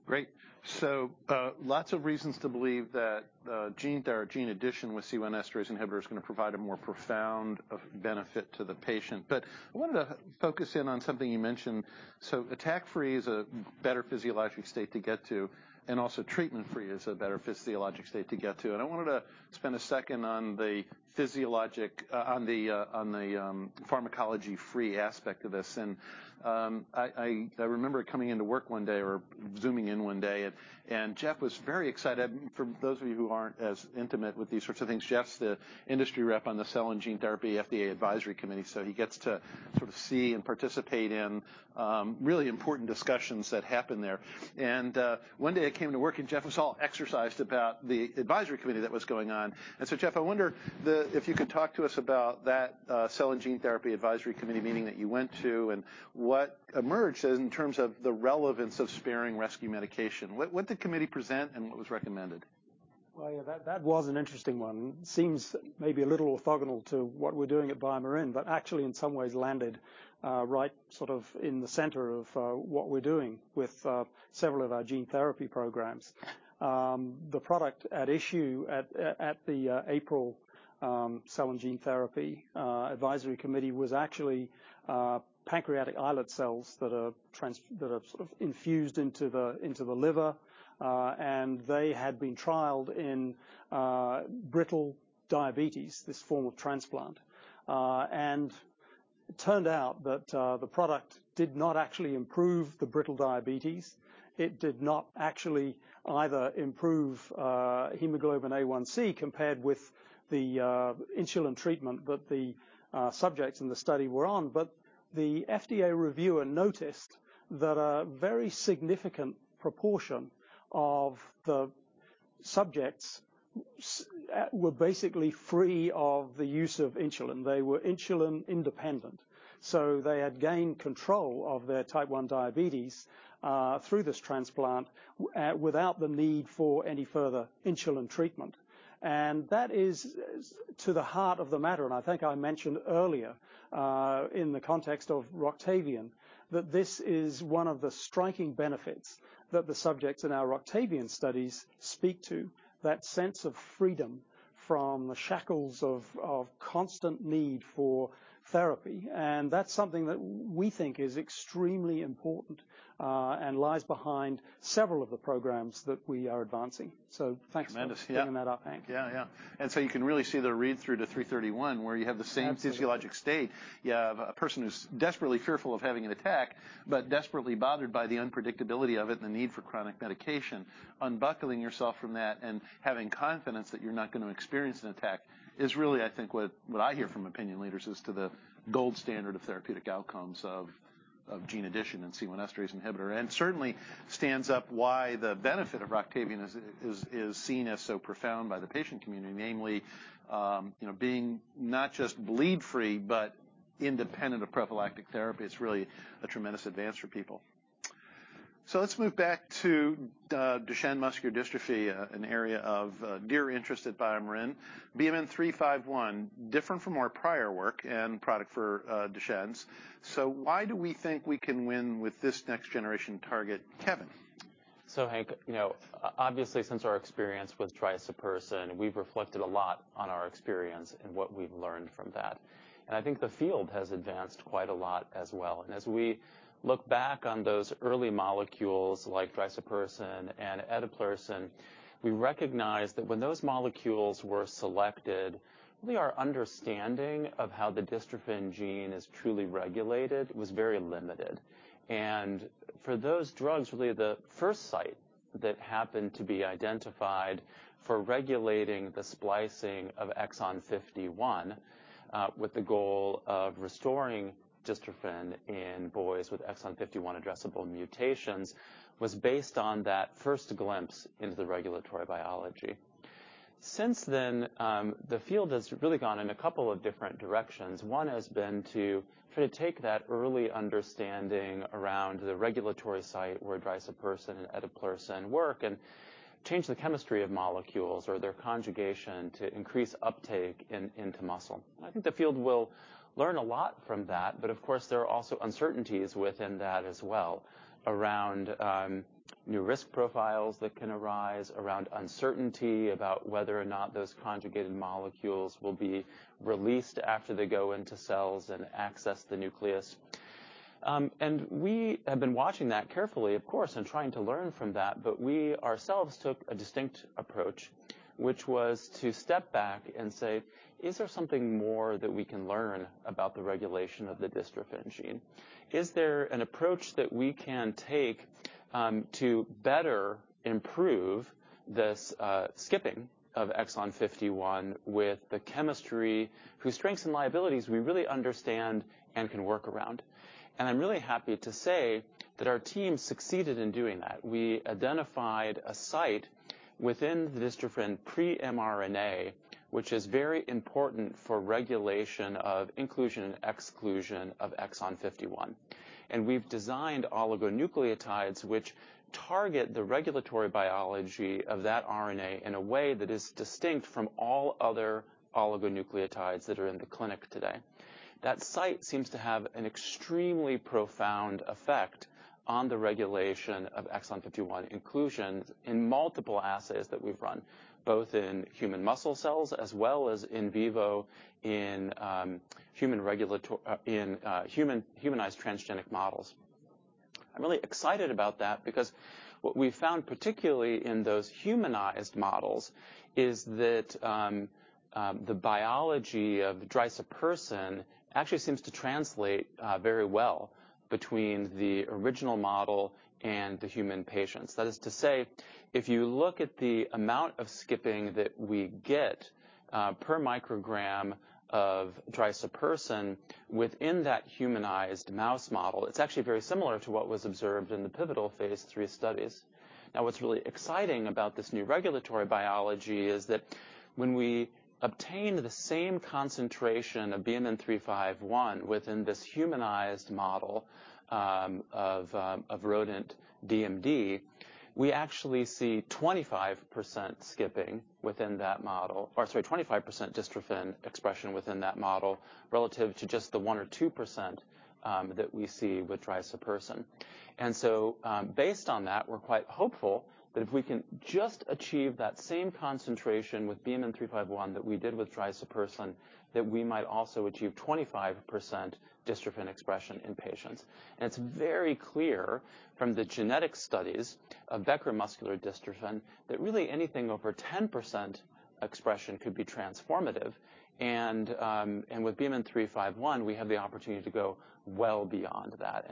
Great. Lots of reasons to believe that gene addition with C1 esterase inhibitor is gonna provide a more profound benefit to the patient. I wanted to focus in on something you mentioned. Attack-free is a better physiologic state to get to, and also treatment-free is a better physiologic state to get to. I wanted to spend a second on the physiologic pharmacology-free aspect of this. I remember coming into work one day or Zooming in one day and Geoff was very excited. For those of you who aren't as intimate with these sorts of things, Geoff's the industry rep on the Cellular, Tissue, and Gene Therapies Advisory Committee, so he gets to sort of see and participate in really important discussions that happen there. One day I came to work, and Jeff was all exercised about the advisory committee that was going on. Jeff, I wonder if you could talk to us about that Cell and Gene Therapy Advisory Committee meeting that you went to and what emerged in terms of the relevance of sparing rescue medication. What did the committee present, and what was recommended? Well, yeah, that was an interesting one. Seems maybe a little orthogonal to what we're doing at BioMarin, but actually in some ways landed right sort of in the center of what we're doing with several of our gene therapy programs. The product at issue at the April Cell and Gene Therapy Advisory Committee was actually pancreatic islet cells that are sort of infused into the liver. They had been trialed in brittle diabetes, this form of transplant. It turned out that the product did not actually improve the brittle diabetes. It did not actually either improve hemoglobin A1c compared with the insulin treatment that the subjects in the study were on. The FDA reviewer noticed that a very significant proportion of the subjects were basically free of the use of insulin. They were insulin independent. They had gained control of their type 1 diabetes through this transplant without the need for any further insulin treatment. That is to the heart of the matter, and I think I mentioned earlier in the context of Roctavian, that this is one of the striking benefits that the subjects in our Roctavian studies speak to, that sense of freedom from the shackles of constant need for therapy. That's something that we think is extremely important and lies behind several of the programs that we are advancing. Thanks for bringing that up, Hank. Yeah, you can really see the read through to BMN 331 where you have the same- Absolutely. Physiologic state. You have a person who's desperately fearful of having an attack, but desperately bothered by the unpredictability of it and the need for chronic medication. Unbuckling yourself from that and having confidence that you're not gonna experience an attack is really, I think, what I hear from opinion leaders as to the gold standard of therapeutic outcomes of gene addition and C1 esterase inhibitor. Certainly stands up why the benefit of Roctavian is seen as so profound by the patient community, namely, you know, being not just bleed-free, but independent of prophylactic therapy. It's really a tremendous advance for people. Let's move back to Duchenne muscular dystrophy, an area of dear interest at BioMarin. BMN 351, different from our prior work and product for Duchenne's.Why do we think we can win with this next generation target? Kevin. Hank, you know, obviously since our experience with drisapersen, we've reflected a lot on our experience and what we've learned from that. I think the field has advanced quite a lot as well. As we look back on those early molecules like drisapersen and eteplirsen, we recognize that when those molecules were selected, really our understanding of how the dystrophin gene is truly regulated was very limited. For those drugs, really the first site that happened to be identified for regulating the splicing of exon 51, with the goal of restoring dystrophin in boys with exon 51 addressable mutations, was based on that first glimpse into the regulatory biology. Since then, the field has really gone in a couple of different directions. One has been to try to take that early understanding around the regulatory site where drisapersen and eteplirsen work and change the chemistry of molecules or their conjugation to increase uptake into muscle. I think the field will learn a lot from that, but of course, there are also uncertainties within that as well around new risk profiles that can arise, around uncertainty about whether or not those conjugated molecules will be released after they go into cells and access the nucleus. We have been watching that carefully, of course, and trying to learn from that, but we ourselves took a distinct approach, which was to step back and say, "Is there something more that we can learn about the regulation of the dystrophin gene? Is there an approach that we can take to better improve this skipping of exon 51 with the chemistry whose strengths and liabilities we really understand and can work around?" I'm really happy to say that our team succeeded in doing that. We identified a site within the dystrophin pre-mRNA, which is very important for regulation of inclusion and exclusion of exon 51. We've designed oligonucleotides which target the regulatory biology of that RNA in a way that is distinct from all other oligonucleotides that are in the clinic today. That site seems to have an extremely profound effect on the regulation of exon 51 inclusions in multiple assays that we've run, both in human muscle cells as well as in vivo in humanized transgenic models. I'm really excited about that because what we found, particularly in those humanized models, is that the biology of drisapersen actually seems to translate very well between the original model and the human patients. That is to say, if you look at the amount of skipping that we get per microgram of drisapersen within that humanized mouse model, it's actually very similar to what was observed in the pivotal phase III studies. Now, what's really exciting about this new regulatory biology is that when we obtain the same concentration of BMN 351 within this humanized model of rodent DMD, we actually see 25% skipping within that model. Or sorry, 25% dystrophin expression within that model relative to just the 1% or 2% that we see with drisapersen. Based on that, we're quite hopeful that if we can just achieve that same concentration with BMN 351 that we did with drisapersen, that we might also achieve 25% dystrophin expression in patients. With BMN 351, we have the opportunity to go well beyond that.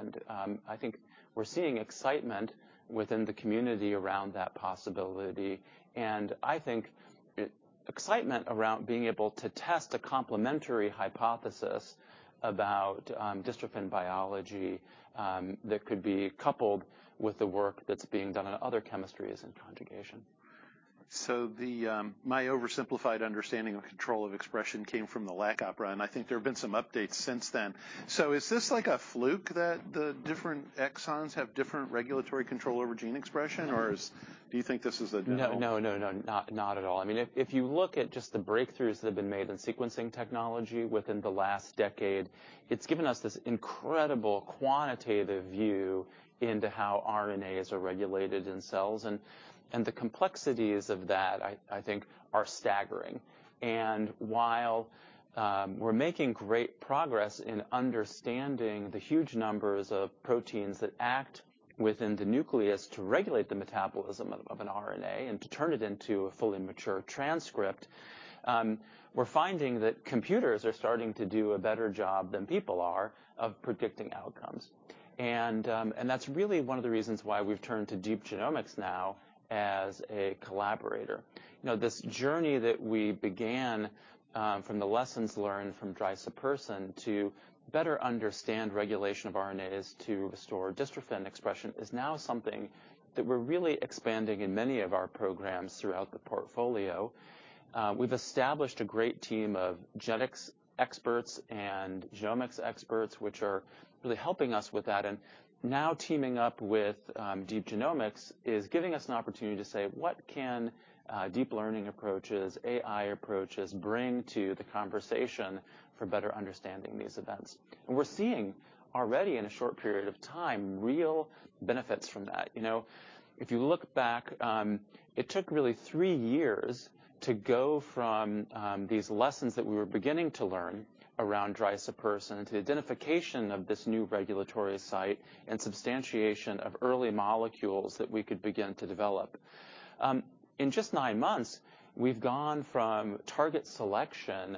I think we're seeing excitement within the community around that possibility. I think it's excitement around being able to test a complementary hypothesis about dystrophin biology that could be coupled with the work that's being done on other chemistries and conjugation. My oversimplified understanding of control of expression came from the lac operon model, and I think there have been some updates since then. Is this like a fluke that the different exons have different regulatory control over gene expression? Or do you think this is the norm? No, not at all. I mean, if you look at just the breakthroughs that have been made in sequencing technology within the last decade, it's given us this incredible quantitative view into how RNAs are regulated in cells. The complexities of that, I think, are staggering. While we're making great progress in understanding the huge numbers of proteins that act within the nucleus to regulate the metabolism of an RNA and to turn it into a fully mature transcript, we're finding that computers are starting to do a better job than people are of predicting outcomes. That's really one of the reasons why we've turned to Deep Genomics now as a collaborator. You know, this journey that we began, from the lessons learned from drisapersen to better understand regulation of RNAs to restore dystrophin expression is now something that we're really expanding in many of our programs throughout the portfolio. We've established a great team of genetics experts and genomics experts, which are really helping us with that. Now teaming up with Deep Genomics is giving us an opportunity to say, "What can deep learning approaches, AI approaches bring to the conversation for better understanding these events?" We're seeing already in a short period of time, real benefits from that. You know, if you look back, it took really three years to go from these lessons that we were beginning to learn around drisapersen to identification of this new regulatory site and substantiation of early molecules that we could begin to develop. In just nine months, we've gone from target selection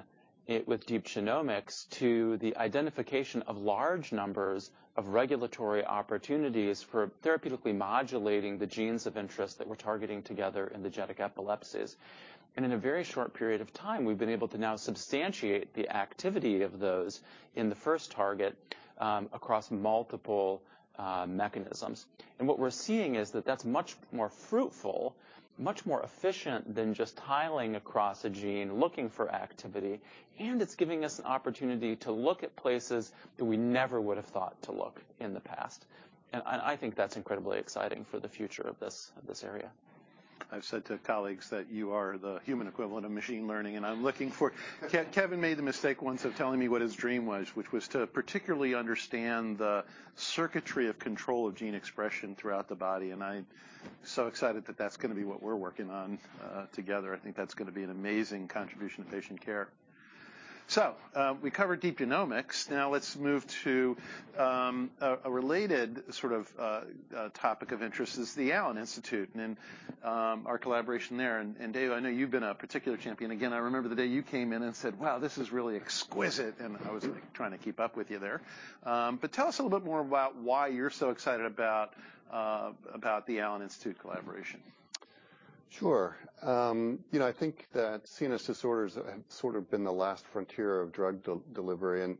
with Deep Genomics, to the identification of large numbers of regulatory opportunities for therapeutically modulating the genes of interest that we're targeting together in the genetic epilepsies. In a very short period of time, we've been able to now substantiate the activity of those in the first target across multiple mechanisms. What we're seeing is that that's much more fruitful, much more efficient than just tiling across a gene, looking for activity, and it's giving us an opportunity to look at places that we never would've thought to look in the past. I think that's incredibly exciting for the future of this area. I've said to colleagues that you are the human equivalent of machine learning, and I'm looking for. Kevin made the mistake once of telling me what his dream was, which was to particularly understand the circuitry of control of gene expression throughout the body, and I'm so excited that that's gonna be what we're working on, together. I think that's gonna be an amazing contribution to patient care. We covered Deep Genomics. Now let's move to a related sort of topic of interest is the Allen Institute and our collaboration there. Dave, I know you've been a particular champion. Again, I remember the day you came in and said, "Wow, this is really exquisite," and I was like trying to keep up with you there. Tell us a little bit more about why you're so excited about the Allen Institute collaboration. Sure. You know, I think that CNS disorders have sort of been the last frontier of drug delivery,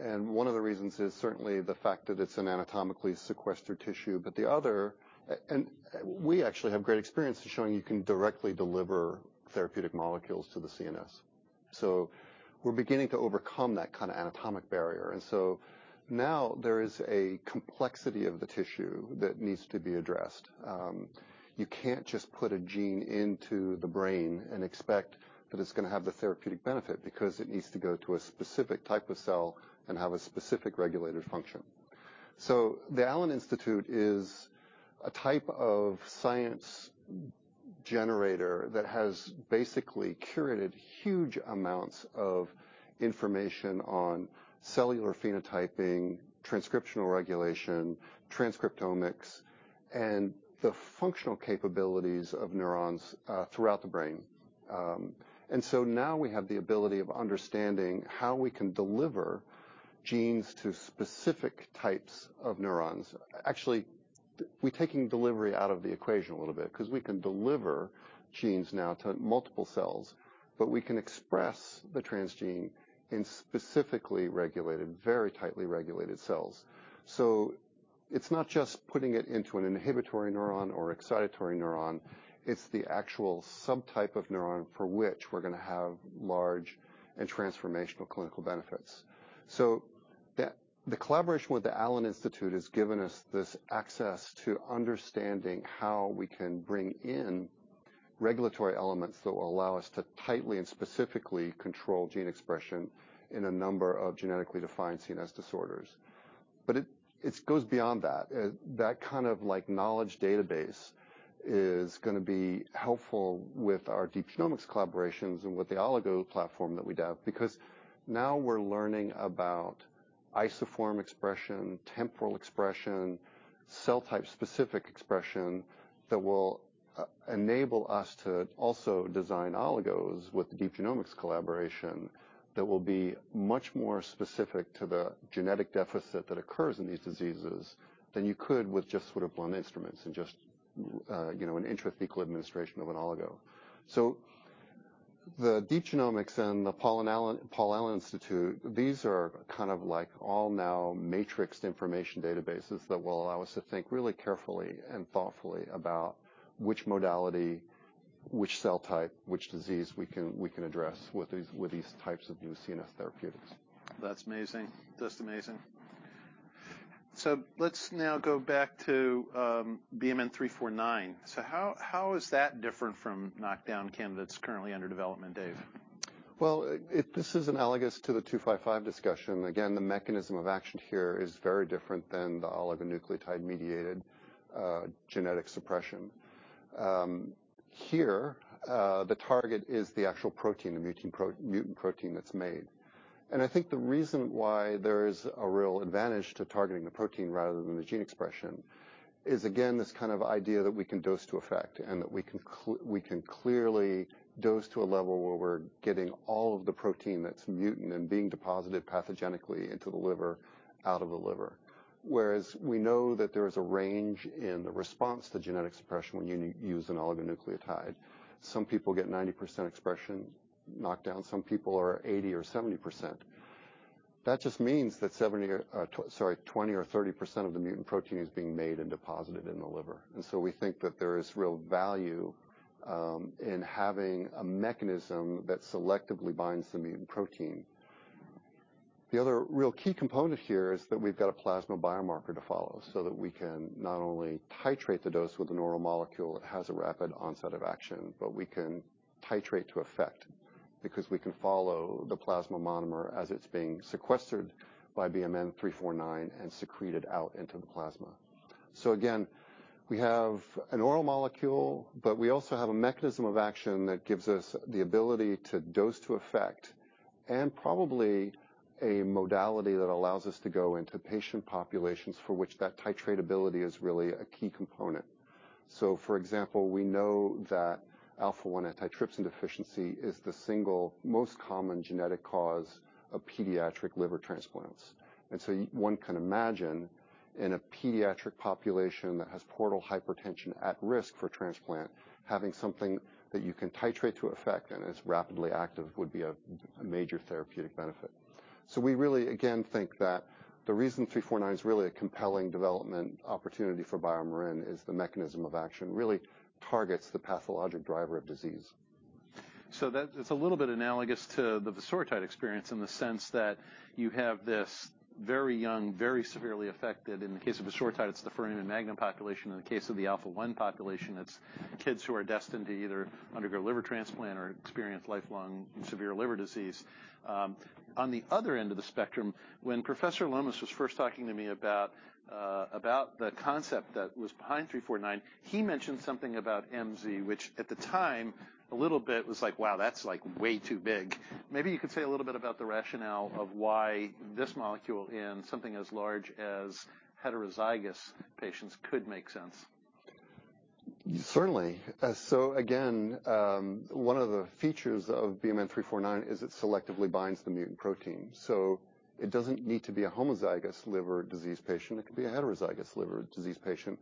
and one of the reasons is certainly the fact that it's an anatomically sequestered tissue. But the other and we actually have great experience in showing you can directly deliver therapeutic molecules to the CNS. We're beginning to overcome that kind of anatomic barrier. Now there is a complexity of the tissue that needs to be addressed. You can't just put a gene into the brain and expect that it's gonna have the therapeutic benefit because it needs to go to a specific type of cell and have a specific regulated function. The Allen Institute is a type of science generator that has basically curated huge amounts of information on cellular phenotyping, transcriptional regulation, transcriptomics, and the functional capabilities of neurons throughout the brain. Now we have the ability of understanding how we can deliver genes to specific types of neurons. Actually, we're taking delivery out of the equation a little bit 'cause we can deliver genes now to multiple cells, but we can express the transgene in specifically regulated, very tightly regulated cells. It's not just putting it into an inhibitory neuron or excitatory neuron, it's the actual subtype of neuron for which we're gonna have large and transformational clinical benefits. The collaboration with the Allen Institute has given us this access to understanding how we can bring in regulatory elements that will allow us to tightly and specifically control gene expression in a number of genetically defined CNS disorders. It goes beyond that. That kind of like knowledge database is gonna be helpful with our Deep Genomics collaborations and with the oligo platform that we have. Because now we're learning about isoform expression, temporal expression, cell type specific expression that will enable us to also design oligos with the Deep Genomics collaboration that will be much more specific to the genetic deficit that occurs in these diseases than you could with just sort of blunt instruments and just you know an intrathecal administration of an oligo. The Deep Genomics and the Allen Institute, these are kind of like all now matrixed information databases that will allow us to think really carefully and thoughtfully about which modality, which cell type, which disease we can address with these types of new CNS therapeutics. That's amazing. Just amazing. Let's now go back to BMN 349. How is that different from knockdown candidates currently under development, Dave? This is analogous to the BMN 255 discussion. The mechanism of action here is very different than the oligonucleotide-mediated genetic suppression. Here, the target is the actual protein, the mutant protein that's made. I think the reason why there is a real advantage to targeting the protein rather than the gene expression is, this kind of idea that we can dose to effect, and that we can clearly dose to a level where we're getting all of the protein that's mutant and being deposited pathogenically into the liver, out of the liver. We know that there is a range in the response to genetic suppression when you use an oligonucleotide. Some people get 90% expression knockdown, some people are 80% or 70%. That just means that 20% or 30% of the mutant protein is being made and deposited in the liver. We think that there is real value in having a mechanism that selectively binds the mutant protein. The other real key component here is that we've got a plasma biomarker to follow so that we can not only titrate the dose with an oral molecule that has a rapid onset of action, but we can titrate to effect because we can follow the plasma monomer as it's being sequestered by BMN 349 and secreted out into the plasma. Again, we have an oral molecule, but we also have a mechanism of action that gives us the ability to dose to effect, and probably a modality that allows us to go into patient populations for which that titratability is really a key component. For example, we know that alpha-1 antitrypsin deficiency is the single most common genetic cause of pediatric liver transplants. One can imagine in a pediatric population that has portal hypertension at risk for transplant, having something that you can titrate to effect and is rapidly active would be a major therapeutic benefit. We really, again, think that the reason BMN 349 is really a compelling development opportunity for BioMarin is the mechanism of action really targets the pathologic driver of disease. It's a little bit analogous to the vosoritide experience in the sense that you have this very young, very severely affected, in the case of vosoritide, it's the foramen magnum population. In the case of the alpha-1 population, it's kids who are destined to either undergo liver transplant or experience lifelong severe liver disease. On the other end of the spectrum, when Professor Lomas was first talking to me about the concept that was behind BMN 349, he mentioned something about MZ, which at the time, a little bit was like, "Wow, that's like way too big." Maybe you could say a little bit about the rationale of why this molecule in something as large as heterozygous patients could make sense. Certainly. Again, one of the features of BMN 349 is it selectively binds the mutant protein. It doesn't need to be a homozygous liver disease patient, it could be a heterozygous liver disease patient.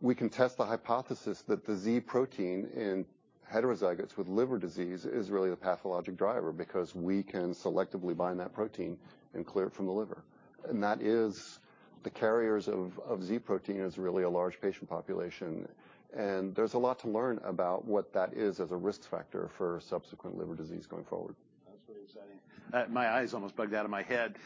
We can test the hypothesis that the Z protein in heterozygotes with liver disease is really the pathologic driver because we can selectively bind that protein and clear it from the liver. That is the carriers of Z protein is really a large patient population. There's a lot to learn about what that is as a risk factor for subsequent liver disease going forward. That's really exciting. My eyes almost bugged out of my head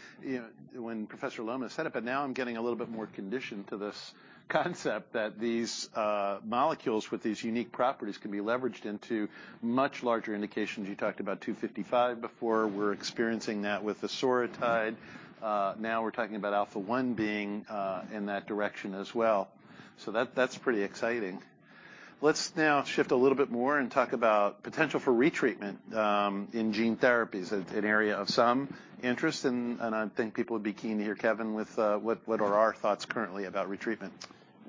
when Professor Lomas said it, but now I'm getting a little bit more conditioned to this concept that these molecules with these unique properties can be leveraged into much larger indications. You talked about BMN 255 before. We're experiencing that with vosoritide. Now we're talking about alpha-1 being in that direction as well. That's pretty exciting. Let's now shift a little bit more and talk about potential for retreatment in gene therapies, an area of some interest. I think people would be keen to hear Kevin with what are our thoughts currently about retreatment?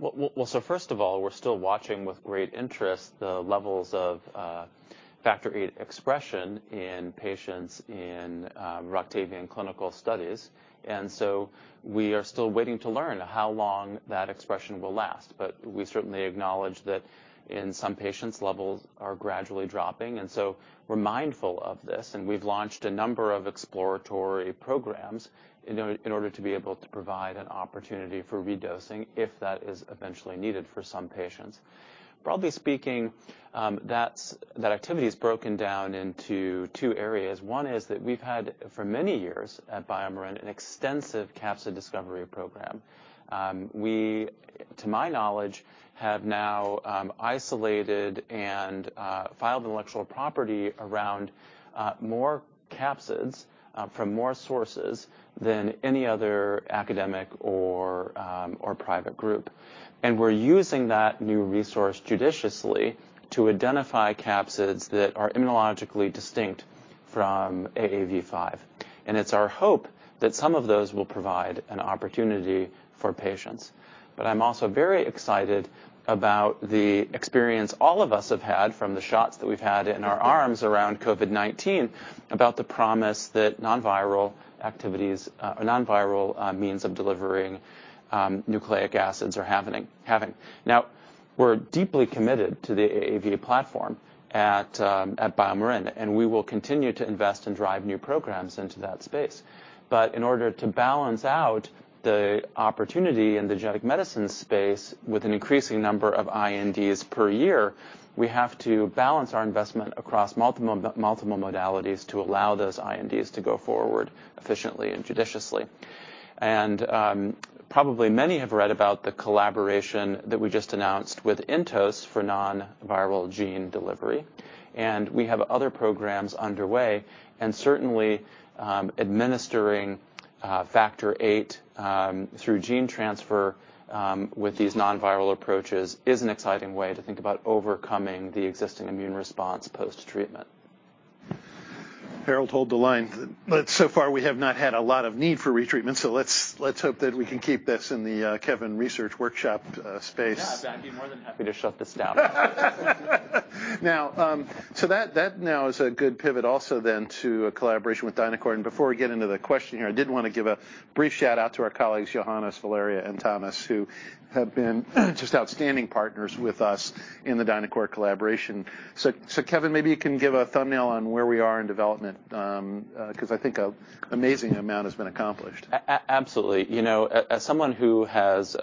Well, first of all, we're still watching with great interest the levels of factor VIII expression in patients in Roctavian clinical studies. We are still waiting to learn how long that expression will last. We certainly acknowledge that in some patients, levels are gradually dropping, and so we're mindful of this, and we've launched a number of exploratory programs in order to be able to provide an opportunity for redosing if that is eventually needed for some patients. Broadly speaking, that activity is broken down into two areas. One is that we've had, for many years at BioMarin, an extensive capsid discovery program. We, to my knowledge, have now isolated and filed intellectual property around more capsids from more sources than any other academic or private group. We're using that new resource judiciously to identify capsids that are immunologically distinct from AAV5. It's our hope that some of those will provide an opportunity for patients. I'm also very excited about the experience all of us have had from the shots that we've had in our arms around COVID-19, about the promise that non-viral means of delivering nucleic acids are happening. Now, we're deeply committed to the AAV platform at BioMarin, and we will continue to invest and drive new programs into that space. In order to balance out the opportunity in the genetic medicine space with an increasing number of INDs per year, we have to balance our investment across multiple modalities to allow those INDs to go forward efficiently and judiciously. Probably many have read about the collaboration that we just announced with Entos for non-viral gene delivery. We have other programs underway and certainly, administering factor eight through gene transfer with these non-viral approaches is an exciting way to think about overcoming the existing immune response post-treatment. Harold, hold the line. So far, we have not had a lot of need for re-treatment, so let's hope that we can keep this in the Kevin research workshop space. Yeah. I'd be more than happy to shut this down. Now, that now is a good pivot also then to a collaboration with DiNAQOR. Before we get into the question here, I did wanna give a brief shout-out to our colleagues, Johannes, Valeria, and Thomas, who have been just outstanding partners with us in the DiNAQOR collaboration. Kevin, maybe you can give a thumbnail on where we are in development, 'cause I think an amazing amount has been accomplished. Absolutely. You know, as someone who has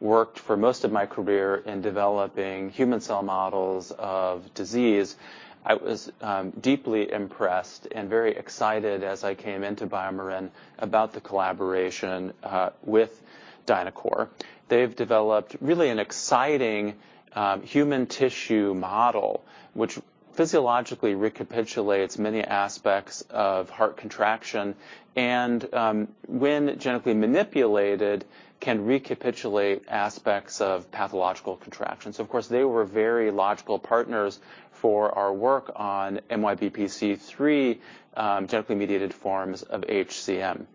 worked for most of my career in developing human cell models of disease, I was deeply impressed and very excited as I came into BioMarin about the collaboration with DiNAQOR. They've developed really an exciting human tissue model, which physiologically recapitulates many aspects of heart contraction and when genetically manipulated, can recapitulate aspects of pathological contraction. Of course, they were very logical partners for our work on MYBPC3, genetically mediated forms of HCM.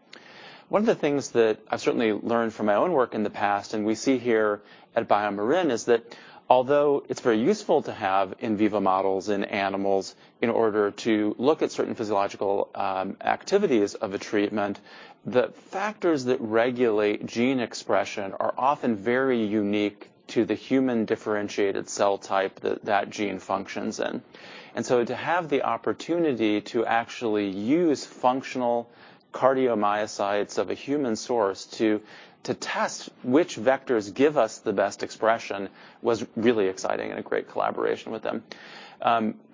One of the things that I've certainly learned from my own work in the past, and we see here at BioMarin, is that although it's very useful to have in vivo models in animals in order to look at certain physiological activities of a treatment, the factors that regulate gene expression are often very unique to the human differentiated cell type that that gene functions in. To have the opportunity to actually use functional cardiomyocytes of a human source to test which vectors give us the best expression was really exciting and a great collaboration with them.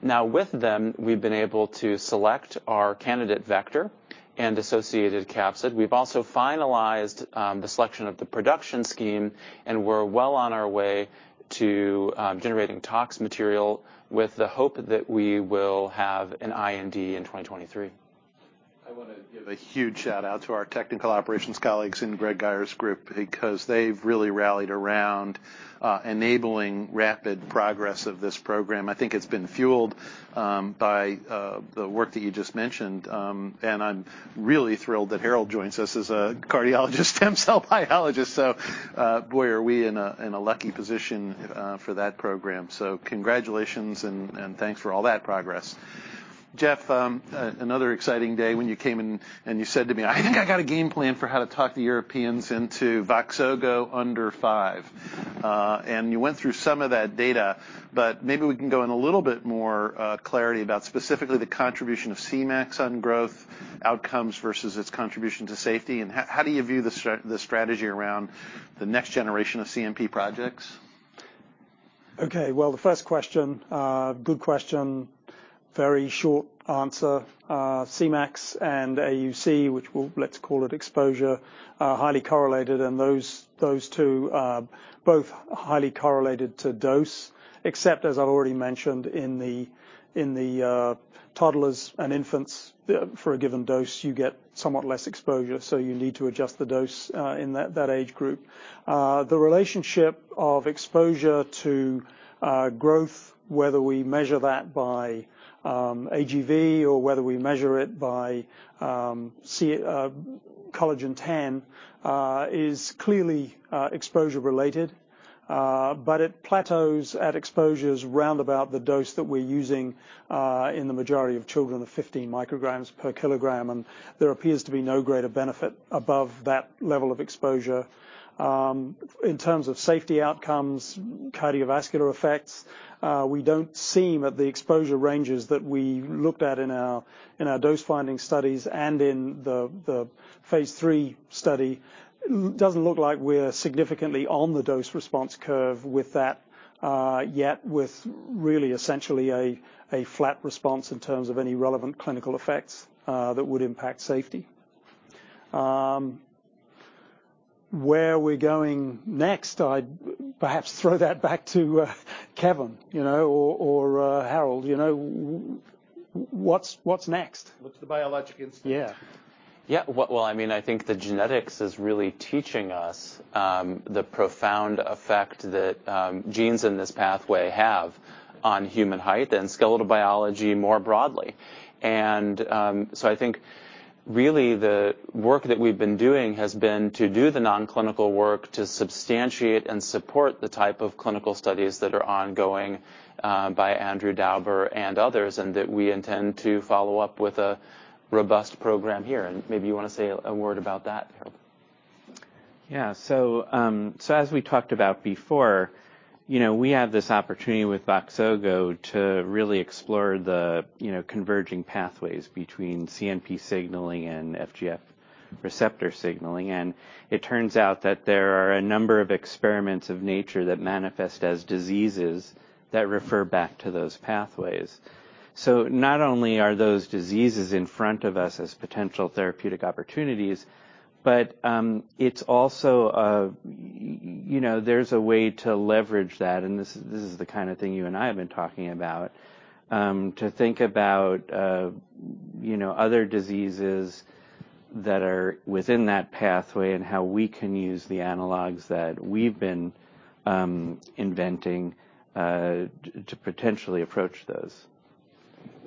Now with them, we've been able to select our candidate vector and associated capsid. We've also finalized the selection of the production scheme, and we're well on our way to generating tox material with the hope that we will have an IND in 2023. I wanna give a huge shout-out to our technical operations colleagues in Greg Guyer's group because they've really rallied around enabling rapid progress of this program. I think it's been fueled by the work that you just mentioned and I'm really thrilled that Harold joins us as a cardiologist and cell biologist. Boy, are we in a lucky position for that program. Congratulations, and thanks for all that progress. Geoff, another exciting day when you came in and you said to me, "I think I got a game plan for how to talk the Europeans into Voxzogo under five." You went through some of that data, but maybe we can go in a little bit more clarity about specifically the contribution of Cmax on growth outcomes versus its contribution to safety, and how do you view the strategy around the next generation of CNP projects? Okay. Well, the first question, good question, very short answer. Cmax and AUC, let's call it exposure, are highly correlated, and those two both highly correlated to dose, except as I've already mentioned in the toddlers and infants, for a given dose, you get somewhat less exposure, so you need to adjust the dose in that age group. The relationship of exposure to growth, whether we measure that by AGV or whether we measure it by collagen type X, is clearly exposure related, but it plateaus at exposures round about the dose that we're using in the majority of children of 15 micrograms per kilogram, and there appears to be no greater benefit above that level of exposure. In terms of safety outcomes, cardiovascular effects, we don't seem, at the exposure ranges that we looked at in our dose finding studies and in the phase III study, doesn't look like we're significantly on the dose response curve with that, yet with really essentially a flat response in terms of any relevant clinical effects that would impact safety. Where we're going next, I'd perhaps throw that back to Kevin, you know, or Harold, you know, what's next? What's the biologic instinct? Yeah. Yeah. Well, I mean, I think the genetics is really teaching us the profound effect that genes in this pathway have on human height and skeletal biology more broadly. I think really the work that we've been doing has been to do the non-clinical work to substantiate and support the type of clinical studies that are ongoing by Andrew Dauber and others, and that we intend to follow up with a robust program here. Maybe you wanna say a word about that, Harold. Yeah. As we talked about before, you know, we have this opportunity with Voxzogo to really explore the, you know, converging pathways between CNP signaling and FGF receptor signaling. It turns out that there are a number of experiments of nature that manifest as diseases that refer back to those pathways. Not only are those diseases in front of us as potential therapeutic opportunities, but it's also a way to leverage that, and this is the kind of thing you and I have been talking about to think about other diseases that are within that pathway and how we can use the analogs that we've been inventing to potentially approach those.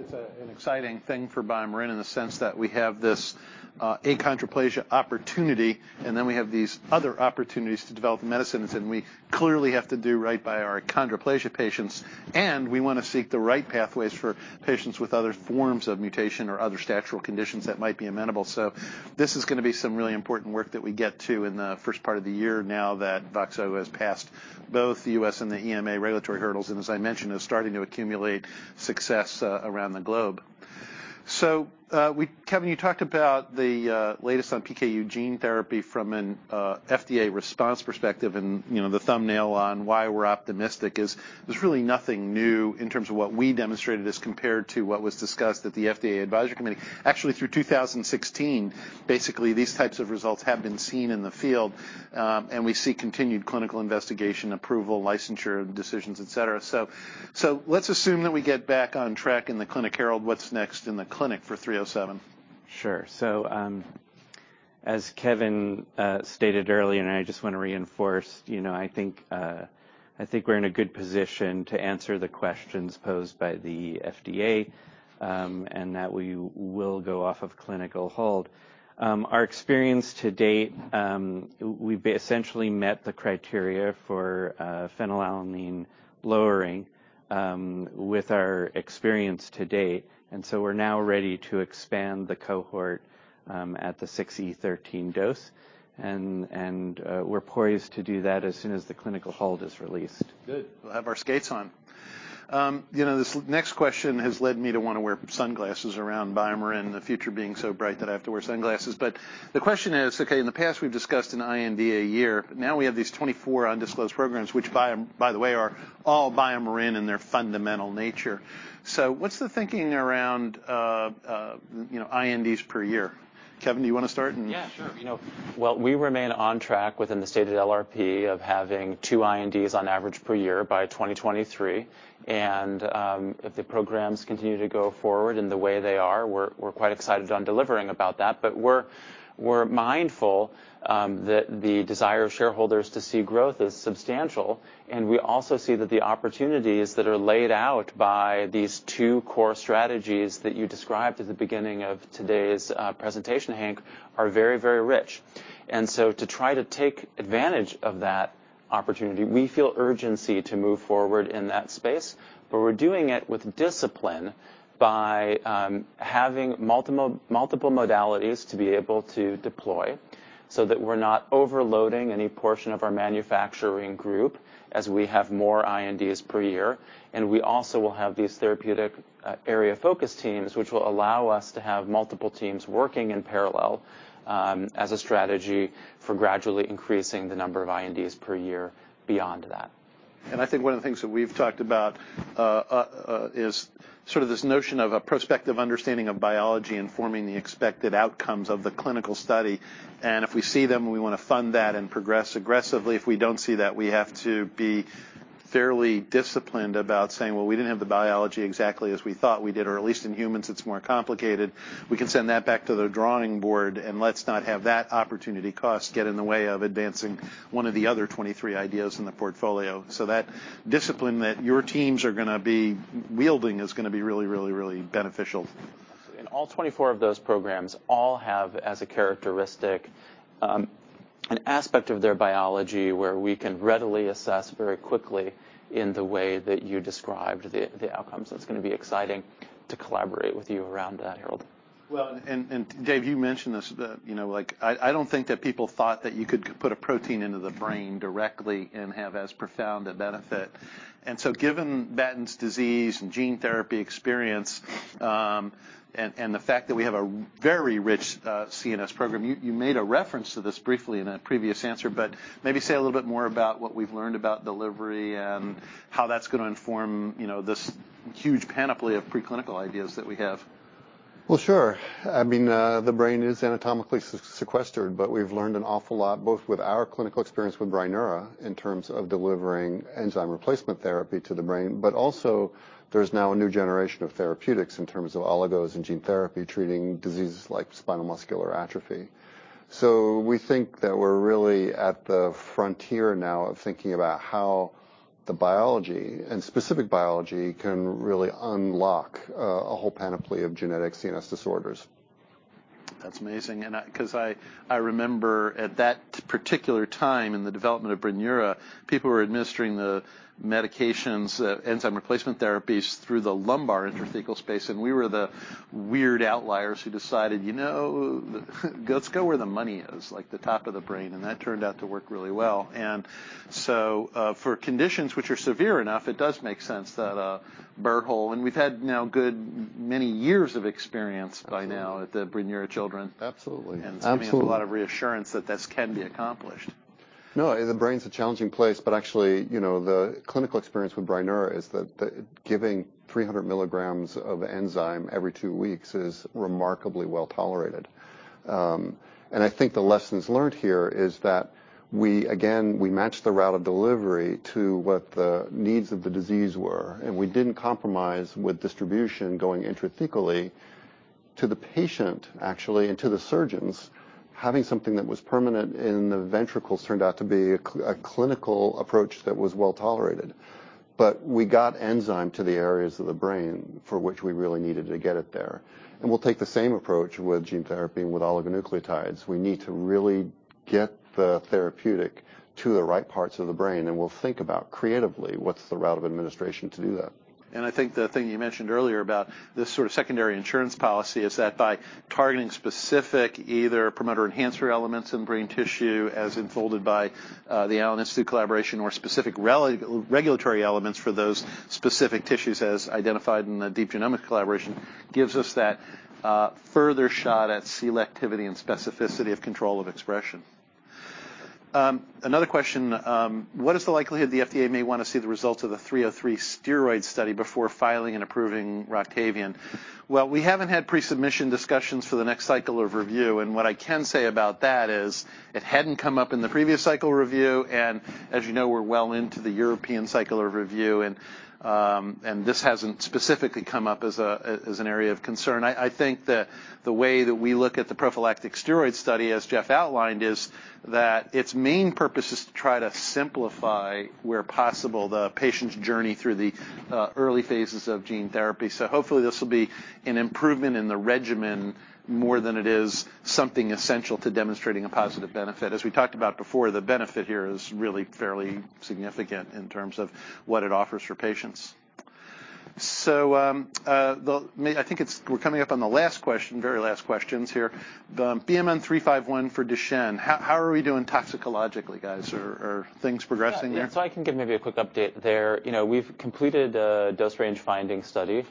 It's an exciting thing for BioMarin in the sense that we have this achondroplasia opportunity, and then we have these other opportunities to develop medicines, and we clearly have to do right by our achondroplasia patients. We wanna seek the right pathways for patients with other forms of mutation or other statural conditions that might be amenable. This is gonna be some really important work that we get to in the first part of the year now that Voxzogo has passed both the U.S. and the EMA regulatory hurdles and, as I mentioned, is starting to accumulate success around the globe. Kevin, you talked about the latest on PKU gene therapy from an FDA response perspective. You know, the thumbnail on why we're optimistic is there's really nothing new in terms of what we demonstrated as compared to what was discussed at the FDA Advisory Committee. Actually, through 2016, basically, these types of results have been seen in the field, and we see continued clinical investigation approval, licensure decisions, et cetera. Let's assume that we get back on track in the clinic. Harold, what's next in the clinic for BMN 307? Sure. As Kevin stated earlier, and I just wanna reinforce, you know, I think we're in a good position to answer the questions posed by the FDA, and that we will go off of clinical hold. Our experience to date, we've essentially met the criteria for phenylalanine lowering with our experience to date, and so we're now ready to expand the cohort at the 60-13 dose. We're poised to do that as soon as the clinical hold is released. Good. We'll have our skates on. You know, this next question has led me to wanna wear sunglasses around BioMarin, the future being so bright that I have to wear sunglasses. The question is, okay, in the past, we've discussed an IND a year. Now we have these 24 undisclosed programs which, by the way, are all BioMarin in their fundamental nature. What's the thinking around, you know, INDs per year? Kevin, do you wanna start and Yeah, sure. You know, well, we remain on track within the stated LRP of having two INDs on average per year by 2023. If the programs continue to go forward in the way they are, we're quite excited on delivering about that. We're mindful that the desire of shareholders to see growth is substantial, and we also see that the opportunities that are laid out by these two core strategies that you described at the beginning of today's presentation, Hank, are very, very rich. To try to take advantage of that opportunity, we feel urgency to move forward in that space. We're doing it with discipline by having multiple modalities to be able to deploy so that we're not overloading any portion of our manufacturing group as we have more INDs per year. We also will have these therapeutic area focus teams, which will allow us to have multiple teams working in parallel, as a strategy for gradually increasing the number of INDs per year beyond that. I think one of the things that we've talked about is sort of this notion of a prospective understanding of biology informing the expected outcomes of the clinical study. If we see them, we wanna fund that and progress aggressively. If we don't see that, we have to be fairly disciplined about saying, "Well, we didn't have the biology exactly as we thought we did, or at least in humans it's more complicated. We can send that back to the drawing board, and let's not have that opportunity cost get in the way of advancing one of the other 23 ideas in the portfolio." That discipline that your teams are gonna be wielding is gonna be really, really, really beneficial. In all 24 of those programs, all have, as a characteristic, an aspect of their biology where we can readily assess very quickly in the way that you described the outcomes. It's gonna be exciting to collaborate with you around that, Harold. Well, Dave, you mentioned this, that, you know, like I don't think that people thought that you could put a protein into the brain directly and have as profound a benefit. Given Batten disease and gene therapy experience, and the fact that we have a very rich CNS program, you made a reference to this briefly in a previous answer, but maybe say a little bit more about what we've learned about delivery and how that's gonna inform, you know, this huge panoply of preclinical ideas that we have. Well, sure. I mean, the brain is anatomically sequestered, but we've learned an awful lot, both with our clinical experience with Brineura in terms of delivering enzyme replacement therapy to the brain. Also, there's now a new generation of therapeutics in terms of oligos and gene therapy, treating diseases like spinal muscular atrophy. We think that we're really at the frontier now of thinking about how the biology and specific biology can really unlock a whole panoply of genetic CNS disorders. That's amazing. I remember at that particular time in the development of Brineura, people were administering the medications, enzyme replacement therapies through the lumbar intrathecal space, and we were the weird outliers who decided, "You know, let's go where the money is, like the top of the brain." That turned out to work really well. For conditions which are severe enough, it does make sense that, burr hole. We've had now good many years of experience by now. Absolutely. at the Brineura children. Absolutely. It's giving us a lot of reassurance that this can be accomplished. No, the brain's a challenging place, but actually, you know, the clinical experience with Brineura is that the giving 300 milligrams of enzyme every two weeks is remarkably well tolerated. I think the lessons learned here is that we again matched the route of delivery to what the needs of the disease were, and we didn't compromise with distribution going intrathecally to the patient, actually, and to the surgeons. Having something that was permanent in the ventricles turned out to be a clinical approach that was well-tolerated. We got enzyme to the areas of the brain for which we really needed to get it there. We'll take the same approach with gene therapy and with oligonucleotides. We need to really get the therapeutic to the right parts of the brain, and we'll think about creatively, what's the route of administration to do that. I think the thing you mentioned earlier about this sort of secondary insurance policy is that by targeting specific either promoter enhancer elements in brain tissue as informed by the Allen Institute collaboration or specific regulatory elements for those specific tissues as identified in the Deep Genomics collaboration, gives us that further shot at selectivity and specificity of control of expression. Another question. What is the likelihood the FDA may wanna see the results of the Study 303 steroid trial before filing and approving Roctavian? Well, we haven't had pre-submission discussions for the next cycle of review, and what I can say about that is it hadn't come up in the previous cycle review. As you know, we're well into the European cycle of review, and this hasn't specifically come up as an area of concern. I think the way that we look at the prophylactic steroid study, as Geoff outlined, is that its main purpose is to try to simplify, where possible, the patient's journey through the early phases of gene therapy. Hopefully this will be an improvement in the regimen more than it is something essential to demonstrating a positive benefit. As we talked about before, the benefit here is really fairly significant in terms of what it offers for patients. I think we're coming up on the last question, very last questions here. The BMN 351 for Duchenne, how are we doing toxicologically, guys? Are things progressing there? Yeah. I can give maybe a quick update there. You know, we've completed a dose range finding study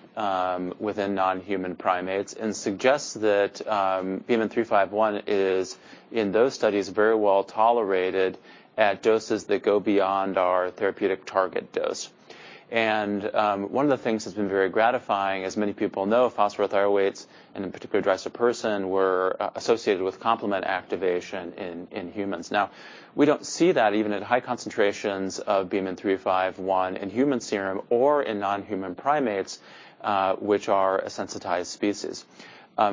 within non-human primates and suggests that BMN 351 is, in those studies, very well tolerated at doses that go beyond our therapeutic target dose. One of the things that's been very gratifying, as many people know, phosphorothioates, and in particular, drisapersen, were associated with complement activation in humans. Now, we don't see that even at high concentrations of BMN 351 in human serum or in non-human primates, which are a sensitized species.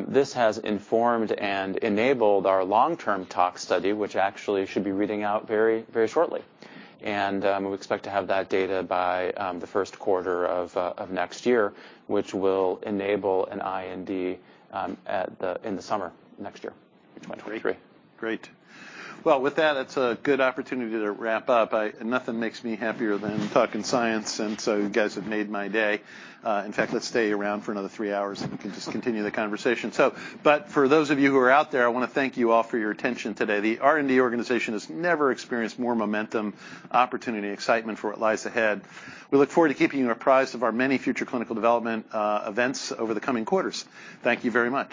This has informed and enabled our long-term tox study, which actually should be reading out very, very shortly. We expect to have that data by the first quarter of next year, which will enable an IND in the summer next year, in 2023. Great. Well, with that, it's a good opportunity to wrap up. Nothing makes me happier than talking science, and so you guys have made my day. In fact, let's stay around for another three hours, and we can just continue the conversation. For those of you who are out there, I wanna thank you all for your attention today. The R&D organization has never experienced more momentum, opportunity, excitement for what lies ahead. We look forward to keeping you apprised of our many future clinical development events over the coming quarters. Thank you very much.